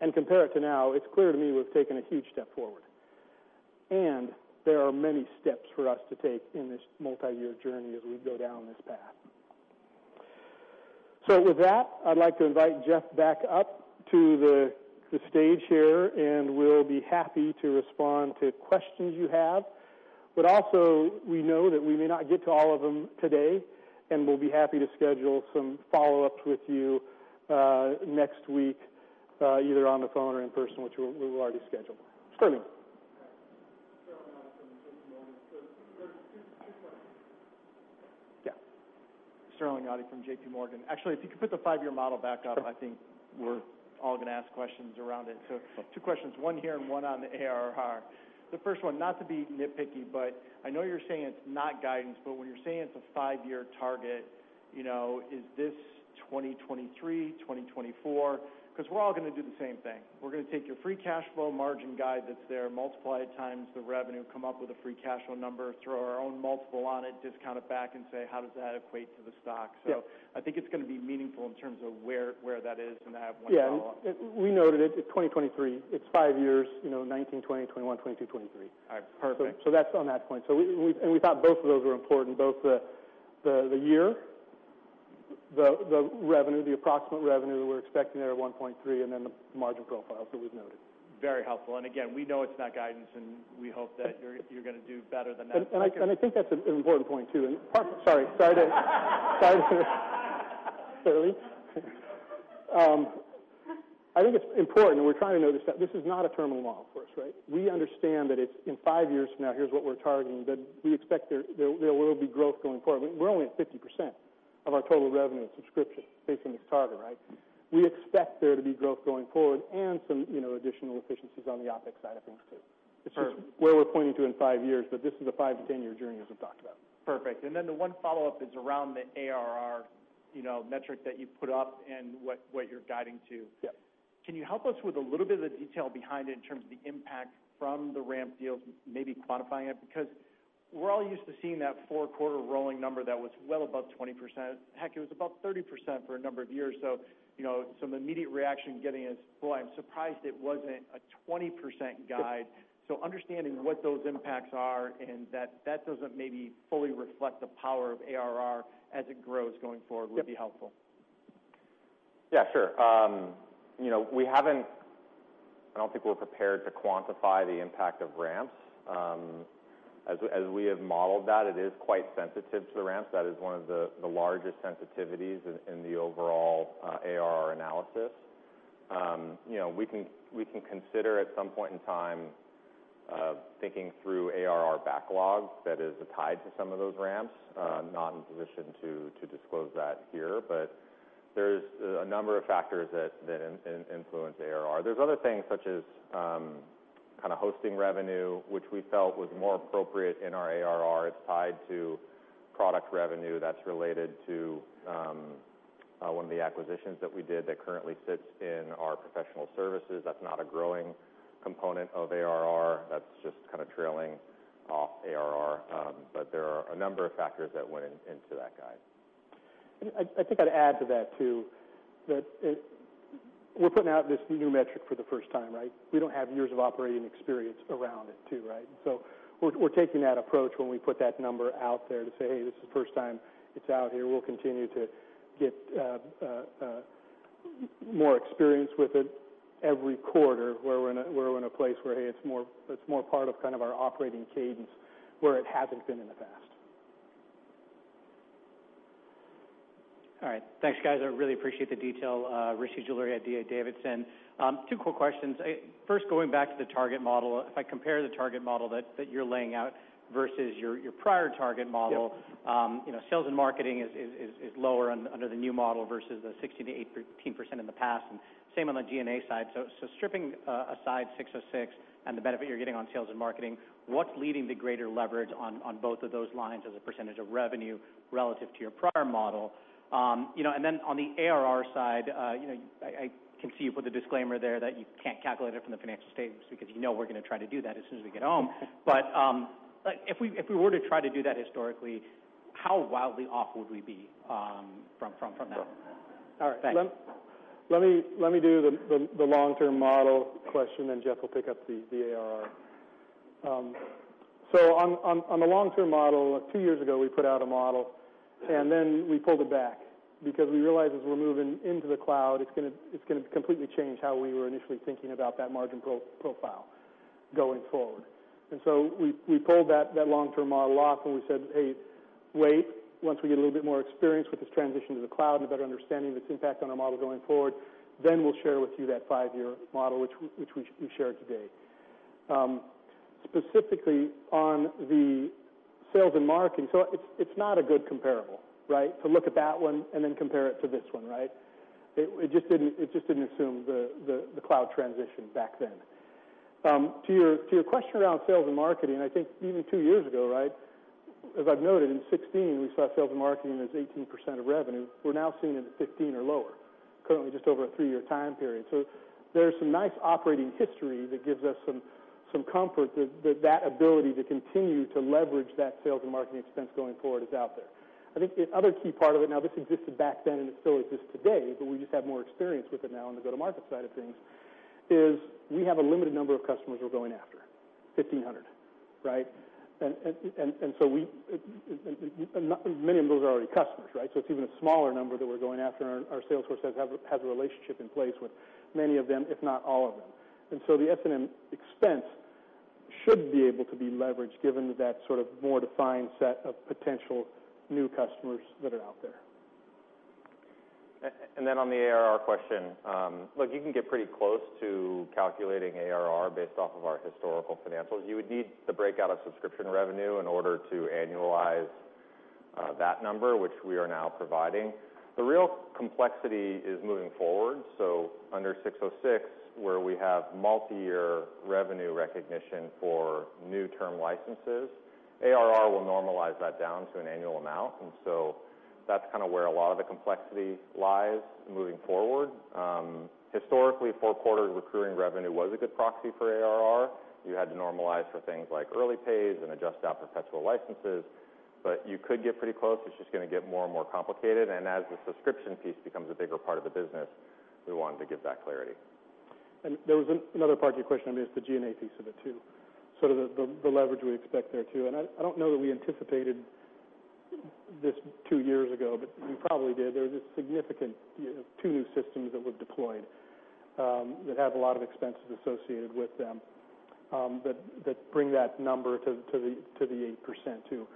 and compare it to now, it's clear to me we've taken a huge step forward, there are many steps for us to take in this multi-year journey as we go down this path. With that, I'd like to invite Jeff back up to the stage here, we'll be happy to respond to questions you have. Also, we know that we may not get to all of them today, we'll be happy to schedule some follow-ups with you next week either on the phone or in person, which we will already schedule. Sterling. Sterling Auty from JPMorgan. There's two questions. Yeah. Sterling Auty from JPMorgan. Actually, if you could put the five-year model back up, I think we're all going to ask questions around it. Two questions, one here and one on the ARR. The first one, not to be nitpicky, but I know you're saying it's not guidance, but when you're saying it's a five-year target, is this 2023, 2024? Because we're all going to do the same thing. We're going to take your free cash flow margin guide that's there, multiply it times the revenue, come up with a free cash flow number, throw our own multiple on it, discount it back, and say, "How does that equate to the stock? Yeah. I think it's going to be meaningful in terms of where that is, and I have one follow-up. Yeah. We noted it. It's 2023. It's five years, 2019, 2020, 2021, 2022, 2023. All right. Perfect. That's on that point. We thought both of those were important, both the year, the approximate revenue we're expecting there at $1.3, and then the margin profile, as we've noted. Very helpful. Again, we know it's not guidance, and we hope that you're going to do better than that. That's an important point, too. Sorry. Clearly. I think it's important, and we're trying to notice that this is not a terminal model for us, right? We understand that in five years from now, here's what we're targeting, but we expect there will be growth going forward. We're only at 50% of our total revenue in subscription based on this target, right? We expect there to be growth going forward and some additional efficiencies on the OpEx side of things, too. Perfect. It's just where we're pointing to in five years, but this is a five- to 10-year journey, as we've talked about. Perfect. The one follow-up is around the ARR metric that you put up and what you're guiding to. Yes. Can you help us with a little bit of the detail behind it in terms of the impact from the ramp deals, maybe quantifying it? We're all used to seeing that four-quarter rolling number that was well above 20%. Heck, it was above 30% for a number of years. Some immediate reaction getting is, "Boy, I'm surprised it wasn't a 20% guide. Yes. Understanding what those impacts are and that that doesn't maybe fully reflect the power of ARR as it grows going forward. Yes would be helpful. Sure. I don't think we're prepared to quantify the impact of ramps. As we have modeled that, it is quite sensitive to the ramps. That is one of the largest sensitivities in the overall ARR analysis. We can consider, at some point in time, thinking through ARR backlog that is tied to some of those ramps. Not in position to disclose that here, but there's a number of factors that influence ARR. There's other things, such as hosting revenue, which we felt was more appropriate in our ARR. It's tied to product revenue that's related to one of the acquisitions that we did that currently sits in our professional services. That's not a growing component of ARR. That's just kind of trailing off ARR. But there are a number of factors that went into that guide. I'd add to that, too, that we're putting out this new metric for the first time. We don't have years of operating experience around it, too. We're taking that approach when we put that number out there to say, "Hey, this is the first time it's out here." We'll continue to get more experience with it every quarter, where we're in a place where, hey, it's more part of our operating cadence where it hasn't been in the past. Thanks, guys. I really appreciate the detail. Rishi Jaluria at D.A. Davidson. Two quick questions. First, going back to the target model, if I compare the target model that you're laying out versus your prior target model. Yes Sales and marketing is lower under the new model versus the 16%-18% in the past, and same on the G&A side. Stripping aside 606 and the benefit you're getting on sales and marketing, what's leading the greater leverage on both of those lines as a percentage of revenue relative to your prior model? On the ARR side, I can see you put the disclaimer there that you can't calculate it from the financial statements because you know we're going to try to do that as soon as we get home. If we were to try to do that historically, how wildly off would we be from that? All right. Thanks. Let me do the long-term model question, Jeff will pick up the ARR. On the long-term model, two years ago, we put out a model, we pulled it back because we realized as we're moving into the cloud, it's going to completely change how we were initially thinking about that margin profile going forward. We pulled that long-term model off, and we said, "Hey, wait. Once we get a little bit more experience with this transition to the cloud and a better understanding of its impact on our model going forward, we'll share with you that five-year model," which we shared today. Specifically, on the sales and marketing, it's not a good comparable, right? To look at that one and compare it to this one, right? It just didn't assume the cloud transition back then. To your question around sales and marketing, I think even two years ago, as I've noted, in 2016, we saw sales and marketing as 18% of revenue. We're now seeing it at 15 or lower, currently just over a three-year time period. There's some nice operating history that gives us some comfort that that ability to continue to leverage that sales and marketing expense going forward is out there. I think the other key part of it, now this existed back then and it still exists today, but we just have more experience with it now on the go-to-market side of things, is we have a limited number of customers we're going after, 1,500. Many of those are already customers, it's even a smaller number that we're going after, and our sales force has a relationship in place with many of them, if not all of them. The S&M expense should be able to be leveraged given that sort of more defined set of potential new customers that are out there. On the ARR question, look, you can get pretty close to calculating ARR based off of our historical financials. You would need the breakout of subscription revenue in order to annualize that number, which we are now providing. The real complexity is moving forward. Under ASC 606, where we have multi-year revenue recognition for new term licenses, ARR will normalize that down to an annual amount. That's kind of where a lot of the complexity lies moving forward. Historically, four quarters of recurring revenue was a good proxy for ARR. You had to normalize for things like early pays and adjust out perpetual licenses. You could get pretty close. It's just going to get more and more complicated, and as the subscription piece becomes a bigger part of the business, we wanted to give that clarity. There was another part to your question, I mean, it's the G&A piece of it, too, the leverage we expect there, too. I don't know that we anticipated this two years ago, we probably did. There was a significant two new systems that we've deployed, that have a lot of expenses associated with them, that bring that number to the 8%, too.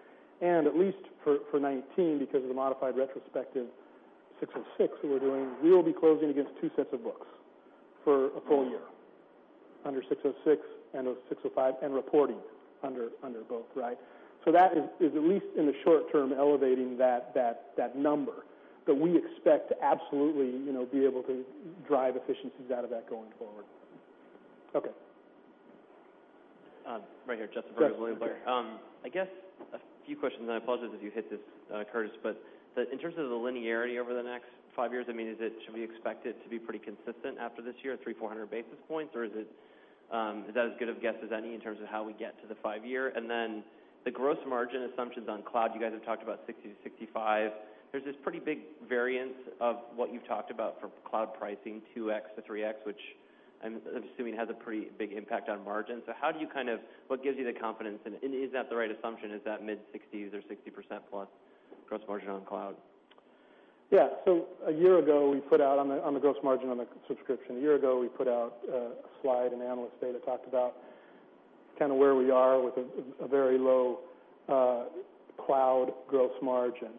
At least for 2019, because of the modified retrospective ASC 606 we were doing, we will be closing against two sets of books for a full year, under ASC 606 and ASC 605, and reporting under both. That is, at least in the short term, elevating that number. We expect to absolutely be able to drive efficiencies out of that going forward. Okay. Right here, Justin Furby from William Blair. Yes. I guess a few questions, I apologize if you hit this, Curtis, in terms of the linearity over the next 5 years, should we expect it to be pretty consistent after this year at 300, 400 basis points? Is that as good of a guess as any in terms of how we get to the 5-year? The gross margin assumptions on cloud, you guys have talked about 60-65. There's this pretty big variance of what you've talked about for cloud pricing, 2x-3x, which I'm assuming has a pretty big impact on margin. What gives you the confidence, and is that the right assumption, is that mid-60s or 60%-plus gross margin on cloud? Yeah. On the gross margin on the subscription, a year ago, we put out a slide in Analyst Day that talked about where we are with a very low cloud gross margin.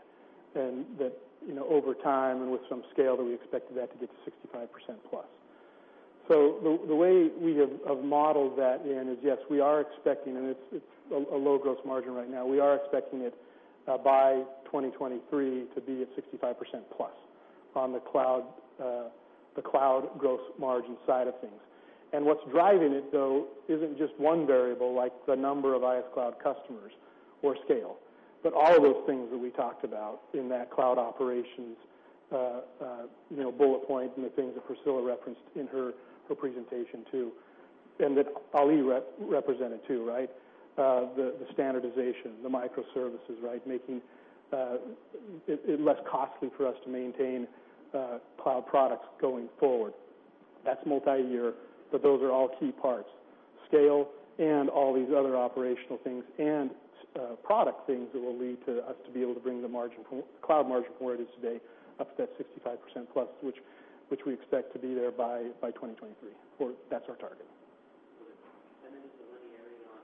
That over time, and with some scale, we expected that to get to 65%-plus. The way we have modeled that in is, yes, we are expecting, and it's a low gross margin right now, we are expecting it by 2023 to be at 65%-plus on the cloud gross margin side of things. What's driving it, though, isn't just one variable, like the number of IS cloud customers or scale, but all of those things that we talked about in that cloud operations bullet point and the things that Priscilla referenced in her presentation, too, and that Ali represented, too. The standardization, the microservices, making it less costly for us to maintain cloud products going forward. That's multi-year. Those are all key parts. Scale and all these other operational things and product things that will lead to us to be able to bring the cloud margin from where it is today up to that 65%-plus, which we expect to be there by 2023. That's our target.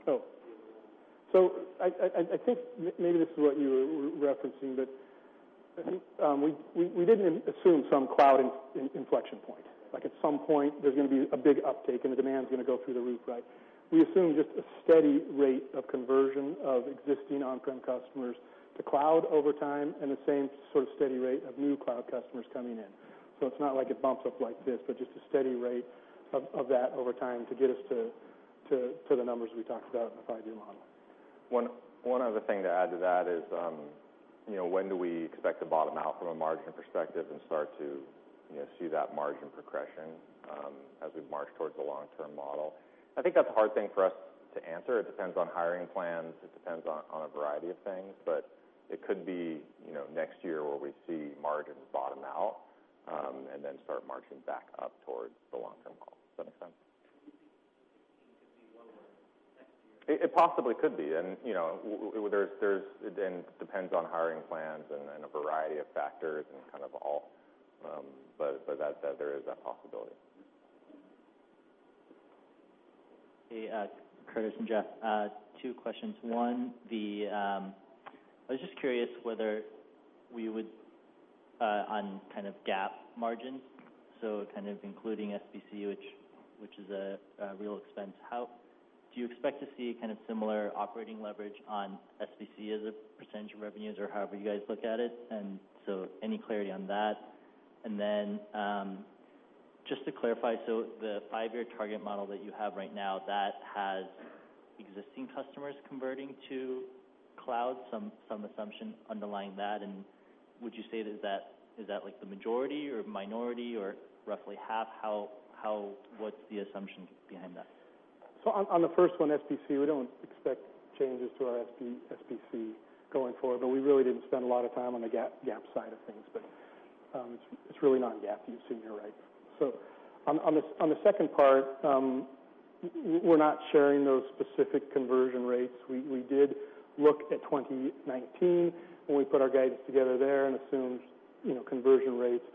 The linearity on- Oh. I think maybe this is what you were referencing, but I think we didn't assume some cloud inflection point. Like, at some point, there's going to be a big uptake and the demand's going to go through the roof. We assume just a steady rate of conversion of existing on-prem customers to cloud over time, and the same sort of steady rate of new cloud customers coming in. It's not like it bumps up like this, but just a steady rate of that over time to get us to the numbers we talked about in the five-year model. One other thing to add to that is, when do we expect to bottom out from a margin perspective and start to see that margin progression as we march towards the long-term model? I think that's a hard thing for us to answer. It depends on hiring plans, it depends on a variety of things. It could be next year where we see margins bottom out, and then start marching back up towards the long-term goal. Does that make sense? Do you think that it could be lower next year? It possibly could be. It depends on hiring plans and a variety of factors. There is that possibility. Hey, Curtis and Jeff. Two questions. Yeah. I was just curious whether we would, on GAAP margins, including SBC, which is a real expense, do you expect to see similar operating leverage on SBC as a percentage of revenues or however you guys look at it? Any clarity on that? Just to clarify, the 5-year target model that you have right now, that has existing customers converting to cloud, some assumption underlying that, would you say that is the majority or minority or roughly half? What's the assumption behind that? On the first one, SBC, we don't expect changes to our SBC going forward, we really didn't spend a lot of time on the GAAP side of things. It's really non-GAAP, you assume you're right. On the second part, we're not sharing those specific conversion rates. We did look at 2019 when we put our guidance together there and assumed conversion rates,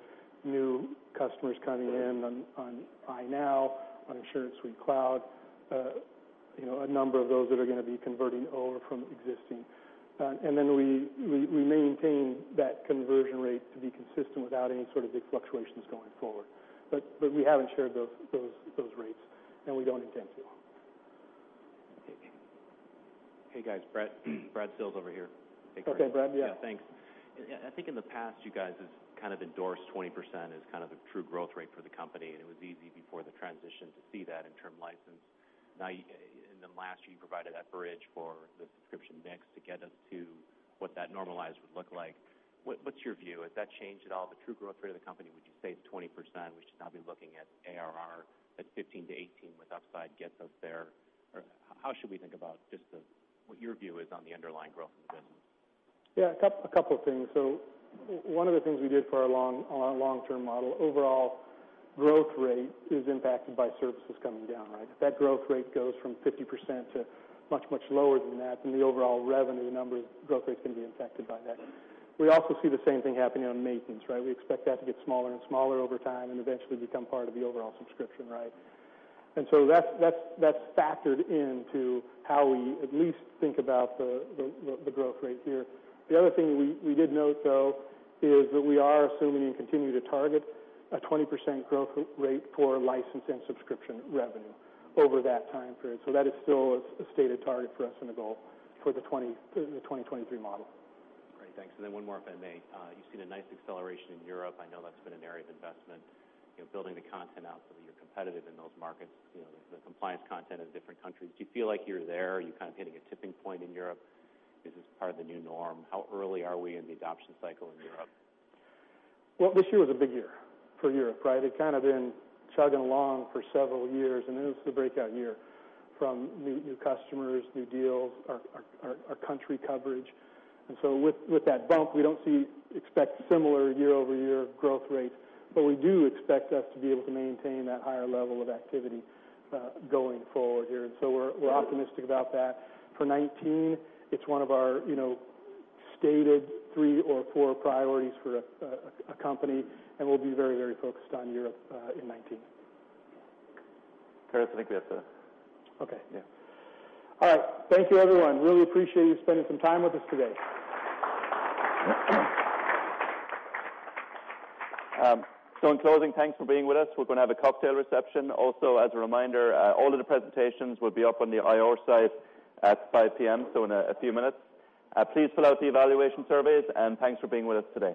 new customers coming in on iNow, on InsuranceSuite cloud, a number of those that are going to be converting over from existing. We maintain that conversion rate to be consistent without any sort of big fluctuations going forward. We haven't shared those rates, and we don't intend to. Okay. Hey, guys. Brad Sills over here. Okay, Brad. Yeah. Yeah. Thanks. I think in the past you guys have kind of endorsed 20% as kind of the true growth rate for the company, and it was easy before the transition to see that in term license. Last year, you provided that bridge for the subscription mix to get us to what that normalized would look like. What's your view? Has that changed at all? The true growth rate of the company, would you say, is 20%, we should now be looking at ARR, that 15%-18% with upside gets us there? Or how should we think about just what your view is on the underlying growth of the business? Yeah. A couple of things. One of the things we did for our long-term model, overall growth rate is impacted by services coming down. If that growth rate goes from 50% to much, much lower than that, then the overall revenue number growth rate's going to be impacted by that. We also see the same thing happening on maintenance. We expect that to get smaller and smaller over time, and eventually become part of the overall subscription. That's factored into how we at least think about the growth rate here. The other thing we did note, though, is that we are assuming and continue to target a 20% growth rate for license and subscription revenue over that time period. That is still a stated target for us and a goal for the 2023 model. Great. Thanks. One more, if I may. You've seen a nice acceleration in Europe. I know that's been an area of investment, building the content out so that you're competitive in those markets, the compliance content of different countries. Do you feel like you're there? Are you kind of hitting a tipping point in Europe? Is this part of the new norm? How early are we in the adoption cycle in Europe? Well, this year was a big year for Europe. They've kind of been chugging along for several years, and this was the breakout year from new customers, new deals, our country coverage. With that bump, we don't expect similar year-over-year growth rates. We do expect us to be able to maintain that higher level of activity going forward here. We're optimistic about that. For 2019, it's one of our stated three or four priorities for a company, and we'll be very focused on Europe in 2019. Curtis, I think we have to. Okay. Yeah. All right. Thank you, everyone. Really appreciate you spending some time with us today. In closing, thanks for being with us. We're going to have a cocktail reception. As a reminder, all of the presentations will be up on the IR site at 5:00 P.M., so in a few minutes. Please fill out the evaluation surveys, and thanks for being with us today.